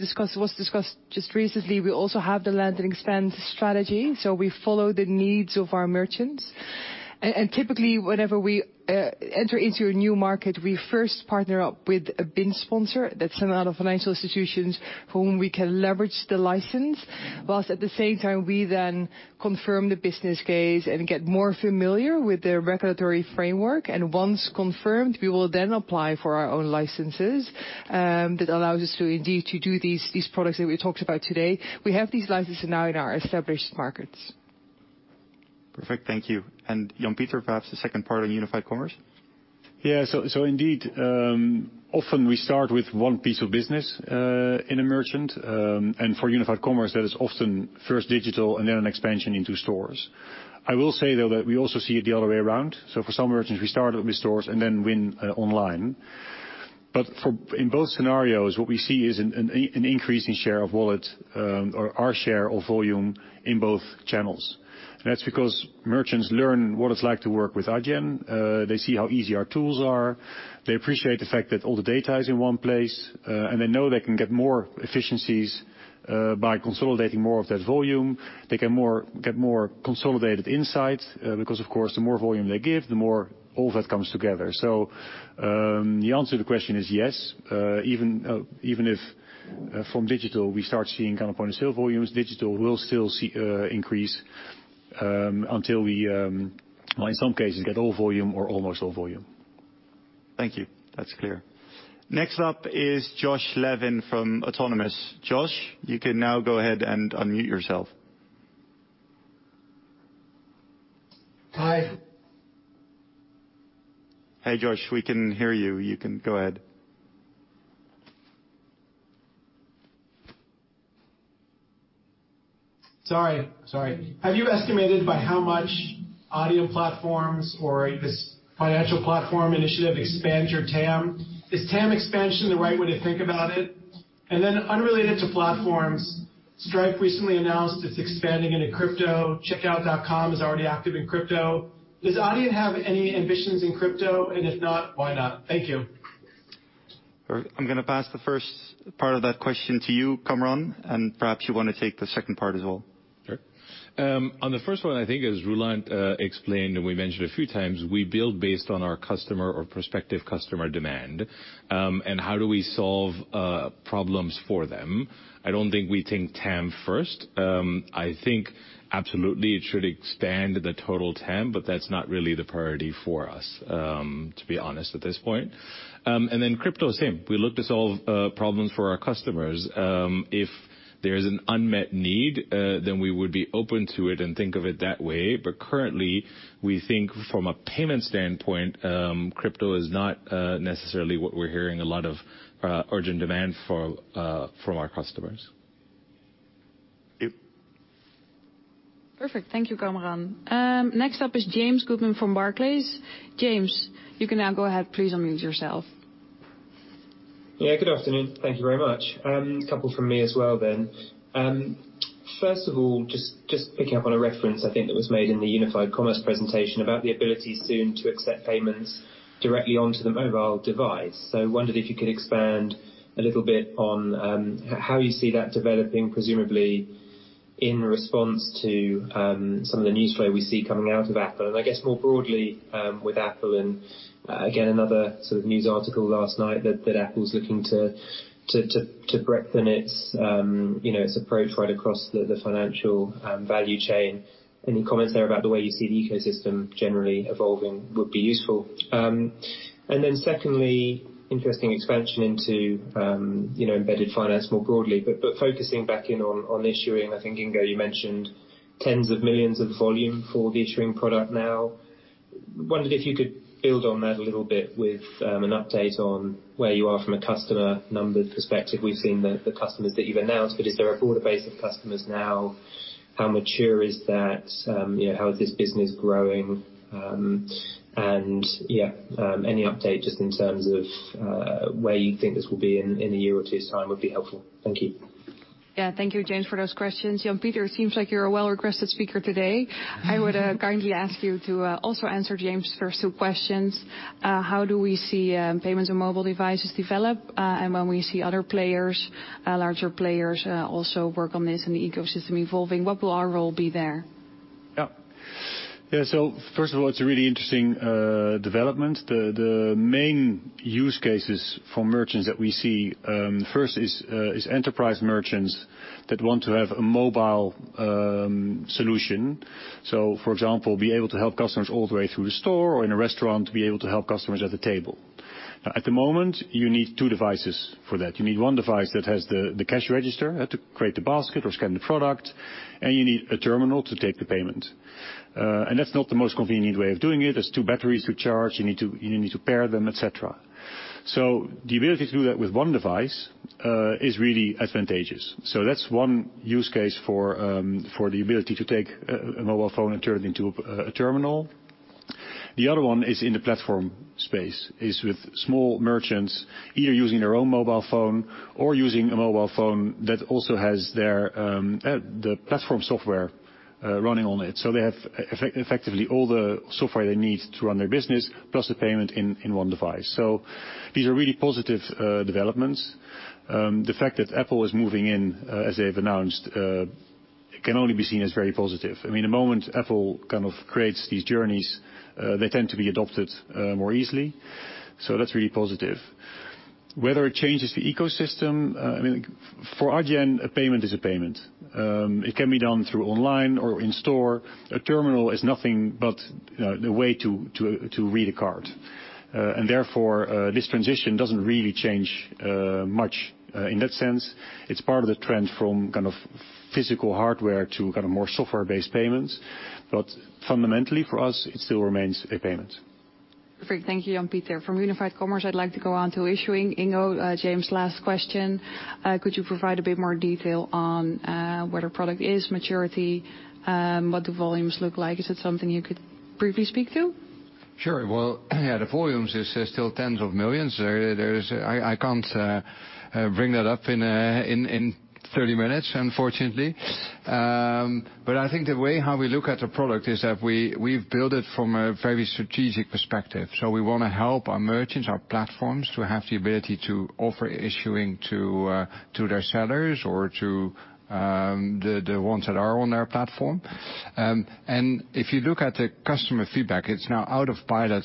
discussed just recently, we also have the land and expand strategy, so we follow the needs of our merchants. Typically, whenever we enter into a new market, we first partner up with a BIN sponsor. That's another financial institution whom we can leverage the license, whilst at the same time we then confirm the business case and get more familiar with the regulatory framework. Once confirmed, we will then apply for our own licenses, that allows us to indeed do these products that we talked about today. We have these licenses now in our established markets. Perfect. Thank you. Jan-Pieter, perhaps the second part on unified commerce. Yeah. Indeed, often we start with one piece of business in a merchant. For unified commerce, that is often first digital and then an expansion into stores. I will say, though, that we also see it the other way around. For some merchants, we start with stores and then win online. In both scenarios, what we see is an increase in share of wallet, or our share of volume in both channels. That's because merchants learn what it's like to work with Adyen. They see how easy our tools are. They appreciate the fact that all the data is in one place, and they know they can get more efficiencies by consolidating more of their volume. They get more consolidated insights because of course, the more volume they give, the more all that comes together. The answer to the question is yes. Even if from digital we start seeing point-of-sale volumes, digital will still see increase until we, well in some cases get all volume or almost all volume. Thank you. That's clear. Next up is Josh Levin from Autonomous. Josh, you can now go ahead and unmute yourself. Hi. Hey, Josh. We can hear you. You can go ahead. Have you estimated by how much Adyen platforms or this financial platform initiative expands your TAM? Is TAM expansion the right way to think about it? Unrelated to platforms, Stripe recently announced it's expanding into crypto. Checkout.com is already active in crypto. Does Adyen have any ambitions in crypto? If not, why not? Thank you. I'm gonna pass the first part of that question to you, Kamran, and perhaps you wanna take the second part as well. Sure. On the first one, I think as Roelant explained, and we mentioned a few times, we build based on our customer or prospective customer demand, and how do we solve problems for them. I don't think we think TAM first. I think absolutely it should expand the total TAM, but that's not really the priority for us, to be honest at this point. Crypto, same. We look to solve problems for our customers. If there's an unmet need, then we would be open to it and think of it that way. Currently, we think from a payment standpoint, crypto is not necessarily what we're hearing a lot of urgent demand for from our customers. Thank you. Perfect. Thank you, Kamran. Next up is James Goodman from Barclays. James, you can now go ahead, please unmute yourself. Yeah, good afternoon. Thank you very much. A couple from me as well then. First of all, just picking up on a reference I think that was made in the unified commerce presentation about the ability soon to accept payments directly onto the mobile device. Wondered if you could expand a little bit on how you see that developing, presumably in response to some of the news flow we see coming out of Apple. I guess more broadly, with Apple and again another sort of news article last night that Apple's looking to broaden its you know, its approach right across the financial value chain. Any comments there about the way you see the ecosystem generally evolving would be useful. Then secondly, interesting expansion into, you know, embedded finance more broadly, but focusing back in on Issuing. I think, Ingo, you mentioned tens of millions of volume for the Issuing product now. Wondered if you could build on that a little bit with an update on where you are from a customer numbers perspective. We've seen the customers that you've announced, but is there a broader base of customers now? How mature is that? You know, how is this business growing? Yeah, any update just in terms of where you think this will be in a year or two's time would be helpful. Thank you. Yeah. Thank you, James, for those questions. Jan-Pieter, it seems like you're a well requested speaker today. I would kindly ask you to also answer James' first two questions. How do we see payments on mobile devices develop, and when we see other players, larger players, also work on this and the ecosystem evolving, what will our role be there? Yeah. Yeah, first of all, it's a really interesting development. The main use cases for merchants that we see first is enterprise merchants that want to have a mobile solution. For example, be able to help customers all the way through the store or in a restaurant, be able to help customers at the table. Now, at the moment, you need two devices for that. You need one device that has the cash register have to create the basket or scan the product, and you need a terminal to take the payment. That's not the most convenient way of doing it. There's two batteries to charge. You need to pair them, et cetera. The ability to do that with one device is really advantageous. That's one use case for the ability to take a mobile phone and turn it into a terminal. The other one is in the platform space, is with small merchants either using their own mobile phone or using a mobile phone that also has their, the platform software, running on it. They have effectively all the software they need to run their business plus the payment in one device. These are really positive developments. The fact that Apple is moving in, as they've announced, can only be seen as very positive. I mean, the moment Apple kind of creates these journeys, they tend to be adopted more easily. That's really positive. Whether it changes the ecosystem, I mean, for Adyen, a payment is a payment. It can be done through online or in store. A terminal is nothing but the way to read a card. Therefore, this transition doesn't really change much in that sense. It's part of the trend from kind of physical hardware to kind of more software-based payments. Fundamentally for us, it still remains a payment. Perfect. Thank you, Jan-Pieter. From unified commerce, I'd like to go on to Issuing. Ingo, James' last question, could you provide a bit more detail on where the product is, maturity, what the volumes look like? Is it something you could briefly speak to? Sure. Well, the volumes is still tens of millions. I can't bring that up in 30 minutes, unfortunately. I think the way how we look at a product is that we've built it from a very strategic perspective. We wanna help our merchants, our platforms, to have the ability to offer issuing to their sellers or to the ones that are on our platform. If you look at the customer feedback, it's now out of pilot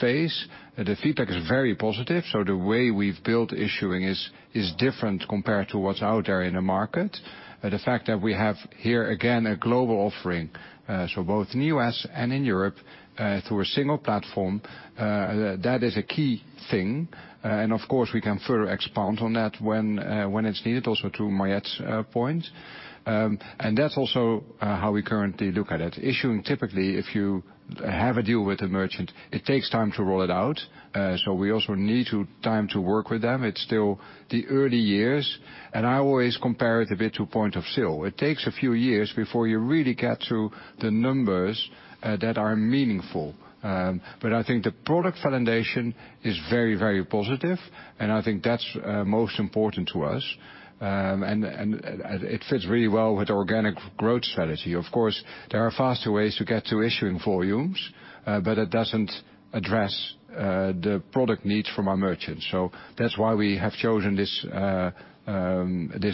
phase. The feedback is very positive, so the way we've built issuing is different compared to what's out there in the market. The fact that we have here, again, a global offering, so both in the U.S. and in Europe, through a single platform, that is a key thing. Of course, we can further expand on that when it's needed, also to Mariëtte's point. That's also how we currently look at it. Issuing, typically, if you have a deal with a merchant, it takes time to roll it out, so we also need time to work with them. It's still the early years, and I always compare it a bit to point of sale. It takes a few years before you really get to the numbers that are meaningful. But I think the product foundation is very, very positive, and I think that's most important to us. It fits really well with organic growth strategy. Of course, there are faster ways to get to issuing volumes, but it doesn't address the product needs from our merchants. That's why we have chosen this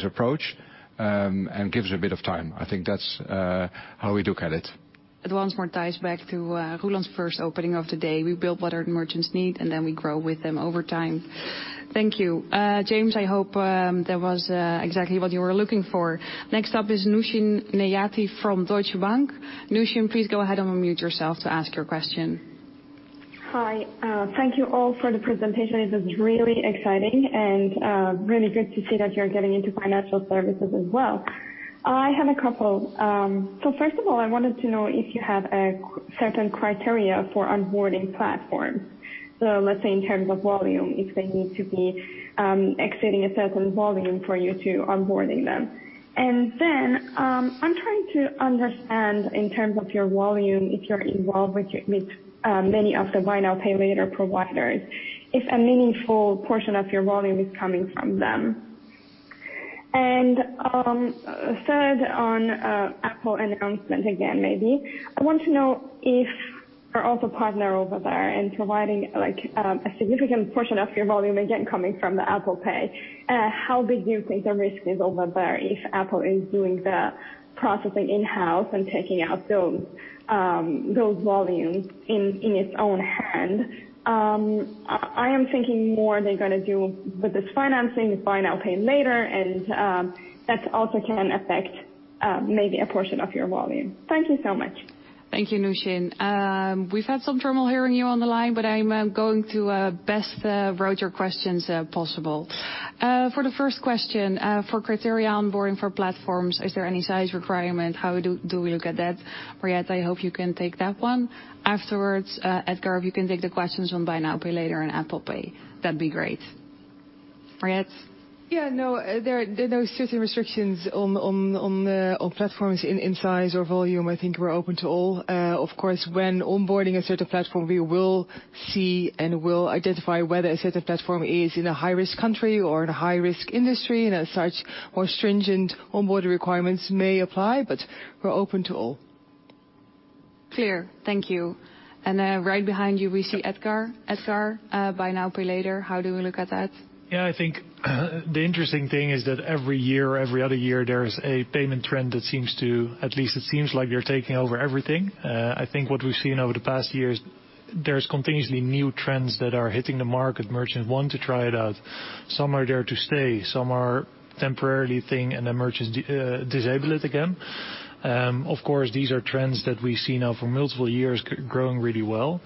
approach, and gives a bit of time. I think that's how we look at it. It once more ties back to Roelant's first opening of the day. We build what our merchants need, and then we grow with them over time. Thank you. James, I hope that was exactly what you were looking for. Next up is Noushin Nejati from Deutsche Bank. Noushin, please go ahead and unmute yourself to ask your question. Hi. Thank you all for the presentation. This is really exciting and really good to see that you're getting into financial services as well. I have a couple. First of all, I wanted to know if you have a certain criteria for onboarding platforms. Let's say in terms of volume, if they need to be exceeding a certain volume for you to onboarding them. Then, I'm trying to understand in terms of your volume, if you're involved with many of the buy now, pay later providers, if a meaningful portion of your volume is coming from them. Third on Apple announcement again, maybe. I want to know if you're also a partner over there and providing like, a significant portion of your volume again coming from the Apple Pay, how big do you think the risk is over there if Apple is doing the processing in-house and taking out those volumes in its own hand? I am thinking more they're gonna do with this financing, this buy now, pay later, and that also can affect maybe a portion of your volume. Thank you so much. Thank you, Nooshin. We've had some trouble hearing you on the line, but I'm going to do my best to route your questions as best as possible. For the first question, for criteria onboarding for platforms, is there any size requirement? How do we look at that? Mariëtte, I hope you can take that one. Afterwards, Edgar, if you can take the questions on buy now, pay later and Apple Pay, that'd be great. Mariëtte? Yeah, no. There are no certain restrictions on platforms in size or volume. I think we're open to all. Of course, when onboarding a certain platform, we will see and will identify whether a certain platform is in a high-risk country or in a high-risk industry. As such, more stringent onboarding requirements may apply, but we're open to all. Clear. Thank you. Right behind you we see Edgar. Edgar, buy now, pay later. How do we look at that? Yeah. I think the interesting thing is that every year or every other year, there's a payment trend that seems to, at least it seems like they're taking over everything. I think what we've seen over the past years, there's continuously new trends that are hitting the market. Merchants want to try it out. Some are there to stay, some are temporary thing and the merchants disable it again. Of course, these are trends that we see now for multiple years growing really well.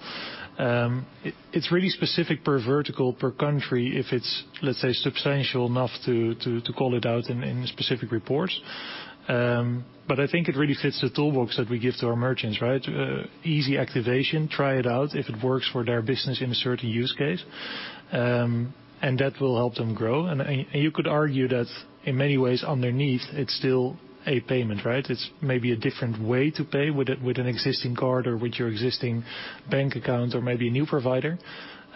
It's really specific per vertical, per country if it's, let's say, substantial enough to call it out in specific reports. But I think it really fits the toolbox that we give to our merchants, right? Easy activation, try it out if it works for their business in a certain use case, and that will help them grow. You could argue that in many ways underneath it's still a payment, right? It's maybe a different way to pay with an existing card or with your existing bank account or maybe a new provider.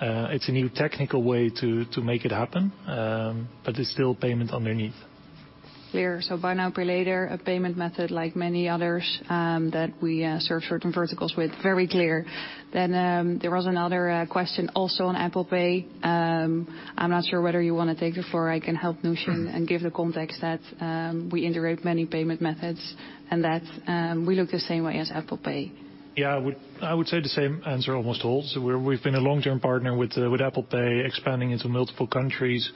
It's a new technical way to make it happen, but it's still payment underneath. Clear. Buy now, pay later, a payment method like many others, that we serve certain verticals with. Very clear. There was another question also on Apple Pay. I'm not sure whether you wanna take it or I can help Nooshin and give the context that we integrate many payment methods and that we look the same way as Apple Pay. I would say the same answer almost to all. We've been a long-term partner with Apple Pay expanding into multiple countries.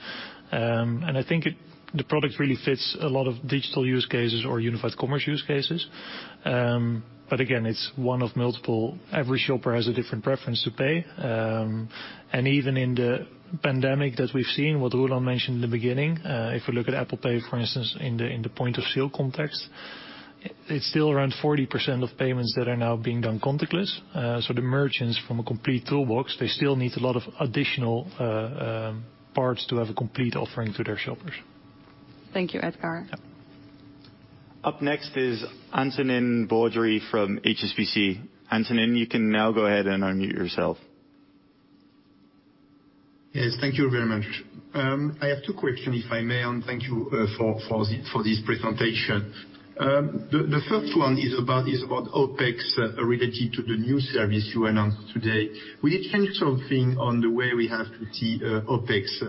I think the product really fits a lot of digital use cases or unified commerce use cases. Again, it's one of multiple. Every shopper has a different preference to pay. Even in the pandemic that we've seen, what Roelant mentioned in the beginning, if we look at Apple Pay, for instance, in the point of sale context, it's still around 40% of payments that are now being done contactless. The merchants from a complete toolbox, they still need a lot of additional parts to have a complete offering to their shoppers. Thank you, Edgar. Yeah. Up next is Antonin Baudry from HSBC. Antonin, you can now go ahead and unmute yourself. Yes, thank you very much. I have two questions, if I may, and thank you for this presentation. The first one is about OpEx related to the new service you announced today. Will it change something on the way we have to see OpEx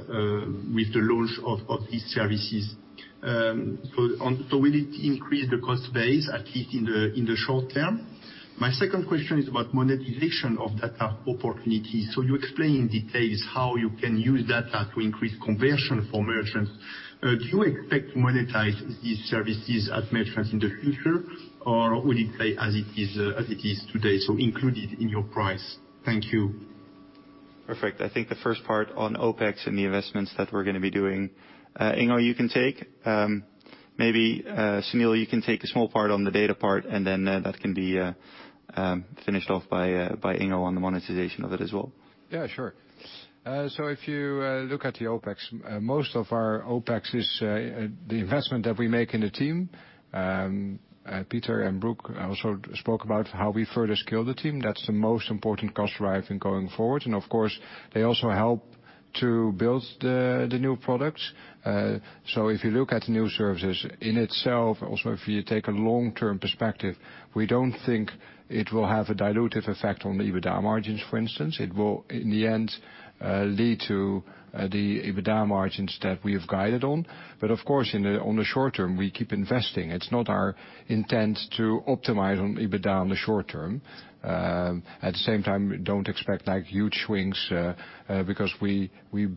with the launch of these services? So will it increase the cost base, at least in the short term? My second question is about monetization of data opportunities. You explain in detail how you can use data to increase conversion for merchants. Do you expect to monetize these services at merchants in the future or will it play as it is today, so included in your price? Thank you. Perfect. I think the first part on OpEx and the investments that we're gonna be doing, Ingo, you can take. Maybe, Sunil, you can take a small part on the data part, and then, that can be finished off by Ingo on the monetization of it as well. Yeah, sure. If you look at the OpEx, most of our OpEx is the investment that we make in the team. Pieter and Brooke also spoke about how we further scale the team. That's the most important cost driver going forward. Of course, they also help to build the new products. If you look at the new services in itself, also if you take a long-term perspective, we don't think it will have a dilutive effect on the EBITDA margins, for instance. It will in the end lead to the EBITDA margins that we have guided on. Of course, on the short term, we keep investing. It's not our intent to optimize on EBITDA on the short term. At the same time, don't expect like huge swings, because we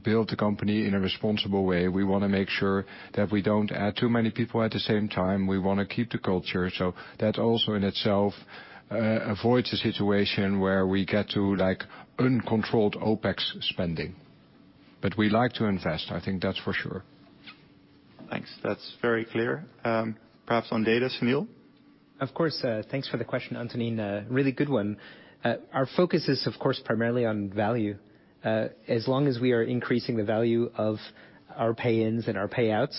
build the company in a responsible way. We wanna make sure that we don't add too many people at the same time. We wanna keep the culture. That also in itself avoids a situation where we get to, like, uncontrolled OpEx spending. We like to invest, I think that's for sure. Thanks. That's very clear. Perhaps on data, Sunil? Of course. Thanks for the question, Antonin. A really good one. Our focus is, of course, primarily on value. As long as we are increasing the value of our pay-ins and our payouts,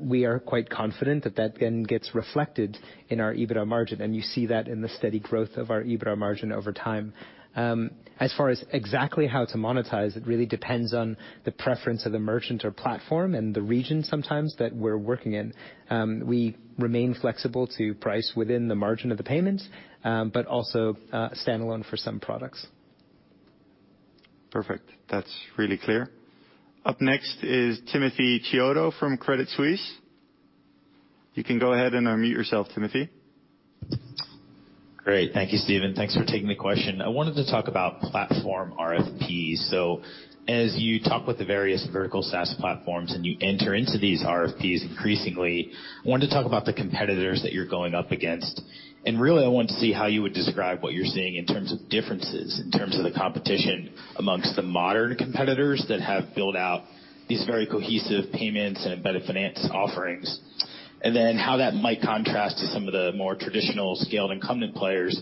we are quite confident that that then gets reflected in our EBITDA margin, and you see that in the steady growth of our EBITDA margin over time. As far as exactly how to monetize, it really depends on the preference of the merchant or platform and the region sometimes that we're working in. We remain flexible to price within the margin of the payments, but also, standalone for some products. Perfect. That's really clear. Up next is Timothy Chiodo from Credit Suisse. You can go ahead and unmute yourself, Timothy. Great. Thank you, Steven. Thanks for taking the question. I wanted to talk about platform RFPs. As you talk with the various vertical SaaS platforms, and you enter into these RFPs increasingly, I wanted to talk about the competitors that you're going up against. Really, I wanted to see how you would describe what you're seeing in terms of differences, in terms of the competition amongst the modern competitors that have built out these very cohesive payments and embedded finance offerings. Then how that might contrast to some of the more traditional scaled incumbent players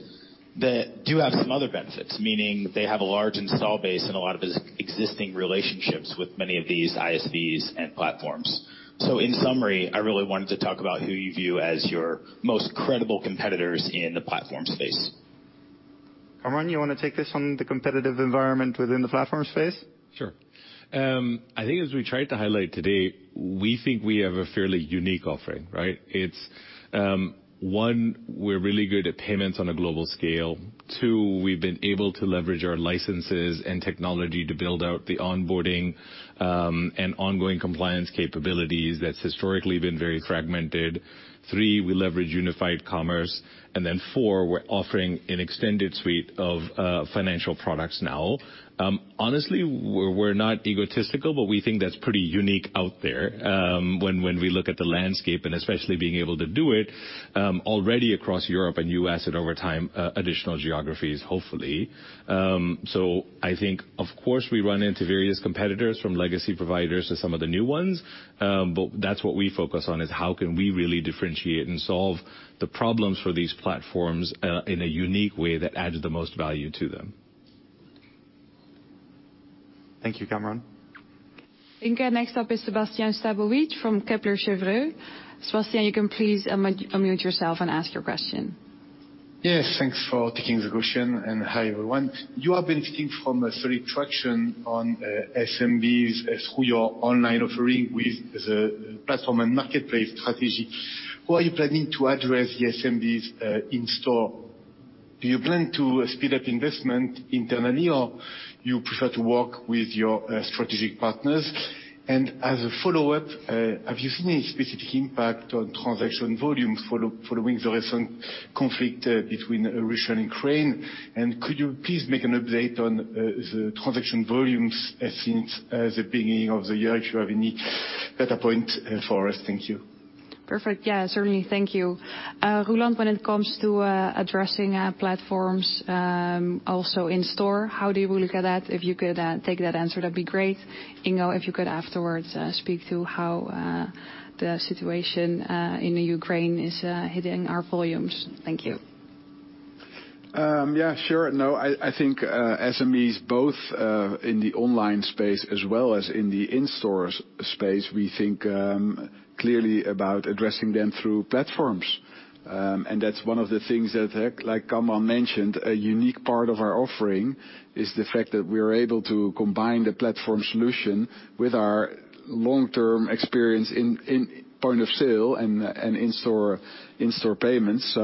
that do have some other benefits, meaning they have a large install base and a lot of existing relationships with many of these ISVs and platforms. In summary, I really wanted to talk about who you view as your most credible competitors in the platform space. Kamran, you wanna take this on the competitive environment within the platform space? Sure. I think as we tried to highlight today, we think we have a fairly unique offering, right? It's one, we're really good at payments on a global scale. Two, we've been able to leverage our licenses and technology to build out the onboarding and ongoing compliance capabilities that's historically been very fragmented. Three, we leverage unified commerce. Four, we're offering an extended suite of financial products now. Honestly, we're not egotistical, but we think that's pretty unique out there when we look at the landscape and especially being able to do it already across Europe and U.S. and over time additional geographies, hopefully. I think, of course, we run into various competitors from legacy providers to some of the new ones. That's what we focus on, is how can we really differentiate and solve the problems for these platforms, in a unique way that adds the most value to them. Thank you, Kamran.IIngo, next up is Sébastien Sztabowicz from Kepler Cheuvreux. Sebastien, you can please unmute yourself and ask your question. Yes, thanks for taking the question, and hi, everyone. You are benefiting from a solid traction on SMBs through your online offering with the platform and marketplace strategy. Were you planning to address the SMBs in store? Do you plan to speed up investment internally or you prefer to work with your strategic partners? And as a follow-up, have you seen any specific impact on transaction volume following the recent conflict between Russia and Ukraine? And could you please make an update on the transaction volumes since the beginning of the year if you have any data point for us? Thank you. Perfect. Yeah, certainly. Thank you. Roelant, when it comes to addressing our platforms, also in store, how do you look at that? If you could take that answer, that'd be great. Ingo, if you could afterwards speak to how the situation in Ukraine is hitting our volumes. Thank you. Yeah, sure. No, I think SMEs both in the online space as well as in the in-store space, we think clearly about addressing them through platforms. That's one of the things that, like Kamran mentioned, a unique part of our offering is the fact that we are able to combine the platform solution with our long-term experience in point of sale and in-store payments.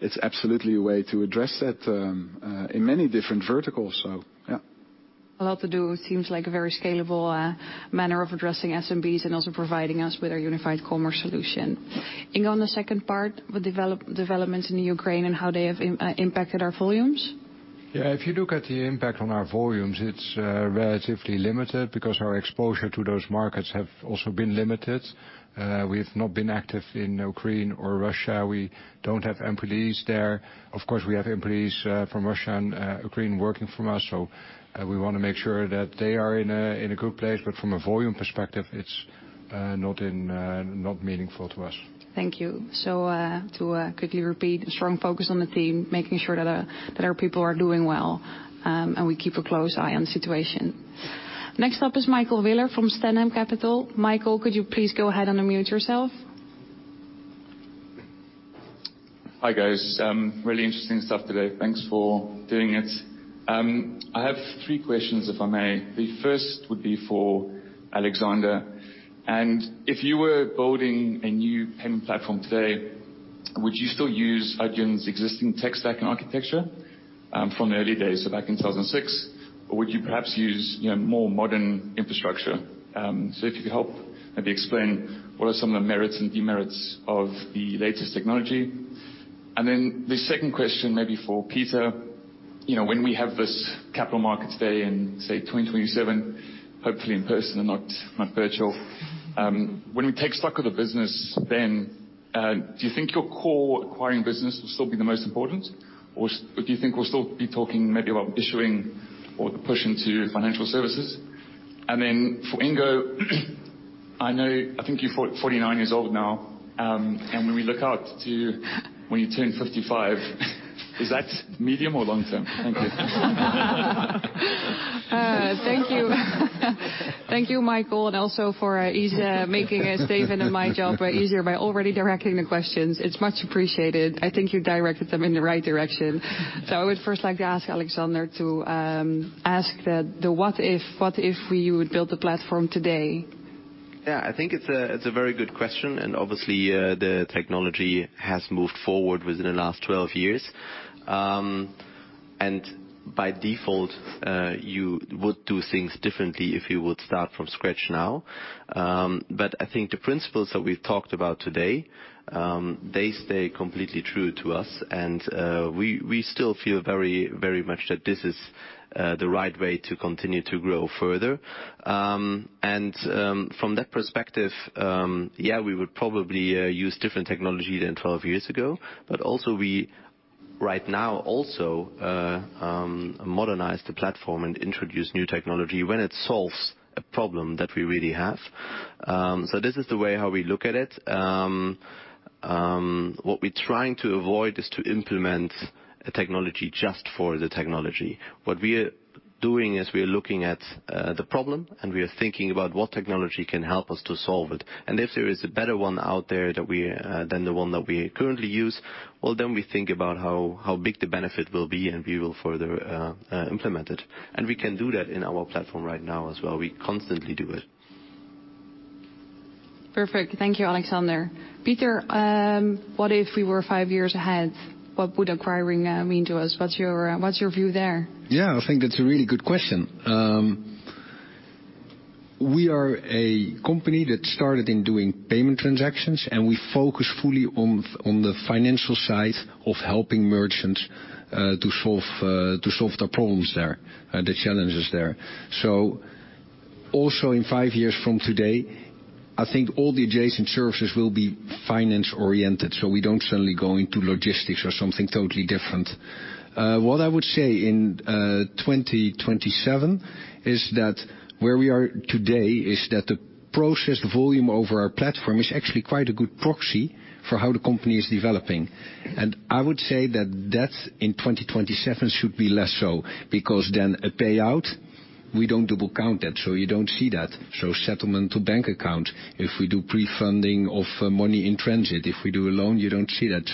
It's absolutely a way to address that in many different verticals, yeah. A lot to do. It seems like a very scalable manner of addressing SMBs and also providing us with our unified commerce solution. Ingo, on the second part, with developments in the Ukraine and how they have impacted our volumes. Yeah, if you look at the impact on our volumes, it's relatively limited because our exposure to those markets have also been limited. We've not been active in Ukraine or Russia. We don't have employees there. Of course, we have employees from Russia and Ukraine working from us, so we wanna make sure that they are in a good place. From a volume perspective, it's not meaningful to us. Thank you. To quickly repeat, a strong focus on the team, making sure that our people are doing well, and we keep a close eye on the situation. Next up is Michael Wheeler from Stanhope Capital. Michael, could you please go ahead and unmute yourself? Hi, guys. Really interesting stuff today. Thanks for doing it. I have three questions, if I may. The first would be for Alexander. If you were building a new payment platform today, would you still use Adyen's existing tech stack and architecture, from the early days, so back in 2006? Or would you perhaps use, you know, more modern infrastructure? So if you could help maybe explain what are some of the merits and demerits of the latest technology. The second question may be for Pieter. You know, when we have this capital markets day in, say, 2027, hopefully in person and not virtual, when we take stock of the business then, do you think your core acquiring business will still be the most important, or do you think we'll still be talking maybe about issuing or the push into financial services? Then for Ingo, I know I think you're 49 years old now, and when we look out to when you turn 55, is that medium or long term? Thank you. Thank you. Thank you, Michael, and also for easing Steven and my job easier by already directing the questions. It's much appreciated. I think you directed them in the right direction. I would first like to ask Alexander to ask the what if we would build the platform today? Yeah. I think it's a very good question, and obviously, the technology has moved forward within the last 12 years. By default, you would do things differently if you would start from scratch now. But I think the principles that we've talked about today, they stay completely true to us and, we still feel very, very much that this is the right way to continue to grow further. From that perspective, yeah, we would probably use different technology than 12 years ago. But also we right now modernize the platform and introduce new technology when it solves a problem that we really have. This is the way how we look at it. What we're trying to avoid is to implement a technology just for the technology. What we are doing is we are looking at the problem, and we are thinking about what technology can help us to solve it. If there is a better one out there than the one that we currently use, well, then we think about how big the benefit will be, and we will further implement it. We can do that in our platform right now as well. We constantly do it. Perfect. Thank you, Alexander. Pieter, what if we were five years ahead? What would acquiring mean to us? What's your view there? Yeah, I think that's a really good question. We are a company that started in doing payment transactions, and we focus fully on the financial side of helping merchants to solve their problems there, the challenges there. So also in five years from today, I think all the adjacent services will be finance-oriented, so we don't suddenly go into logistics or something totally different. What I would say in 2027 is that where we are today is that the processed volume over our platform is actually quite a good proxy for how the company is developing. I would say that in 2027 should be less so because then a payout, we don't double count that, so you don't see that. Settlement to bank account, if we do pre-funding of money in transit, if we do a loan, you don't see that.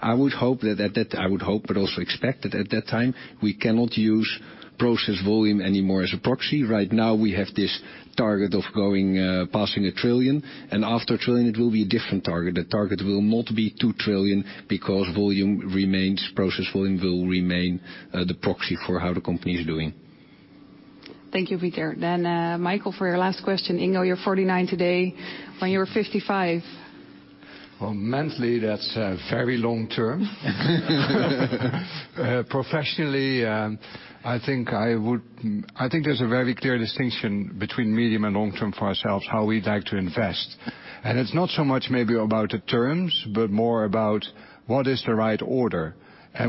I would hope but also expect that at that time, we cannot use processed volume anymore as a proxy. Right now we have this target of going, passing 1 trillion, and after 1 trillion it will be a different target. The target will not be 2 trillion because volume remains, processed volume will remain, the proxy for how the company is doing. Thank you, Pieter. Michael, for your last question. Ingo, you're 49 today. When you're 55. Well, mentally that's very long term. Professionally, I think there's a very clear distinction between medium and long term for ourselves, how we'd like to invest. It's not so much maybe about the terms, but more about what is the right order.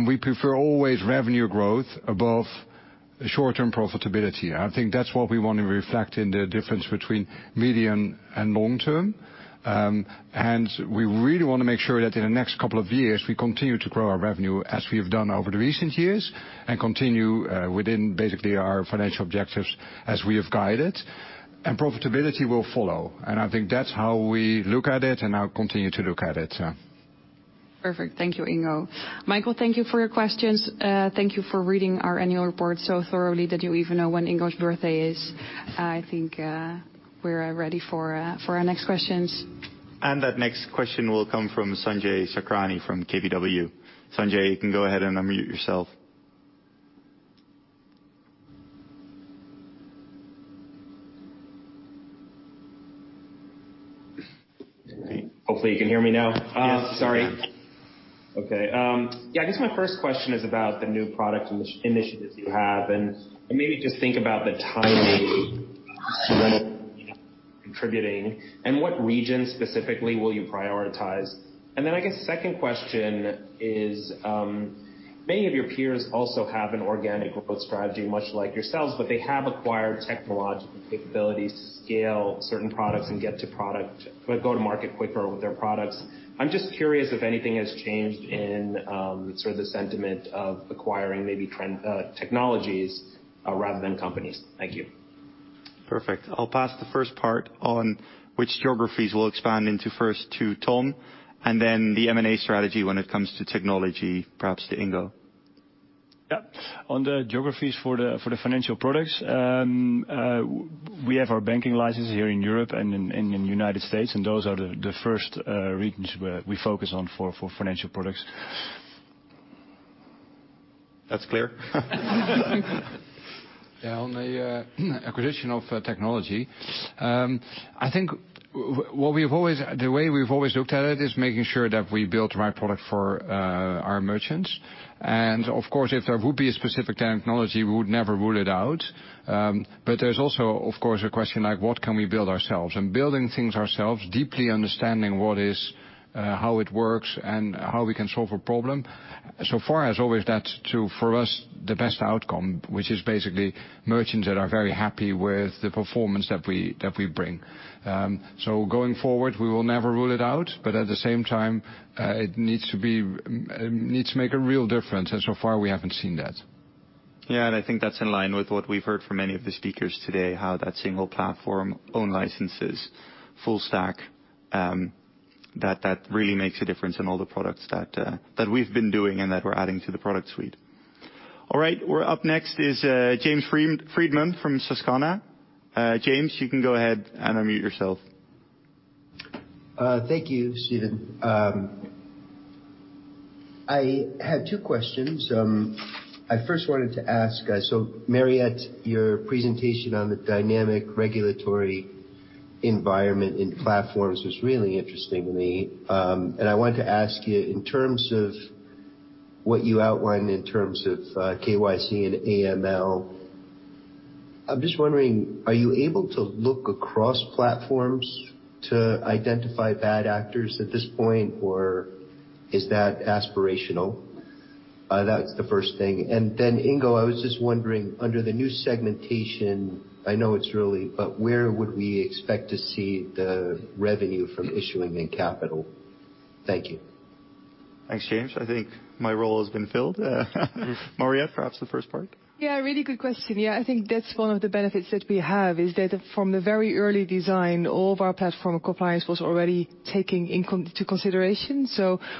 We prefer always revenue growth above the short-term profitability. I think that's what we want to reflect in the difference between medium and long term. We really wanna make sure that in the next couple of years, we continue to grow our revenue as we have done over the recent years and continue within basically our financial objectives as we have guided. Profitability will follow, and I think that's how we look at it and now continue to look at it. Perfect. Thank you, Ingo. Michael, thank you for your questions. Thank you for reading our annual report so thoroughly that you even know when Ingo's birthday is. I think we're ready for our next questions. That next question will come from Sanjay Sakhrani from KBW. Sanjay, you can go ahead and unmute yourself. Hopefully you can hear me now. Yes. Sorry. Okay. Yeah, I guess my first question is about the new product initiatives you have, and maybe just think about the timing contributing and what regions specifically will you prioritize. Then I guess second question is, many of your peers also have an organic growth strategy, much like yourselves, but they have acquired technological capabilities to scale certain products and get to market quicker with their products. I'm just curious if anything has changed in, sort of the sentiment of acquiring maybe trendy technologies, rather than companies. Thank you. Perfect. I'll pass the first part on which geographies we'll expand into first to Tom, and then the M&A strategy when it comes to technology, perhaps to Ingo. Yeah. On the geographies for the financial products, we have our banking license here in Europe and in United States, and those are the first regions where we focus on for financial products. That's clear. Yeah, on the acquisition of technology, the way we've always looked at it is making sure that we build the right product for our merchants. Of course, if there would be a specific technology, we would never rule it out. There's also of course a question like what can we build ourselves. Building things ourselves, deeply understanding how it works and how we can solve a problem, so far has always led to, for us, the best outcome, which is basically merchants that are very happy with the performance that we bring. Going forward, we will never rule it out, but at the same time, it needs to make a real difference, and so far we haven't seen that. Yeah, I think that's in line with what we've heard from many of the speakers today, how that single platform, own licenses, full stack, that really makes a difference in all the products that we've been doing and that we're adding to the product suite. All right. We're up next is James Friedman from Susquehanna. James, you can go ahead and unmute yourself. Thank you, Steven. I had two questions. I first wanted to ask, Mariëtte, your presentation on the dynamic regulatory environment in platforms was really interesting to me. I wanted to ask you, in terms of what you outlined in terms of, KYC and AML, I'm just wondering, are you able to look across platforms to identify bad actors at this point, or is that aspirational? That's the first thing. Then Ingo, I was just wondering, under the new segmentation, I know it's early, but where would we expect to see the revenue from issuing and capital? Thank you. Thanks, James. I think my role has been filled. Mariëtte, perhaps the first part. Yeah, really good question. Yeah. I think that's one of the benefits that we have, is that from the very early design, all of our platform compliance was already taking into consideration.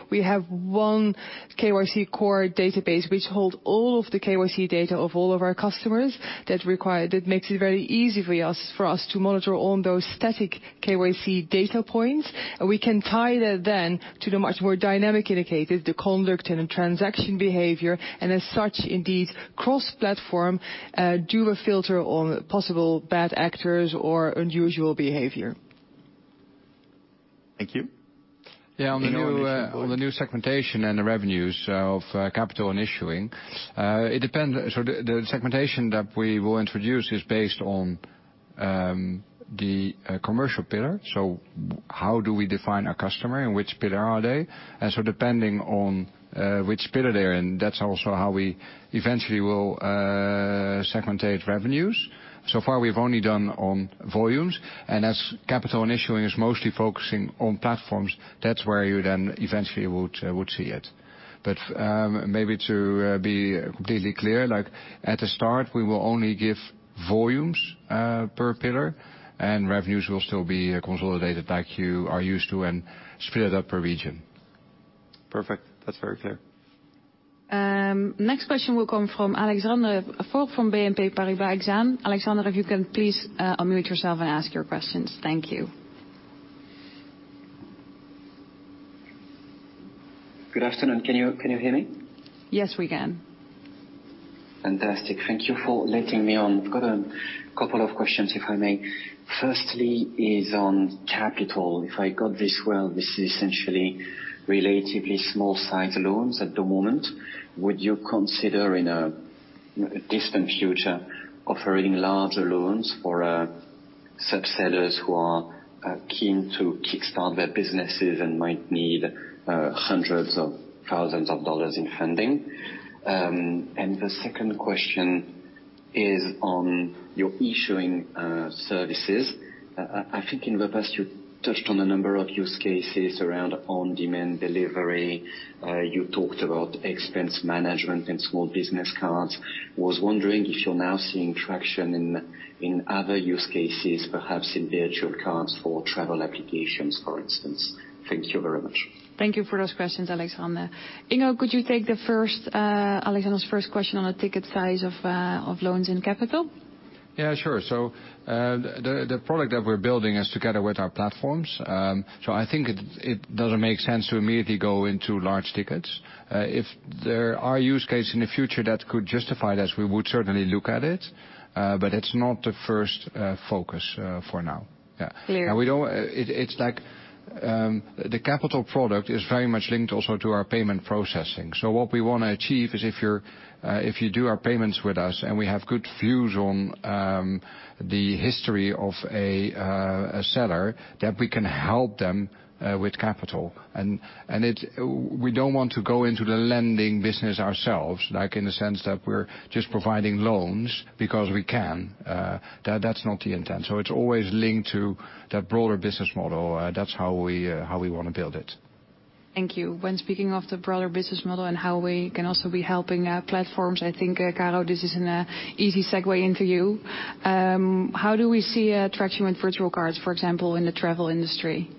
We have one KYC core database which hold all of the KYC data of all of our customers. That makes it very easy for us to monitor all those static KYC data points. We can tie that then to the much more dynamic indicators, the conduct and the transaction behavior, and as such, indeed, cross-platform do a filter on possible bad actors or unusual behavior. Thank you. Ingo, anything to add? Yeah. On the new segmentation and the revenues of Capital and Issuing, it depends. The segmentation that we will introduce is based on the commercial pillar. How do we define our customer and which pillar are they? Depending on which pillar they're in, that's also how we eventually will segment revenues. So far we've only done on volumes, and as Capital and Issuing is mostly focusing on platforms, that's where you then eventually would see it. Maybe to be completely clear, like at the start, we will only give volumes per pillar, and revenues will still be consolidated like you are used to and split up per region. Perfect. That's very clear. Next question will come from Alexandre Faure from BNP Paribas Exane. Alexandre, if you can please, unmute yourself and ask your questions. Thank you. Good afternoon. Can you hear me? Yes, we can. Fantastic. Thank you for letting me on. I've got a couple of questions, if I may. Firstly is on capital. If I got this right, this is essentially relatively small-sized loans at the moment. Would you consider in a, you know, distant future offering larger loans for? Sub-sellers who are keen to kick-start their businesses and might need hundreds of thousands of dollars in funding. The second question is on your issuing services. I think in the past, you touched on a number of use cases around on-demand delivery. You talked about expense management and small business cards. Was wondering if you're now seeing traction in other use cases, perhaps in virtual cards for travel applications, for instance. Thank you very much. Thank you for those questions, Alexandre. Ingo, could you take the first, Alexandre's first question on the ticket size of loans and capital? Yeah, sure. The product that we're building is together with our platforms. I think it doesn't make sense to immediately go into large tickets. If there are use case in the future that could justify this, we would certainly look at it, but it's not the first focus for now. Yeah. Clear. The capital product is very much linked also to our payment processing. What we wanna achieve is if you do our payments with us, and we have good views on the history of a seller, that we can help them with capital. We don't want to go into the lending business ourselves, like in the sense that we're just providing loans because we can. That's not the intent. It's always linked to that broader business model. That's how we wanna build it. Thank you. When speaking of the broader business model and how we can also be helping, platforms, I think, Caro, this is an easy segue into you. How do we see traction with virtual cards, for example, in the travel industry?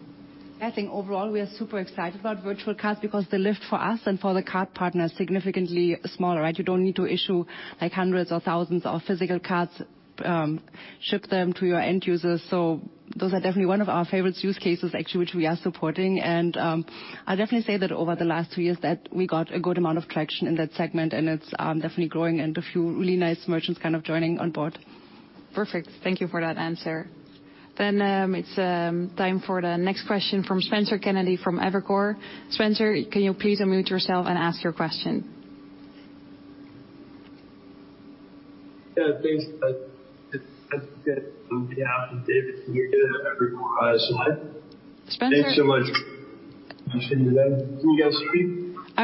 I think overall we are super excited about virtual cards because the lift for us and for the card partner is significantly smaller, right? You don't need to issue like hundreds or thousands of physical cards, ship them to your end users. Those are definitely one of our favorite use cases actually, which we are supporting. I'll definitely say that over the last two years that we got a good amount of traction in that segment, and it's definitely growing and a few really nice merchants kind of joining on board. Perfect. Thank you for that answer. It's time for the next question from Spencer Kennedy from Evercore. Spencer, can you please unmute yourself and ask your question? Yeah, thanks. It's Spencer- Thanks so much. Can you guys hear me? I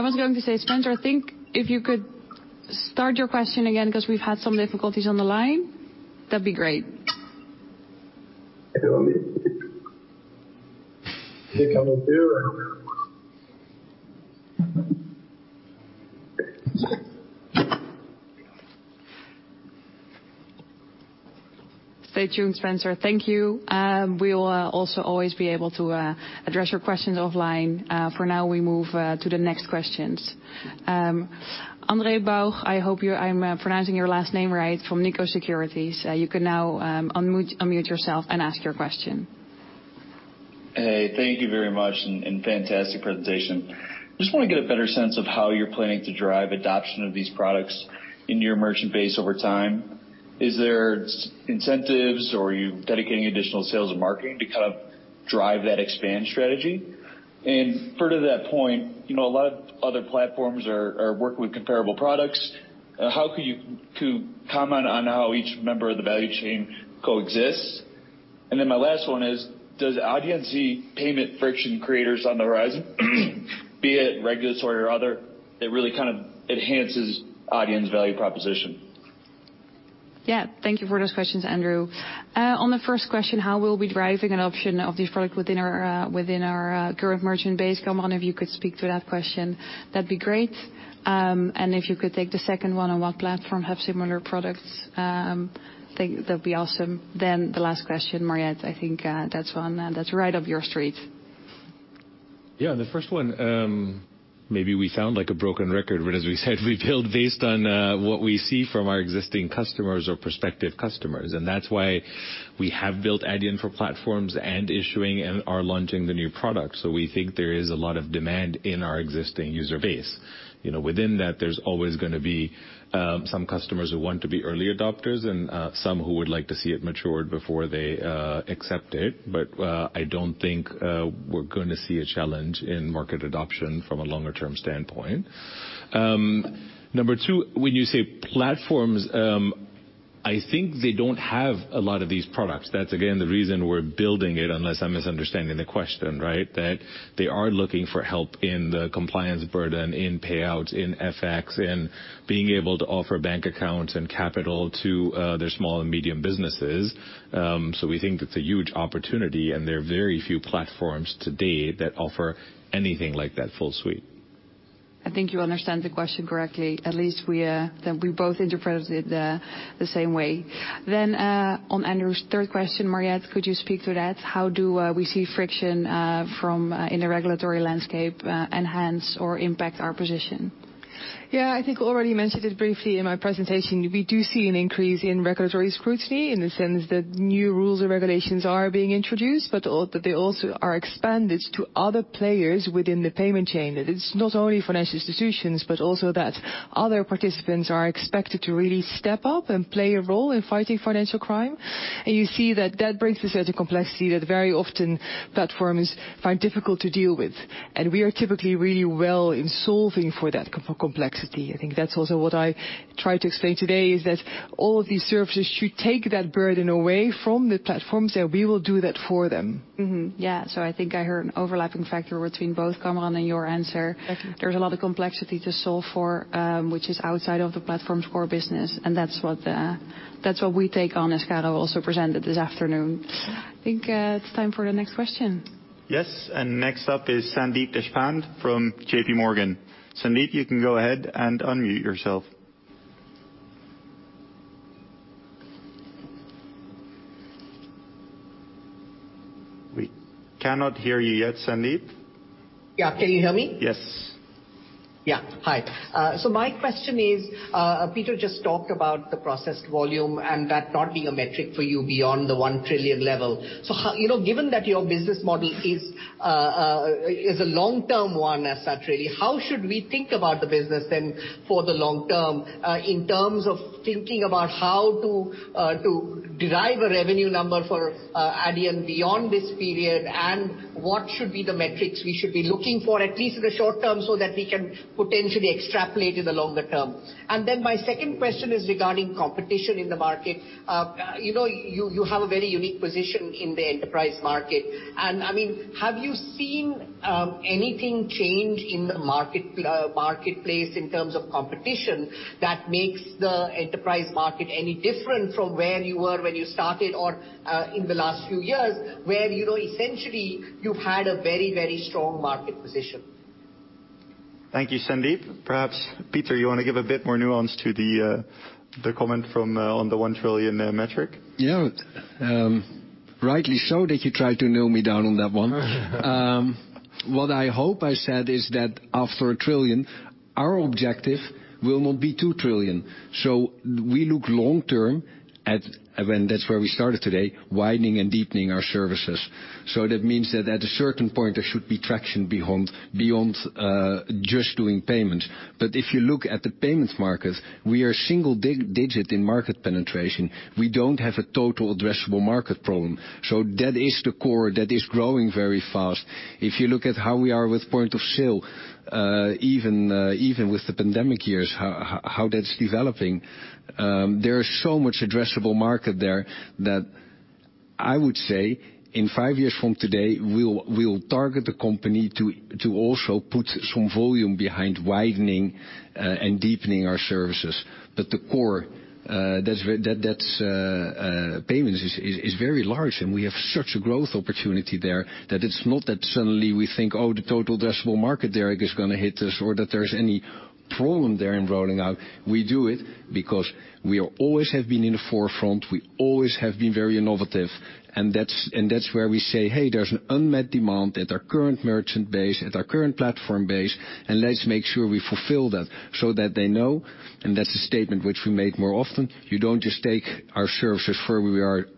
was going to say, Spencer, I think if you could start your question again, 'cause we've had some difficulties on the line, that'd be great. Stay tuned, Spencer. Thank you. We'll also always be able to address your questions offline. For now, we move to the next questions. Andrew Bauch, I hope I'm pronouncing your last name right, from SMBC Nikko Securities. You can now unmute yourself and ask your question. Hey, thank you very much and fantastic presentation. Just wanna get a better sense of how you're planning to drive adoption of these products in your merchant base over time. Is there incentives or are you dedicating additional sales and marketing to kind of drive that expand strategy? Further to that point, you know, a lot of other platforms are working with comparable products. How could you comment on how each member of the value chain coexists? Then my last one is, does Adyen see payment friction creators on the horizon, be it regulatory or other, that really kind of enhances Adyen's value proposition? Thank you for those questions, Andrew. On the first question, how we'll be driving adoption of this product within our current merchant base, Kamran, if you could speak to that question, that'd be great. And if you could take the second one on which platforms have similar products, I think that'd be awesome. The last question, Mariëtte, I think that's one that's right up your street. Yeah. The first one, maybe we sound like a broken record, but as we said, we build based on what we see from our existing customers or prospective customers. That's why we have built Adyen for Platforms and Issuing and are launching the new product. We think there is a lot of demand in our existing user base. You know, within that, there's always gonna be some customers who want to be early adopters and some who would like to see it matured before they accept it. I don't think we're gonna see a challenge in market adoption from a longer term standpoint. Number two, when you say platforms, I think they don't have a lot of these products. That's again, the reason we're building it, unless I'm misunderstanding the question, right? That they are looking for help in the compliance burden, in payouts, in FX, in being able to offer bank accounts and capital to their small and medium businesses. We think it's a huge opportunity, and there are very few platforms today that offer anything like that full suite. I think you understand the question correctly. At least we both interpreted it the same way. On Andrew's third question, Mariëtte, could you speak to that? How do we see friction in the regulatory landscape enhance or impact our position? Yeah. I think I already mentioned it briefly in my presentation. We do see an increase in regulatory scrutiny in the sense that new rules and regulations are being introduced, but they also are expanded to other players within the payment chain. That it's not only financial institutions, but also that other participants are expected to really step up and play a role in fighting financial crime. You see that brings a certain complexity that very often platforms find difficult to deal with. We are typically really well in solving for that complexity. I think that's also what I tried to explain today, is that all of these services should take that burden away from the platforms, that we will do that for them. I think I heard an overlapping factor between both Kamran and your answer. That's it. There's a lot of complexity to solve for, which is outside of the platform's core business, and that's what we take on, as Caro also presented this afternoon. I think, it's time for the next question. Yes. Next up is Sandeep Deshpande from J.P. Morgan. Sandeep, you can go ahead and unmute yourself. We cannot hear you yet, Sandeep. Yeah. Can you hear me? Yes. Hi. My question is, Pieter just talked about the processed volume and that not being a metric for you beyond the 1 trillion level. You know, given that your business model is a long-term one as such, really, how should we think about the business then for the long term, in terms of thinking about how to derive a revenue number for Adyen beyond this period? What should be the metrics we should be looking for at least in the short term, so that we can potentially extrapolate it along the term? My second question is regarding competition in the market. You know, you have a very unique position in the enterprise market and, I mean, have you seen anything change in the marketplace in terms of competition that makes the enterprise market any different from where you were when you started or in the last few years where, you know, essentially you've had a very, very strong market position? Thank you, Sandeep. Perhaps, Pieter, you wanna give a bit more nuance to the comment on the 1 trillion metric? Yeah. Rightly so that you tried to nail me down on that one. What I hope I said is that after 1 trillion, our objective will not be 2 trillion. We look long-term at when that's where we started today, widening and deepening our services. That means that at a certain point there should be traction beyond just doing payments. If you look at the payments market, we are single-digit in market penetration. We don't have a total addressable market problem. That is the core that is growing very fast. If you look at how we are with point of sale, even with the pandemic years, how that's developing, there is so much addressable market there that I would say in five years from today, we'll target the company to also put some volume behind widening and deepening our services. The core, that's where payments is very large, and we have such a growth opportunity there that it's not that suddenly we think, "Oh, the total addressable market, uncertain, is gonna hit us," or that there's any problem there in rolling out. We do it because we always have been in the forefront. We always have been very innovative, and that's where we say, "Hey, there's an unmet demand at our current merchant base, at our current platform base, and let's make sure we fulfill that so that they know." That's a statement which we make more often. You don't just take our services for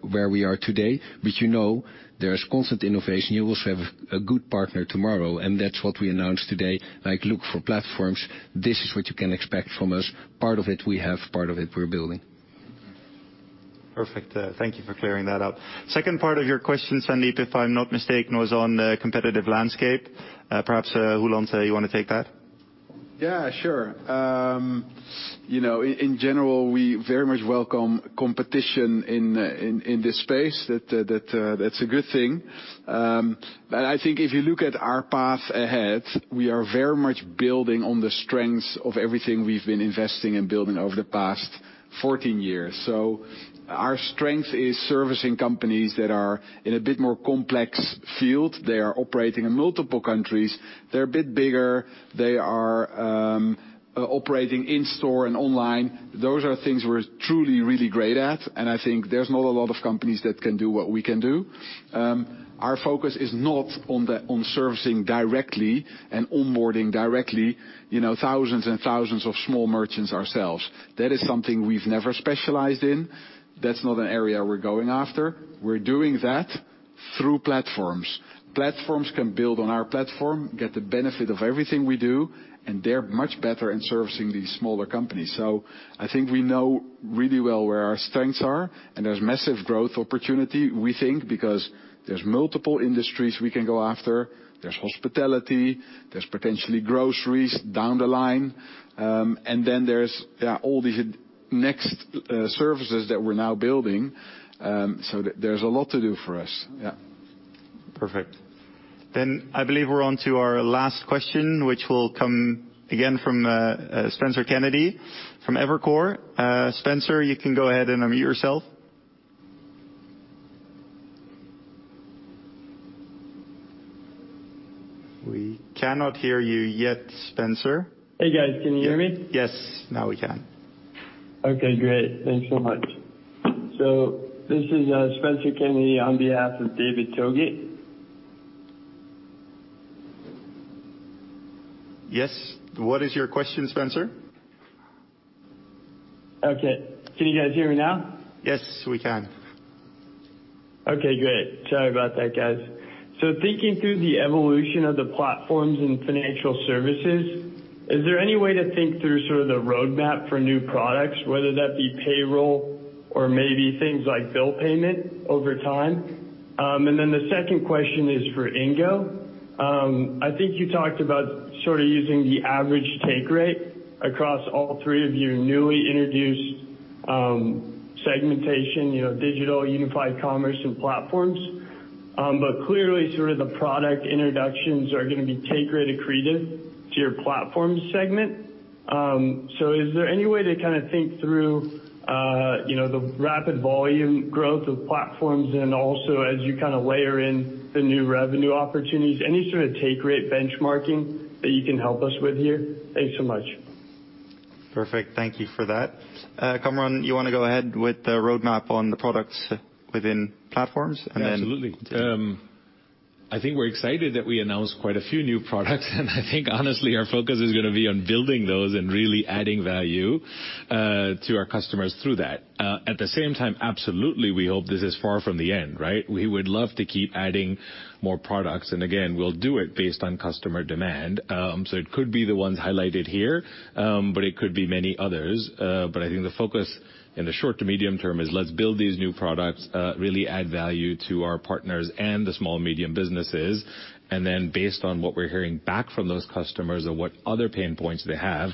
where we are today, but you know there's constant innovation. You also have a good partner tomorrow, and that's what we announced today. Like, look for platforms. This is what you can expect from us. Part of it we have, part of it we're building. Perfect. Thank you for clearing that up. Second part of your question, Sandeep, if I'm not mistaken, was on the competitive landscape. Perhaps, Roelant, you wanna take that? Yeah, sure. You know, in general, we very much welcome competition in this space. That's a good thing. But I think if you look at our path ahead, we are very much building on the strengths of everything we've been investing and building over the past 14 years. Our strength is servicing companies that are in a bit more complex field. They are operating in multiple countries. They're a bit bigger. They are operating in-store and online. Those are things we're truly, really great at, and I think there's not a lot of companies that can do what we can do. Our focus is not on servicing directly and onboarding directly, you know, thousands and thousands of small merchants ourselves. That is something we've never specialized in. That's not an area we're going after. We're doing that through platforms. Platforms can build on our platform, get the benefit of everything we do, and they're much better in servicing these smaller companies. I think we know really well where our strengths are, and there's massive growth opportunity we think because there's multiple industries we can go after. There's hospitality, there's potentially groceries down the line, and then there's all these next services that we're now building. There's a lot to do for us. Perfect. I believe we're on to our last question, which will come again from Spencer Kennedy from Evercore. Spencer, you can go ahead and unmute yourself. We cannot hear you yet, Spencer. Hey, guys. Can you hear me? Yes. Now we can. Okay, great. Thanks so much. This is Spencer Kennedy on behalf of David Togut. Yes. What is your question, Spencer? Okay. Can you guys hear me now? Yes, we can. Okay, great. Sorry about that, guys. Thinking through the evolution of the platforms and financial services, is there any way to think through sort of the roadmap for new products, whether that be payroll or maybe things like bill payment over time? The second question is for Ingo. I think you talked about sort of using the average take rate across all three of your newly introduced segmentation, you know, digital unified commerce and platforms. Clearly sort of the product introductions are gonna be take rate accretive to your platform segment. Is there any way to kind of think through, you know, the rapid volume growth of platforms and also as you kind of layer in the new revenue opportunities, any sort of take rate benchmarking that you can help us with here? Thanks so much. Perfect. Thank you for that. Kamran, you wanna go ahead with the roadmap on the products within platforms and then- Absolutely. I think we're excited that we announced quite a few new products, and I think honestly our focus is gonna be on building those and really adding value to our customers through that. At the same time, absolutely, we hope this is far from the end, right? We would love to keep adding more products, and again, we'll do it based on customer demand. It could be the ones highlighted here, but it could be many others. I think the focus in the short to medium term is let's build these new products, really add value to our partners and the small-medium businesses. Then based on what we're hearing back from those customers on what other pain points they have,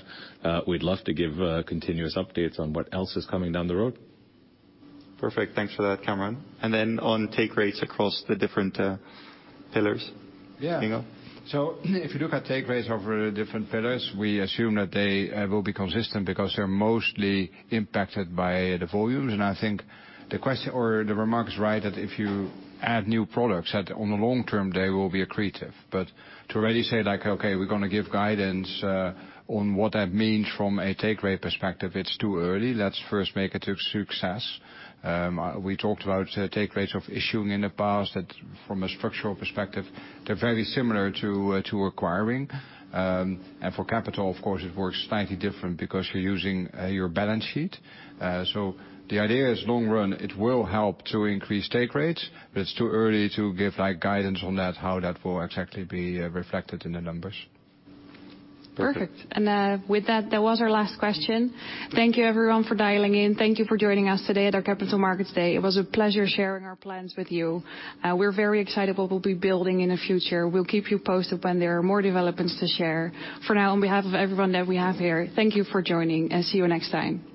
we'd love to give continuous updates on what else is coming down the road. Perfect. Thanks for that, Kamran. On take rates across the different pillars. Yeah. Ingo? If you look at take rates over the different pillars, we assume that they will be consistent because they're mostly impacted by the volumes. I think the remark is right, that if you add new products, that on the long term they will be accretive. To already say like, "Okay, we're gonna give guidance on what that means from a take rate perspective," it's too early. Let's first make it a success. We talked about take rates of issuing in the past that from a structural perspective they're very similar to acquiring. For Capital, of course, it works slightly different because you're using your balance sheet. The idea is long run it will help to increase take rates, but it's too early to give, like, guidance on that, how that will exactly be reflected in the numbers. Perfect. Perfect. With that was our last question. Thank you everyone for dialing in. Thank you for joining us today at our Capital Markets Day. It was a pleasure sharing our plans with you. We're very excited what we'll be building in the future. We'll keep you posted when there are more developments to share. For now, on behalf of everyone that we have here, thank you for joining and see you next time.